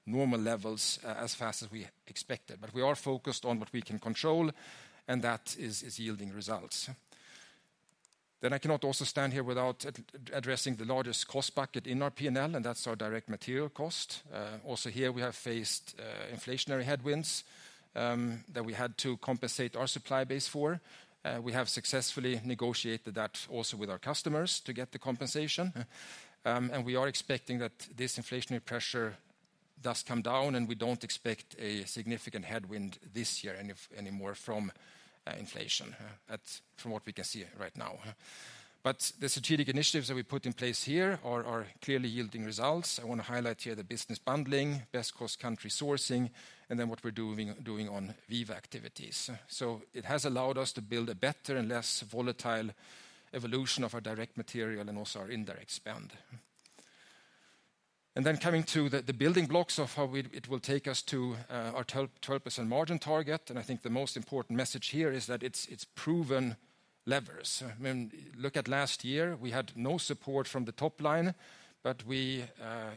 normal levels as fast as we expected. We are focused on what we can control and that is yielding results. I cannot also stand here without addressing the largest cost bucket in our P&L, and that's our direct material cost. Also here, we have faced inflationary headwinds that we had to compensate our supply base for. We have successfully negotiated that also with our customers to get the compensation. We are expecting that this inflationary pressure does come down and we do not expect a significant headwind this year anymore from inflation from what we can see right now. The strategic initiatives that we put in place here are clearly yielding results. I want to highlight here the business bundling, best cost country sourcing, and then what we're doing on Viva activities. It has allowed us to build a better and less volatile evolution of our direct material and also our indirect spend. Coming to the building blocks of how it will take us to our 12% margin target. I think the most important message here is that it is proven levers. Look at last year, we had no support from the top line, but we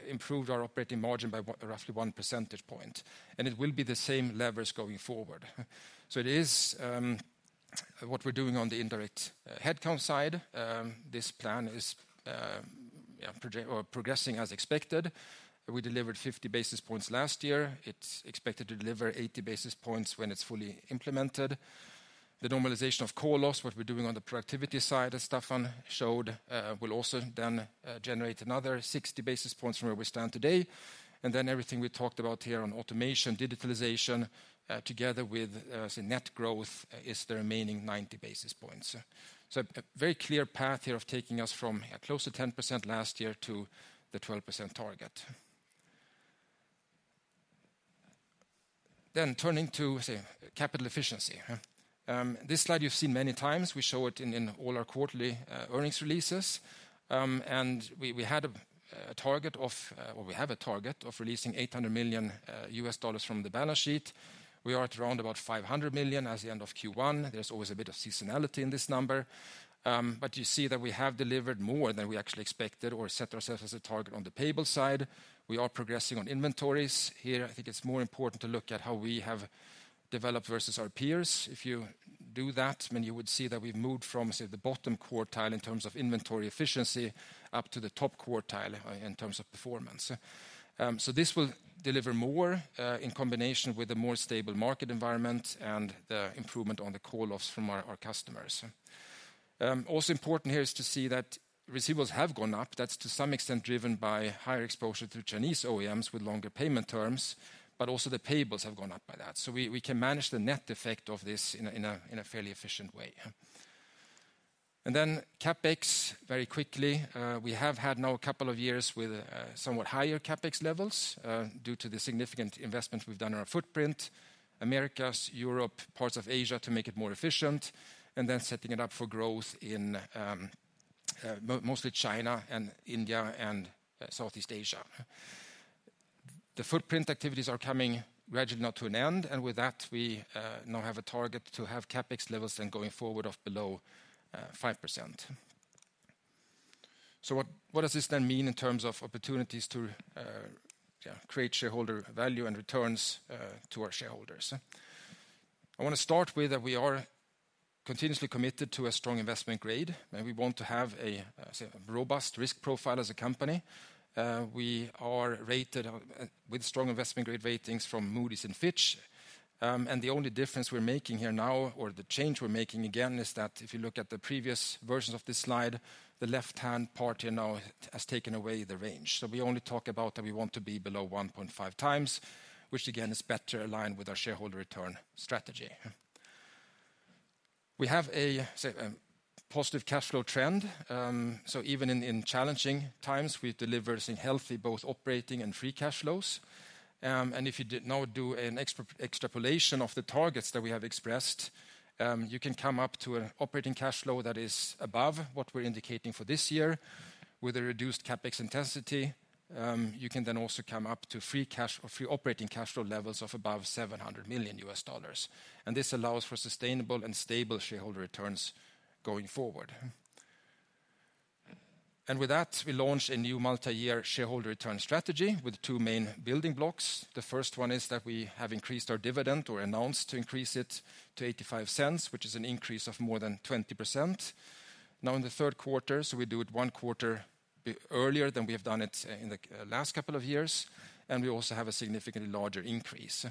improved our operating margin by roughly one percentage point. It will be the same levers going forward. It is what we are doing on the indirect headcount side. This plan is progressing as expected. We delivered 50 basis points last year. It is expected to deliver 80 basis points when it is fully implemented. The normalization of call-offs, what we are doing on the productivity side, as Stefan showed, will also then generate another 60 basis points from where we stand today. Everything we talked about here on automation, digitalization, together with net growth is the remaining 90 basis points. A very clear path here of taking us from close to 10% last year to the 12% target. Turning to capital efficiency, this slide you've seen many times. We show it in all our quarterly earnings releases. We had a target of, or we have a target of releasing $800 million from the balance sheet. We are at around about $500 million as the end of Q1. There's always a bit of seasonality in this number. You see that we have delivered more than we actually expected or set ourselves as a target on the payable side. We are progressing on inventories here. I think it's more important to look at how we have developed versus our peers. If you do that, then you would see that we've moved from the bottom quartile in terms of inventory efficiency up to the top quartile in terms of performance. This will deliver more in combination with a more stable market environment and the improvement on the call-offs from our customers. Also important here is to see that receivables have gone up. That's to some extent driven by higher exposure to Chinese OEMs with longer payment terms, but also the payables have gone up by that. We can manage the net effect of this in a fairly efficient way. CapEx very quickly. We have had now a couple of years with somewhat higher CapEx levels due to the significant investment we've done in our footprint, America, Europe, parts of Asia to make it more efficient, and then setting it up for growth in mostly China and India and Southeast Asia. The footprint activities are coming gradually not to an end. With that, we now have a target to have CapEx levels then going forward of below 5%. What does this then mean in terms of opportunities to create shareholder value and returns to our shareholders? I want to start with that we are continuously committed to a strong investment grade. We want to have a robust risk profile as a company. We are rated with strong investment grade ratings from Moody's and Fitch. The only difference we are making here now, or the change we are making again, is that if you look at the previous versions of this slide, the left-hand part here now has taken away the range. We only talk about that we want to be below 1.5 times, which again is better aligned with our shareholder return strategy. We have a positive cash flow trend. Even in challenging times, we deliver healthy both operating and free cash flows. If you now do an extrapolation of the targets that we have expressed, you can come up to an operating cash flow that is above what we are indicating for this year with a reduced CapEx intensity. You can then also come up to free cash or free operating cash flow levels of above $700 million. This allows for sustainable and stable shareholder returns going forward. With that, we launched a new multi-year shareholder return strategy with two main building blocks. The first one is that we have increased our dividend or announced to increase it to $0.85, which is an increase of more than 20%. Now in the third quarter, we do it one quarter earlier than we have done it in the last couple of years. We also have a significantly larger increase.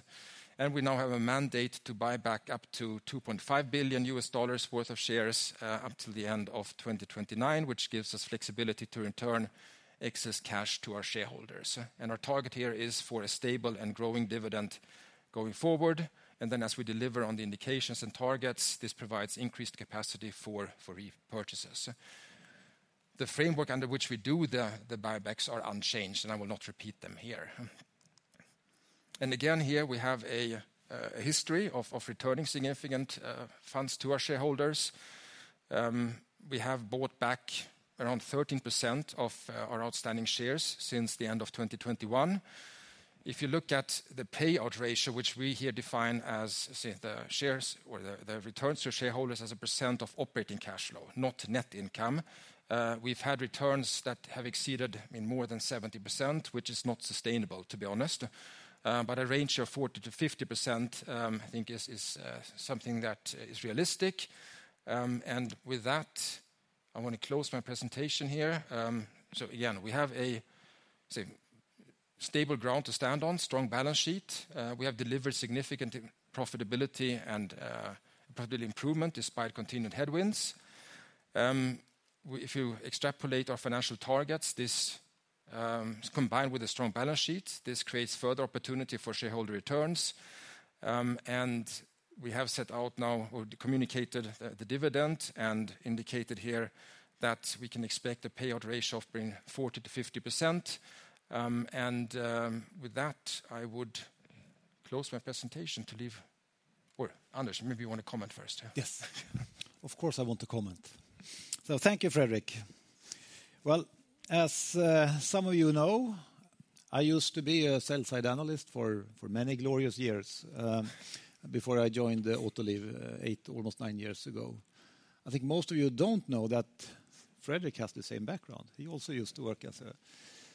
We now have a mandate to buy back up to $2.5 billion worth of shares up to the end of 2029, which gives us flexibility to return excess cash to our shareholders. Our target here is for a stable and growing dividend going forward. As we deliver on the indications and targets, this provides increased capacity for repurchases. The framework under which we do the buybacks are unchanged, and I will not repeat them here. Again, we have a history of returning significant funds to our shareholders. We have bought back around 13% of our outstanding shares since the end of 2021. If you look at the payout ratio, which we here define as the returns to shareholders as a percent of operating cash flow, not net income, we've had returns that have exceeded more than 70%, which is not sustainable, to be honest. A range of 40-50% is something that is realistic. With that, I want to close my presentation here. Again, we have a stable ground to stand on, strong balance sheet. We have delivered significant profitability and profitability improvement despite continued headwinds. If you extrapolate our financial targets, this combined with a strong balance sheet, this creates further opportunity for shareholder returns. We have set out now or communicated the dividend and indicated here that we can expect a payout ratio of 40-50%. With that, I would close my presentation to leave. Or Anders, maybe you want to comment first. Yes. Of course, I want to comment. Thank you, Fredrik. As some of you know, I used to be a sell-side analyst for many glorious years before I joined Autoliv eight, almost nine years ago. I think most of you do not know that Fredrik has the same background. He also used to work as a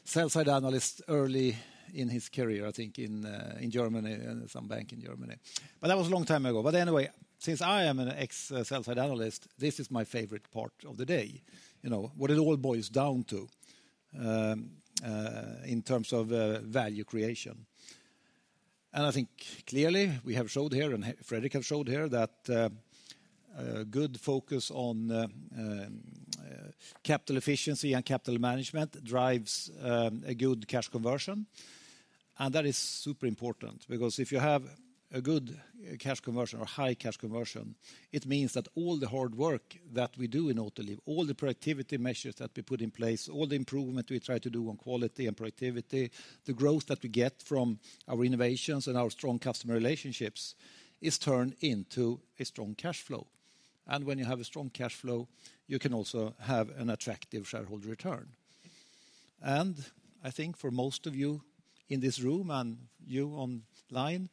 sell-side analyst early in his career, I think, in Germany, in some bank in Germany. That was a long time ago. Anyway, since I am an ex-sell-side analyst, this is my favorite part of the day. You know, what it all boils down to in terms of value creation. I think clearly we have showed here, and Fredrik has showed here, that good focus on capital efficiency and capital management drives a good cash conversion. That is super important because if you have a good cash conversion or high cash conversion, it means that all the hard work that we do in Autoliv, all the productivity measures that we put in place, all the improvement we try to do on quality and productivity, the growth that we get from our innovations and our strong customer relationships is turned into a strong cash flow. When you have a strong cash flow, you can also have an attractive shareholder return. I think for most of you in this room and you online,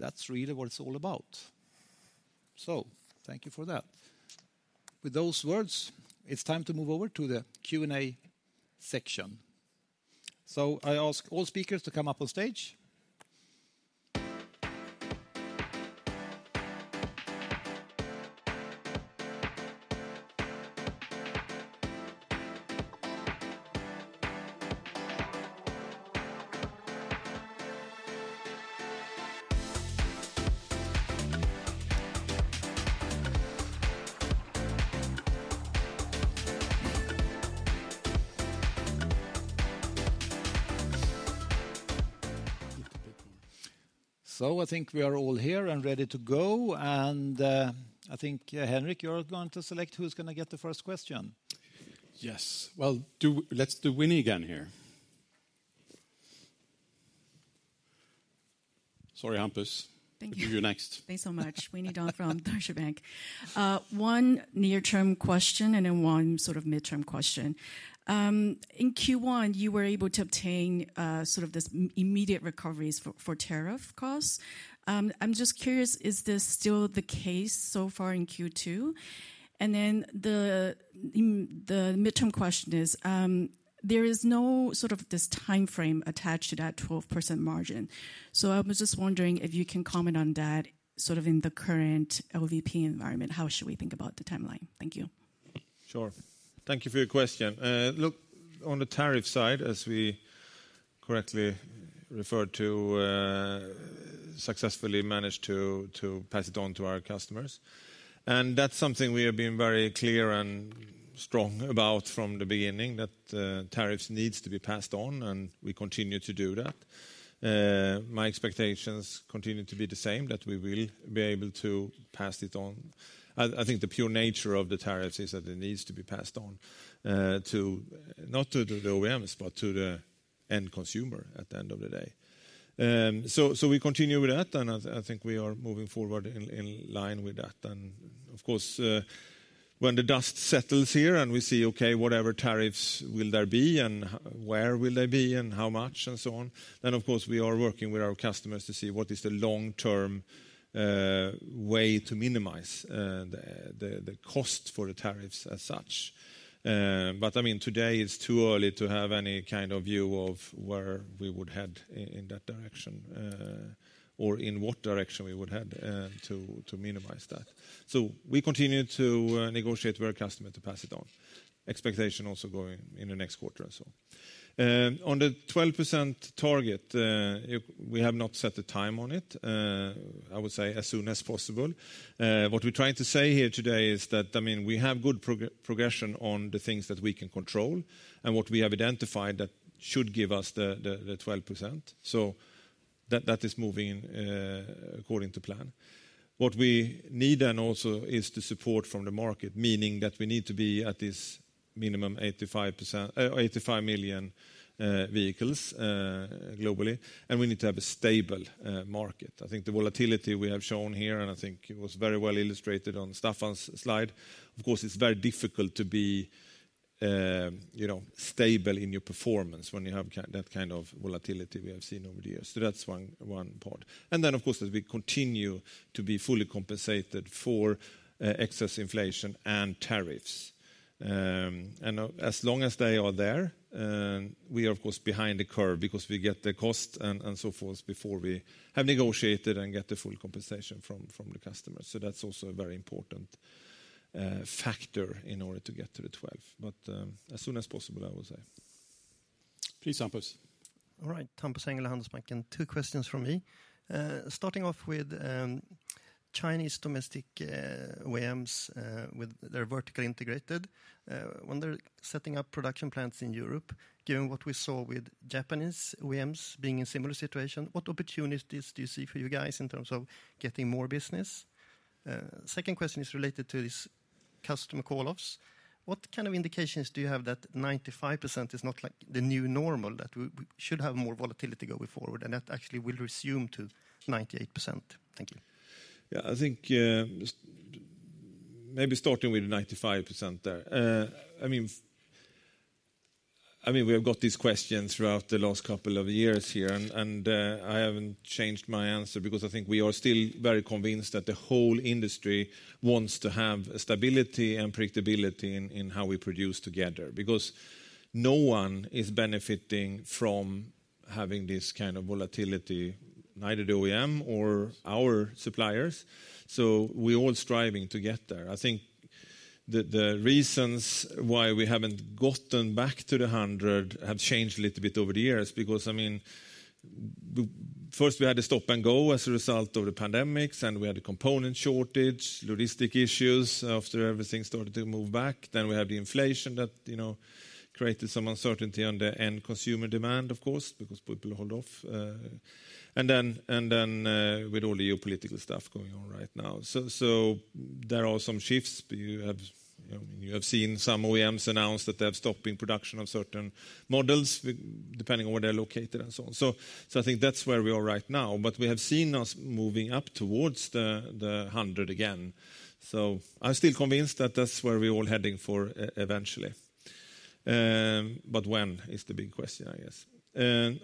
that's really what it's all about. Thank you for that. With those words, it's time to move over to the Q&A section. I ask all speakers to come up on stage. I think we are all here and ready to go. I think, Henrik, you're going to select who's going to get the first question. Yes. Let's do Winnie again here. Sorry, Hampus. Thank you. You're next. Thanks so much. Winnie Dahl from Deutsche Bank. One near-term question and then one sort of mid-term question. In Q1, you were able to obtain sort of this immediate recoveries for tariff costs. I'm just curious, is this still the case so far in Q2? And then the mid-term question is, there is no sort of this timeframe attached to that 12% margin. I was just wondering if you can comment on that sort of in the current LVP environment, how should we think about the timeline? Thank you. Sure. Thank you for your question. Look, on the tariff side, as we correctly referred to, successfully managed to pass it on to our customers. That is something we have been very clear and strong about from the beginning, that tariffs need to be passed on, and we continue to do that. My expectations continue to be the same, that we will be able to pass it on. I think the pure nature of the tariffs is that it needs to be passed on not to the OEMs, but to the end consumer at the end of the day. We continue with that, and I think we are moving forward in line with that. Of course, when the dust settles here and we see, okay, whatever tariffs will there be and where will they be and how much and so on, of course we are working with our customers to see what is the long-term way to minimize the cost for the tariffs as such. I mean, today it's too early to have any kind of view of where we would head in that direction or in what direction we would head to minimize that. We continue to negotiate with our customer to pass it on. Expectation also going in the next quarter or so. On the 12% target, we have not set a time on it. I would say as soon as possible. What we're trying to say here today is that, I mean, we have good progression on the things that we can control and what we have identified that should give us the 12%. That is moving according to plan. What we need then also is the support from the market, meaning that we need to be at this minimum 85 million vehicles globally, and we need to have a stable market. I think the volatility we have shown here, and I think it was very well illustrated on Stefan's slide, of course, it's very difficult to be stable in your performance when you have that kind of volatility we have seen over the years. That is one part. Of course, as we continue to be fully compensated for excess inflation and tariffs. As long as they are there, we are of course behind the curve because we get the cost and so forth before we have negotiated and get the full compensation from the customers. That is also a very important factor in order to get to the 12. As soon as possible, I would say. Please, Hampus. All right, Hampus Engellau of Handelsbanken, two questions from me. Starting off with Chinese domestic OEMs with their vertical integrated. When they are setting up production plants in Europe, given what we saw with Japanese OEMs being in a similar situation, what opportunities do you see for you guys in terms of getting more business? Second question is related to this customer call-offs. What kind of indications do you have that 95% is not like the new normal, that we should have more volatility going forward, and that actually will resume to 98%? Thank you. Yeah, I think maybe starting with 95% there. I mean, we have got these questions throughout the last couple of years here, and I have not changed my answer because I think we are still very convinced that the whole industry wants to have stability and predictability in how we produce together because no one is benefiting from having this kind of volatility, neither the OEM nor our suppliers. We are all striving to get there. I think the reasons why we have not gotten back to the 100 have changed a little bit over the years because, I mean, first we had the stop and go as a result of the pandemics, and we had a component shortage, logistic issues after everything started to move back. We have the inflation that created some uncertainty on the end consumer demand, of course, because people hold off. Then with all the geopolitical stuff going on right now, there are some shifts. You have seen some OEMs announce that they have stopped production of certain models depending on where they're located and so on. I think that's where we are right now. We have seen us moving up towards the 100 again. I'm still convinced that that's where we're all heading for eventually. When is the big question, I guess.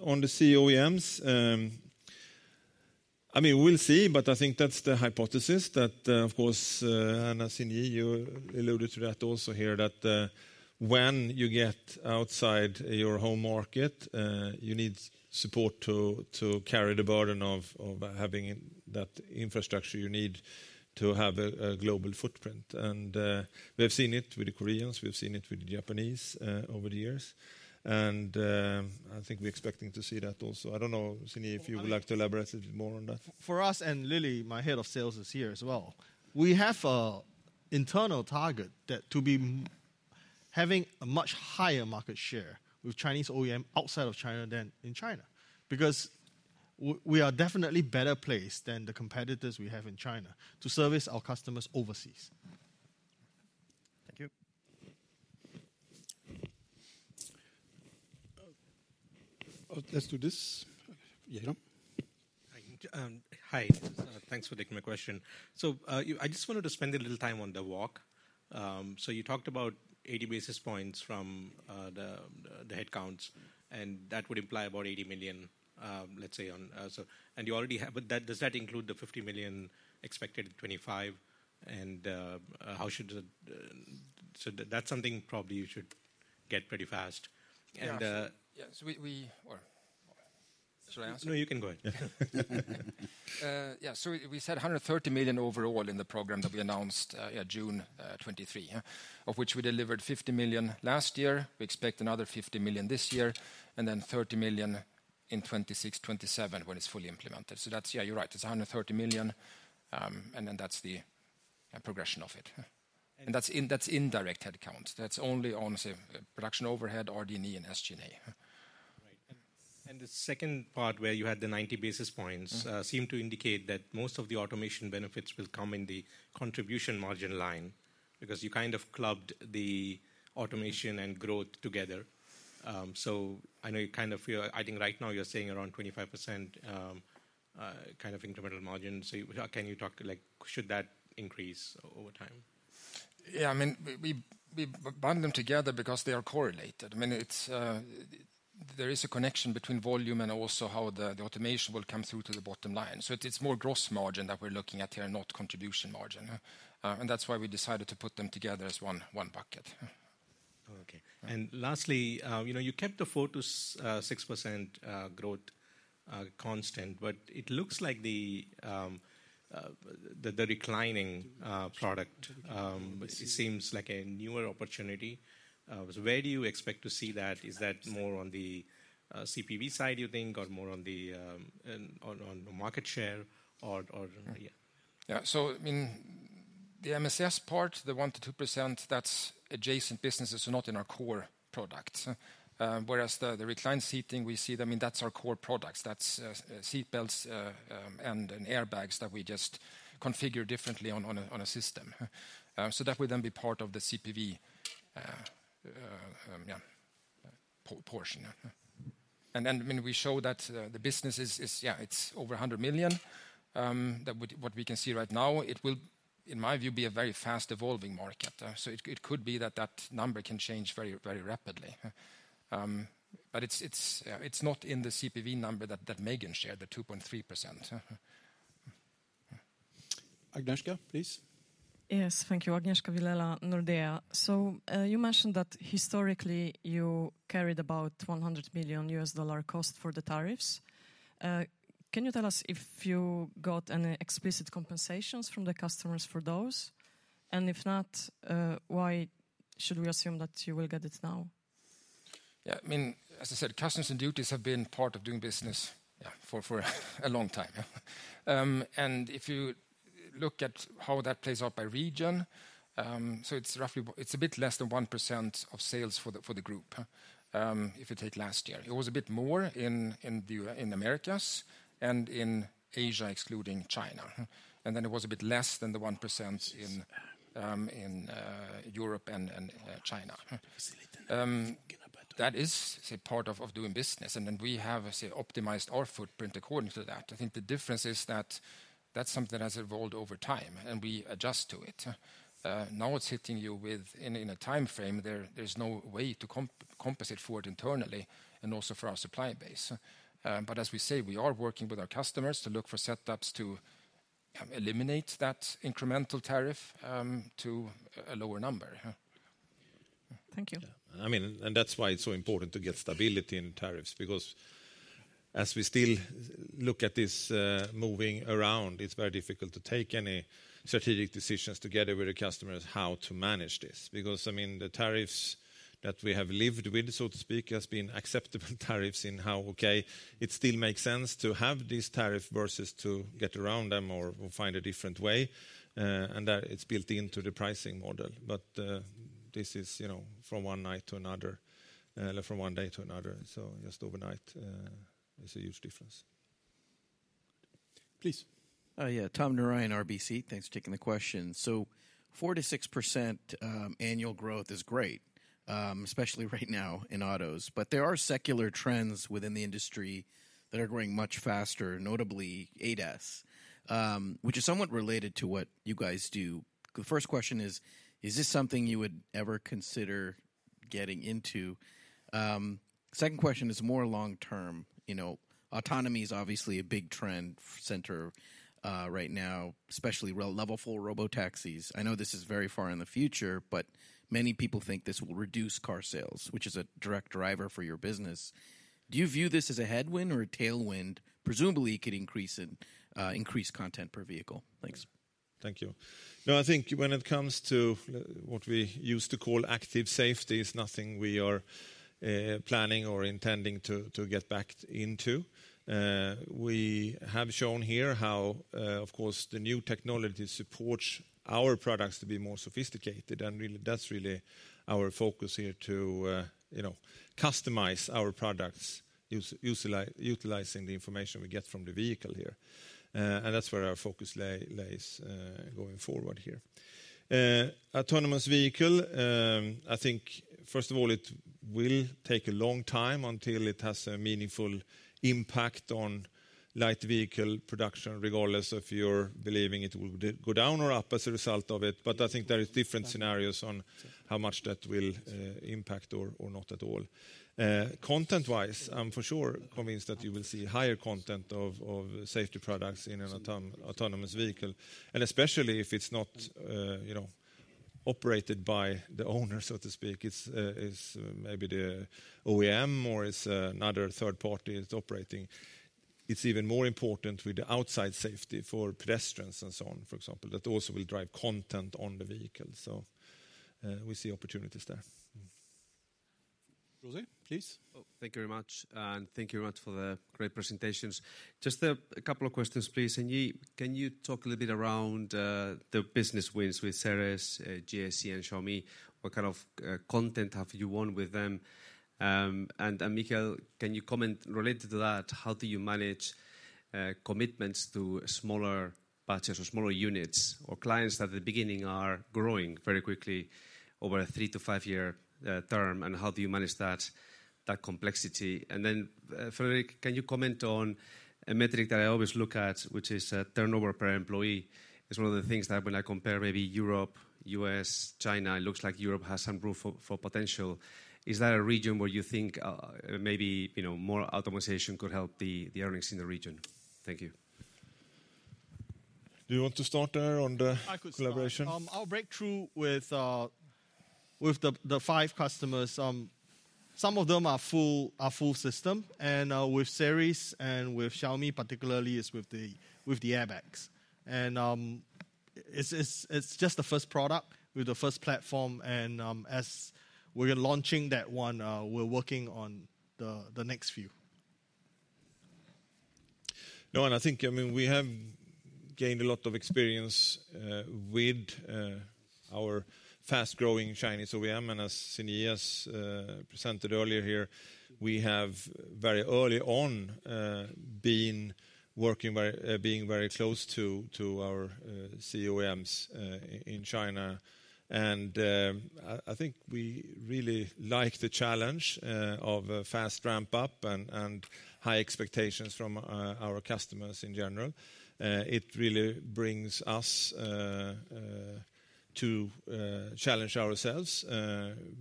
On the COEMs, I mean, we'll see, but I think that's the hypothesis that, of course, Anna Signie, you alluded to that also here, that when you get outside your home market, you need support to carry the burden of having that infrastructure you need to have a global footprint. We have seen it with the Koreans, we have seen it with the Japanese over the years. I think we're expecting to see that also. I don't know, Sinyi, if you would like to elaborate a bit more on that. For us, and Lilly, my Head of Sales is here as well. We have an internal target to be having a much higher market share with Chinese OEMs outside of China than in China because we are definitely better placed than the competitors we have in China to service our customers overseas. Thank you. Let's do this. Hi, thanks for taking my question. I just wanted to spend a little time on the walk. You talked about 80 basis points from the head counts, and that would imply about $80 million, let's say. You already have, but does that include the $50 million expected in 2025? How should that—that's something probably you should get pretty fast. Yeah, we—should I answer? No, you can go ahead. Yeah, we said $130 million overall in the program that we announced in June 2023, of which we delivered $50 million last year. We expect another $50 million this year, and then $30 million in 2026-2027 when it is fully implemented. Yeah, you are right. It is $130 million, and that is the progression of it. That is indirect head counts. That is only on production overhead, RD&E, and SG&A. Right. The second part where you had the 90 basis points seemed to indicate that most of the automation benefits will come in the contribution margin line because you kind of clubbed the automation and growth together. I know you kind of—I think right now you are saying around 25% kind of incremental margin. Can you talk—like, should that increase over time? Yeah, I mean, we bundle them together because they are correlated. I mean, there is a connection between volume and also how the automation will come through to the bottom line. It is more gross margin that we're looking at here, not contribution margin. That is why we decided to put them together as one bucket. Okay. Lastly, you kept the 4-6% growth constant, but it looks like the declining product seems like a newer opportunity. Where do you expect to see that? Is that more on the CPV side, you think, or more on the market share? Yeah. The MSS part, the 1-2%, that is adjacent businesses, so not in our core products. Whereas the reclined seating, we see that, I mean, that is our core products. That is seatbelts and airbags that we just configure differently on a system. That would then be part of the CPV portion. I mean, we show that the business is, yeah, it's over $100 million. What we can see right now, it will, in my view, be a very fast evolving market. It could be that that number can change very rapidly. It is not in the CPV number that Megan shared, the 2.3%. Agnieszka, please. Yes, thank you. Agnieszka Vilela, Nordea. You mentioned that historically you carried about $100 million US dollar cost for the tariffs. Can you tell us if you got any explicit compensations from the customers for those? If not, why should we assume that you will get it now? I mean, as I said, customs and duties have been part of doing business for a long time. If you look at how that plays out by region, it is roughly a bit less than 1% of sales for the group if you take last year. It was a bit more in the Americas and in Asia, excluding China. It was a bit less than the 1% in Europe and China. That is part of doing business. We have optimized our footprint according to that. I think the difference is that is something that has evolved over time, and we adjust to it. Now it is hitting you within a timeframe. There is no way to compensate for it internally and also for our supply base. As we say, we are working with our customers to look for setups to eliminate that incremental tariff to a lower number. Thank you. I mean, and that's why it's so important to get stability in tariffs because as we still look at this moving around, it's very difficult to take any strategic decisions together with the customers how to manage this. I mean, the tariffs that we have lived with, so to speak, have been acceptable tariffs in how, okay, it still makes sense to have these tariffs versus to get around them or find a different way. That it's built into the pricing model. This is from one night to another or from one day to another. Just overnight is a huge difference. Please. Yeah, Tom Nerin, RBC. Thanks for taking the question. 4-6% annual growth is great, especially right now in autos. There are secular trends within the industry that are growing much faster, notably ADAS, which is somewhat related to what you guys do. The first question is, is this something you would ever consider getting into? Second question is more long-term. Autonomy is obviously a big trend center right now, especially level four robotaxis. I know this is very far in the future, but many people think this will reduce car sales, which is a direct driver for your business. Do you view this as a headwind or a tailwind? Presumably, it could increase content per vehicle. Thanks. Thank you. No, I think when it comes to what we used to call active safety, it's nothing we are planning or intending to get back into. We have shown here how, of course, the new technology supports our products to be more sophisticated. That is really our focus here to customize our products, utilizing the information we get from the vehicle here. That is where our focus lays going forward here. Autonomous vehicle, I think, first of all, it will take a long time until it has a meaningful impact on light vehicle production, regardless of your believing it will go down or up as a result of it. I think there are different scenarios on how much that will impact or not at all. Content-wise, I am for sure convinced that you will see higher content of safety products in an autonomous vehicle. Especially if it is not operated by the owner, so to speak, it is maybe the OEM or it is another third party that is operating. It is even more important with the outside safety for pedestrians and so on, for example, that also will drive content on the vehicle. We see opportunities there. Rosie, please. Thank you very much. Thank you very much for the great presentations. Just a couple of questions, please. Can you talk a little bit around the business wins with Seres, GAC, and Xiaomi? What kind of content have you won with them? Michael, can you comment related to that? How do you manage commitments to smaller batches or smaller units or clients that at the beginning are growing very quickly over a three- to five-year term? How do you manage that complexity? Frederik, can you comment on a metric that I always look at, which is turnover per employee? It is one of the things that when I compare maybe Europe, US, China, it looks like Europe has some growth for potential. Is that a region where you think maybe more automation could help the earnings in the region? Thank you. Do you want to start there on the collaboration? I'll break through with the five customers. Some of them are full system. And with Seres and with Xiaomi, particularly, it is with the airbags. And it is just the first product with the first platform. As we are launching that one, we are working on the next few. No, I think, I mean, we have gained a lot of experience with our fast-growing Chinese OEM. As Sinyi presented earlier here, we have very early on been working, being very close to our COEMs in China. I think we really like the challenge of a fast ramp-up and high expectations from our customers in general. It really brings us to challenge ourselves,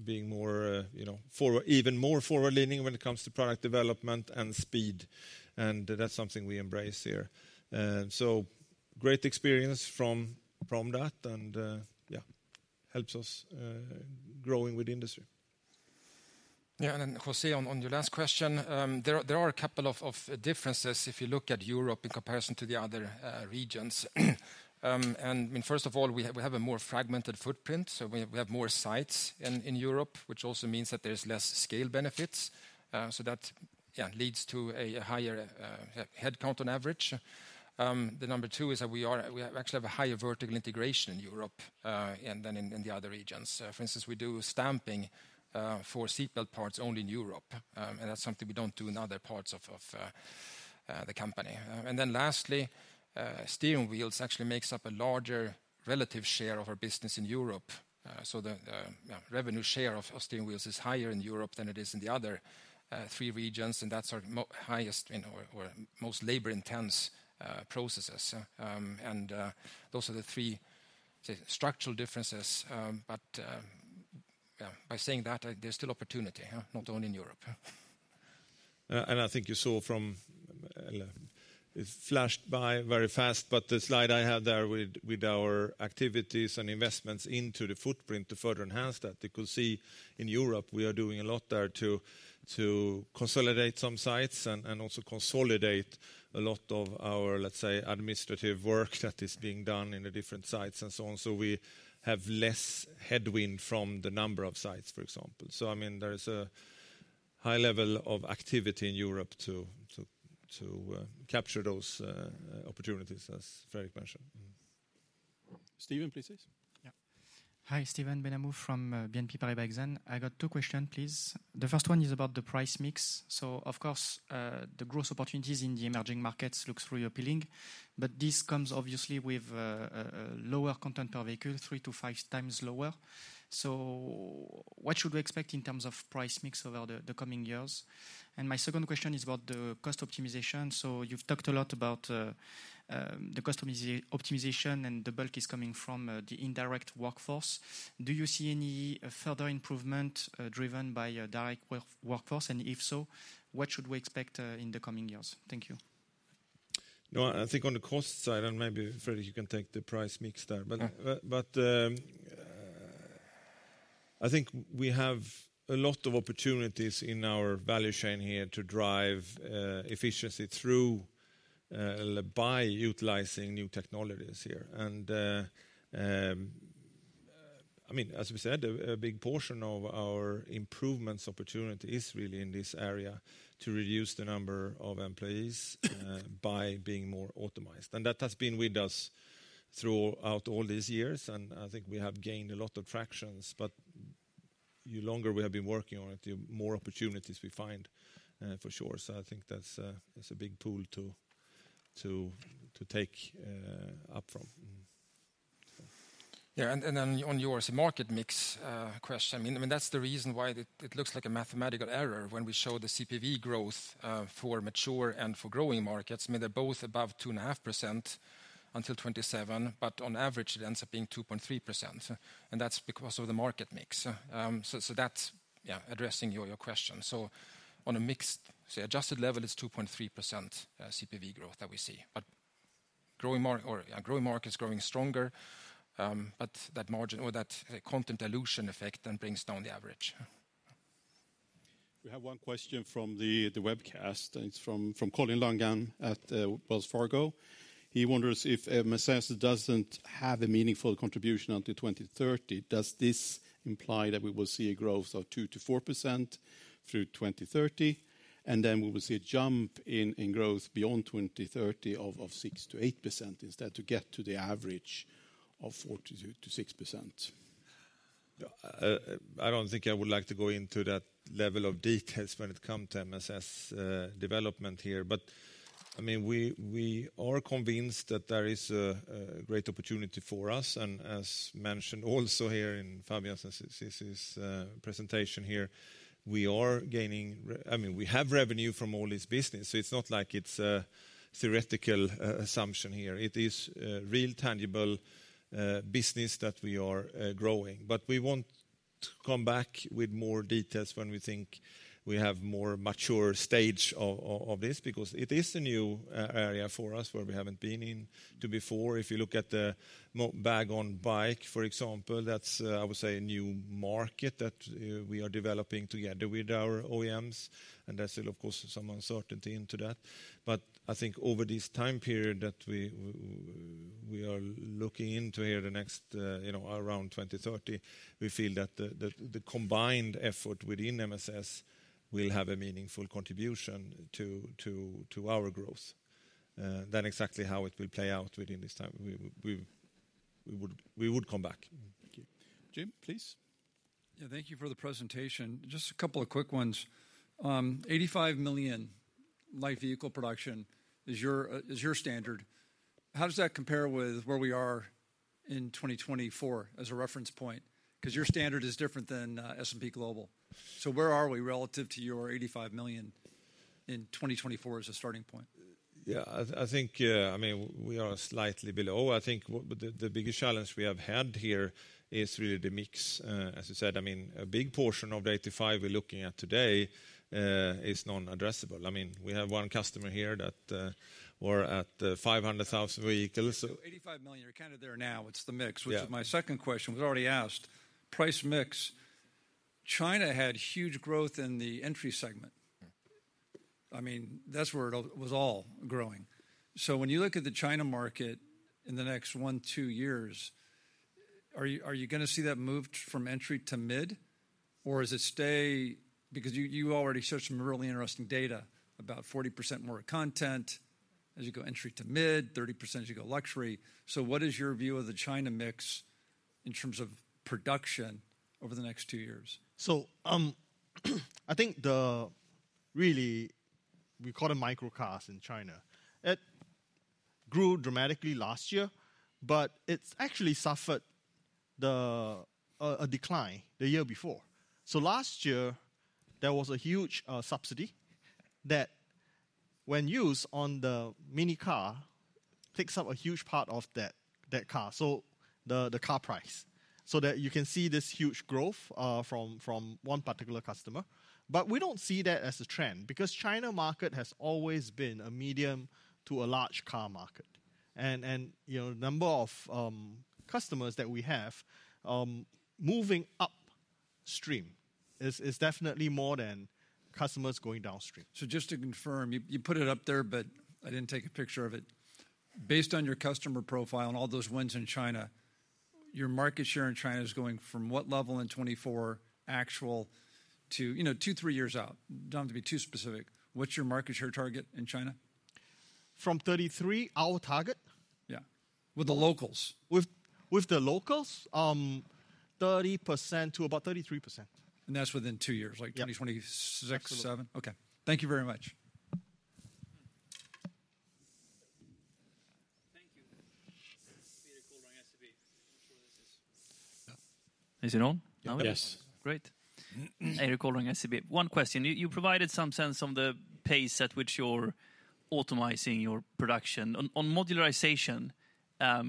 being even more forward-leaning when it comes to product development and speed. That is something we embrace here. Great experience from that, and yeah, helps us growing with the industry. Yeah, and then José, on your last question, there are a couple of differences if you look at Europe in comparison to the other regions. I mean, first of all, we have a more fragmented footprint. We have more sites in Europe, which also means that there is less scale benefits. That leads to a higher headcount on average. Number two is that we actually have a higher vertical integration in Europe than in the other regions. For instance, we do stamping for seatbelt parts only in Europe. That is something we do not do in other parts of the company. Lastly, steering wheels actually make up a larger relative share of our business in Europe. The revenue share of steering wheels is higher in Europe than it is in the other three regions. That is our highest or most labor-intense process. Those are the three structural differences. By saying that, there is still opportunity, not only in Europe. I think you saw, flashed by very fast, but the slide I had there with our activities and investments into the footprint to further enhance that, you could see in Europe we are doing a lot there to consolidate some sites and also consolidate a lot of our, let's say, administrative work that is being done in the different sites and so on. We have less headwind from the number of sites, for example. I mean, there is a high level of activity in Europe to capture those opportunities, as Fredrik mentioned. Stephen, please. Yeah. Hi, Stephen Benamou from BNP Paribas Exane. I got two questions, please. The first one is about the price mix. Of course, the gross opportunities in the emerging markets look truly appealing. This comes obviously with a lower content per vehicle, three to five times lower. What should we expect in terms of price mix over the coming years? My second question is about the cost optimization. You've talked a lot about the cost optimization and the bulk is coming from the indirect workforce. Do you see any further improvement driven by direct workforce? If so, what should we expect in the coming years? Thank you. No, I think on the cost side, and maybe Fredrik, you can take the price mix there. I think we have a lot of opportunities in our value chain here to drive efficiency through by utilizing new technologies here. I mean, as we said, a big portion of our improvements opportunity is really in this area to reduce the number of employees by being more optimized. That has been with us throughout all these years. I think we have gained a lot of traction. The longer we have been working on it, the more opportunities we find, for sure. I think that's a big pool to take up from. Yeah, and then on yours, a market mix question. I mean, that's the reason why it looks like a mathematical error when we show the CPV growth for mature and for growing markets. I mean, they're both above 2.5% until 2027, but on average, it ends up being 2.3%. That's because of the market mix. That's addressing your question. On a mixed, say, adjusted level, it's 2.3% CPV growth that we see. Growing markets are growing stronger, but that margin or that content dilution effect then brings down the average. We have one question from the webcast. It's from Colin Langan at Wells Fargo. He wonders if MSS doesn't have a meaningful contribution until 2030. Does this imply that we will see a growth of 2-4% through 2030? Then we will see a jump in growth beyond 2030 of 6-8% instead to get to the average of 4-6%? I don't think I would like to go into that level of details when it comes to MSS development here. I mean, we are convinced that there is a great opportunity for us. As mentioned also here in Fabian's presentation, we are gaining, I mean, we have revenue from all this business. It is not like it is a theoretical assumption. It is a real tangible business that we are growing. We want to come back with more details when we think we have a more mature stage of this because it is a new area for us where we have not been in before. If you look at the bag on bike, for example, that is, I would say, a new market that we are developing together with our OEMs. There is still, of course, some uncertainty into that. I think over this time period that we are looking into here, the next around 2030, we feel that the combined effort within MSS will have a meaningful contribution to our growth. That is exactly how it will play out within this time. We would come back. Thank you. Jim, please. Yeah, thank you for the presentation. Just a couple of quick ones. 85 million light vehicle production is your standard. How does that compare with where we are in 2024 as a reference point? Because your standard is different than S&P Global. Where are we relative to your 85 million in 2024 as a starting point? Yeah, I think, I mean, we are slightly below. I think the biggest challenge we have had here is really the mix. As I said, I mean, a big portion of the 85 we are looking at today is non-addressable. I mean, we have one customer here that we're at 500,000 vehicles. So 85 million, you're kind of there now. It's the mix, which is my second question. It was already asked. Price mix. China had huge growth in the entry segment. I mean, that's where it was all growing. When you look at the China market in the next one, two years, are you going to see that move from entry to mid? Or does it stay? Because you already showed some really interesting data about 40% more content as you go entry to mid, 30% as you go luxury. What is your view of the China mix in terms of production over the next two years? I think the really, we call it micro-cars in China. It grew dramatically last year, but it actually suffered a decline the year before. Last year, there was a huge subsidy that, when used on the mini car, takes up a huge part of that car, so the car price. You can see this huge growth from one particular customer. We do not see that as a trend because the China market has always been a medium to a large car market. The number of customers that we have moving upstream is definitely more than customers going downstream. Just to confirm, you put it up there, but I did not take a picture of it. Based on your customer profile and all those wins in China, your market share in China is going from what level in 2024 actual to two, three years out? You do not have to be too specific. What is your market share target in China? From 33, our target? Yeah. With the locals? With the locals, 30% to about 33%. And that's within two years, like 2026, 2027? Okay. Thank you very much. Thank you. Peter Caldering, SAB. I'm not sure this is. Is it on? Yes. Great. Peter Caldering, SAB. One question. You provided some sense on the pace at which you're optimizing your production. On modularization,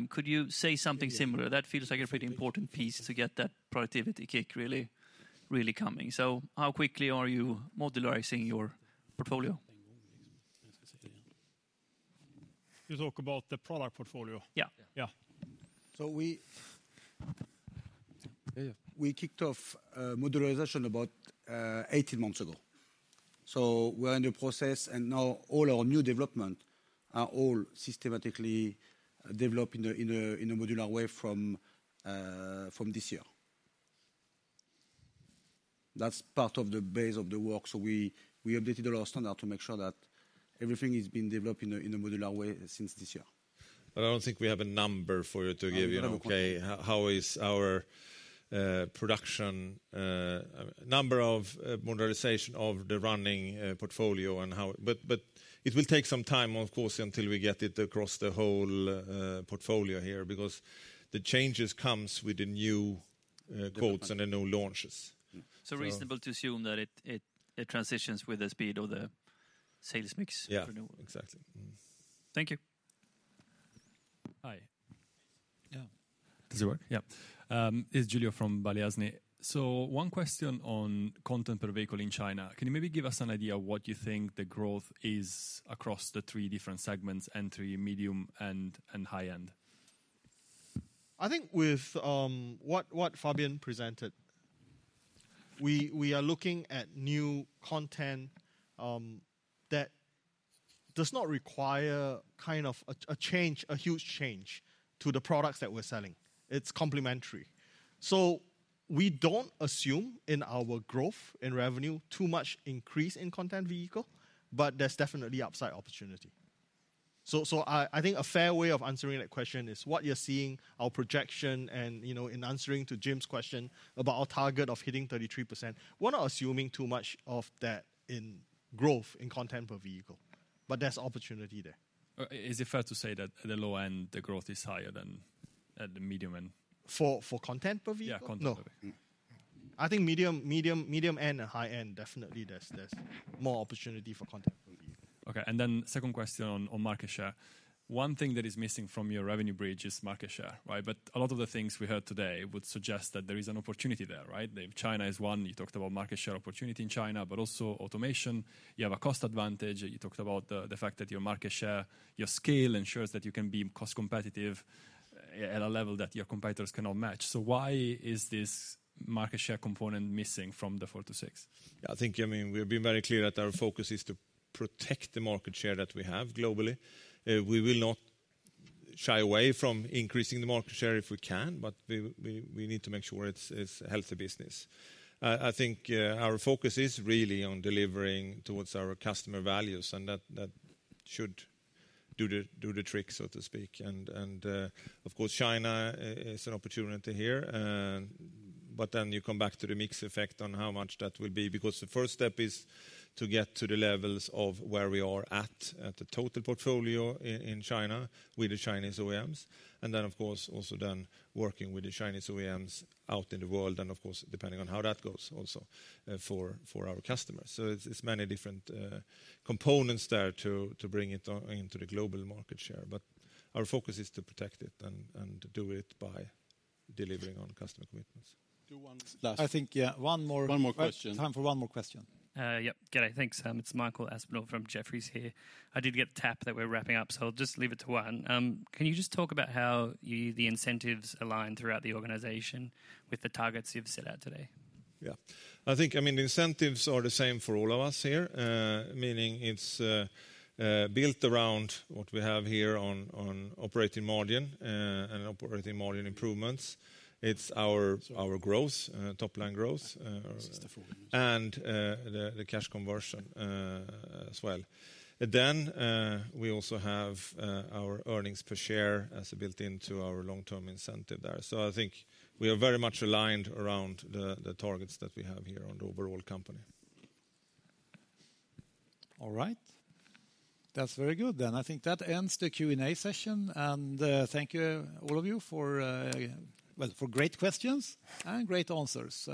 could you say something similar? That feels like a pretty important piece to get that productivity kick really coming. How quickly are you modularizing your portfolio? You talk about the product portfolio? Yeah. We kicked off modularization about 18 months ago. We are in the process, and now all our new developments are all systematically developed in a modular way from this year. That is part of the base of the work. We updated our standard to make sure that everything has been developed in a modular way since this year. I do not think we have a number for you to give you. Okay. How is our production number of modularization of the running portfolio? It will take some time, of course, until we get it across the whole portfolio here because the changes come with the new quotes and the new launches. Reasonable to assume that it transitions with the speed of the sales mix for the new one. Yeah, exactly. Thank you. Hi. Yeah. Does it work? Yeah. It is Julio from Barclays Bank. One question on content per vehicle in China. Can you maybe give us an idea of what you think the growth is across the three different segments, entry, medium, and high-end? I think with what Fabien presented, we are looking at new content that does not require kind of a change, a huge change to the products that we are selling. It is complementary. We do not assume in our growth in revenue too much increase in content per vehicle, but there is definitely upside opportunity. I think a fair way of answering that question is what you are seeing, our projection, and in answering to Jim's question about our target of hitting 33%, we are not assuming too much of that in growth in content per vehicle. There is opportunity there. Is it fair to say that at the low end, the growth is higher than at the medium end? For content per vehicle? Yeah, content per vehicle. I think medium end and high end, definitely there is more opportunity for content per vehicle. Okay. Second question on market share. One thing that is missing from your revenue bridge is market share, right? A lot of the things we heard today would suggest that there is an opportunity there, right? China is one. You talked about market share opportunity in China, but also automation. You have a cost advantage. You talked about the fact that your market share, your scale ensures that you can be cost competitive at a level that your competitors cannot match. Why is this market share component missing from the four to six? Yeah, I think, I mean, we've been very clear that our focus is to protect the market share that we have globally. We will not shy away from increasing the market share if we can, but we need to make sure it's a healthy business. I think our focus is really on delivering towards our customer values, and that should do the trick, so to speak. Of course, China is an opportunity here. Then you come back to the mix effect on how much that will be because the first step is to get to the levels of where we are at, at the total portfolio in China with the Chinese OEMs. And then, of course, also then working with the Chinese OEMs out in the world and, of course, depending on how that goes also for our customers. It is many different components there to bring it into the global market share. Our focus is to protect it and do it by delivering on customer commitments. I think one more question. Time for one more question. Yeah. Get it. Thanks. It is Michael R. Aspinall from Jefferies here. I did get a tap that we are wrapping up, so I will just leave it to one. Can you just talk about how the incentives align throughout the organization with the targets you've set out today? Yeah. I think, I mean, the incentives are the same for all of us here, meaning it's built around what we have here on operating margin and operating margin improvements. It's our growth, top line growth, and the cash conversion as well. Then we also have our earnings per share as a built-in to our long-term incentive there. So I think we are very much aligned around the targets that we have here on the overall company. All right. That's very good then. I think that ends the Q&A session. Thank you, all of you, for great questions and great answers.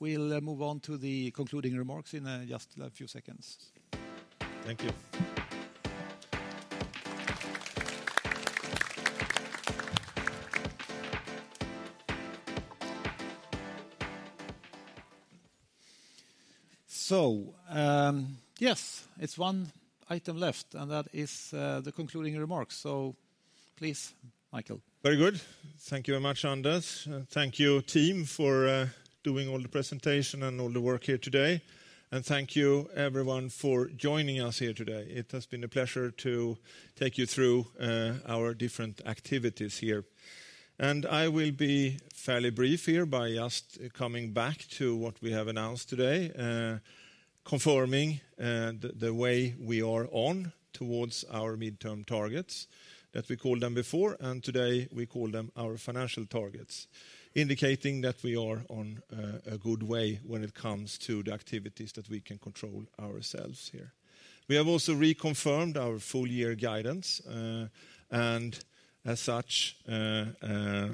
We will move on to the concluding remarks in just a few seconds. Thank you. Yes, it's one item left, and that is the concluding remarks. Please, Michael. Very good. Thank you very much, Anders. Thank you, team, for doing all the presentation and all the work here today. Thank you, everyone, for joining us here today. It has been a pleasure to take you through our different activities here. I will be fairly brief here by just coming back to what we have announced today, confirming the way we are on towards our midterm targets that we called them before. Today we call them our financial targets, indicating that we are on a good way when it comes to the activities that we can control ourselves here. We have also reconfirmed our full-year guidance. As such, we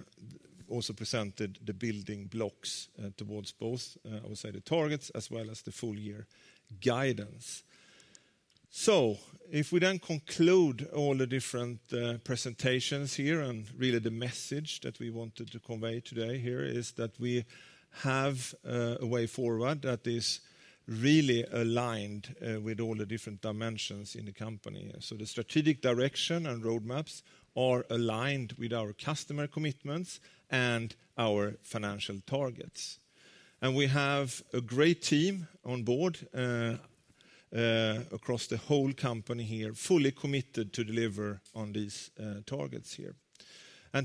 also presented the building blocks towards both, I would say, the targets as well as the full-year guidance. If we then conclude all the different presentations here, the message that we wanted to convey today here is that we have a way forward that is really aligned with all the different dimensions in the company. The strategic direction and roadmaps are aligned with our customer commitments and our financial targets. We have a great team on board across the whole company here, fully committed to deliver on these targets here.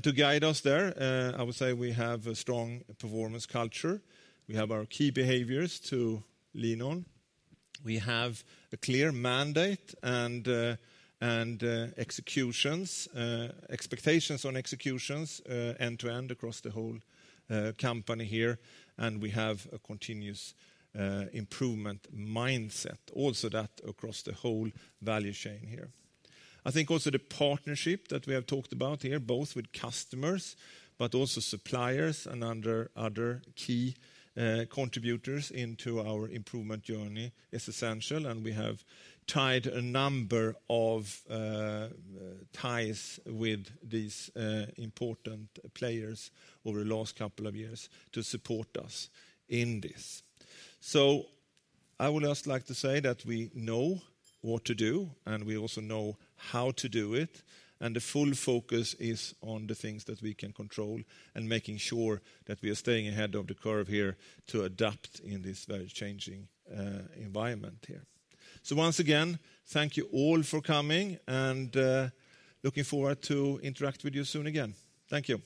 To guide us there, I would say we have a strong performance culture. We have our key behaviors to lean on. We have a clear mandate and expectations on executions end to end across the whole company here. We have a continuous improvement mindset, also that across the whole value chain here. I think also the partnership that we have talked about here, both with customers, but also suppliers and other key contributors into our improvement journey is essential. We have tied a number of ties with these important players over the last couple of years to support us in this. I would just like to say that we know what to do, and we also know how to do it. The full focus is on the things that we can control and making sure that we are staying ahead of the curve here to adapt in this very changing environment here. Once again, thank you all for coming, and looking forward to interacting with you soon again. Thank you.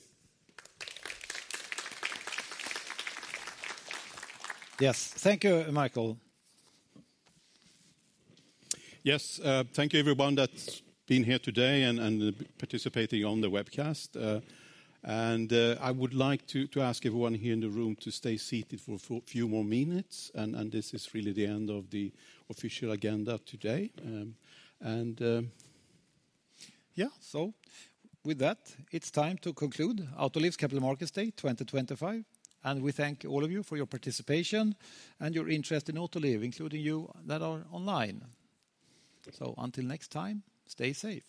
Yes. Thank you, Mikael. Yes. Thank you, everyone that's been here today and participating on the webcast. I would like to ask everyone here in the room to stay seated for a few more minutes. This is really the end of the official agenda today. With that, it's time to conclude Autoliv's Capital Markets Day 2025. We thank all of you for your participation and your interest in Autoliv, including you that are online. Until next time, stay safe.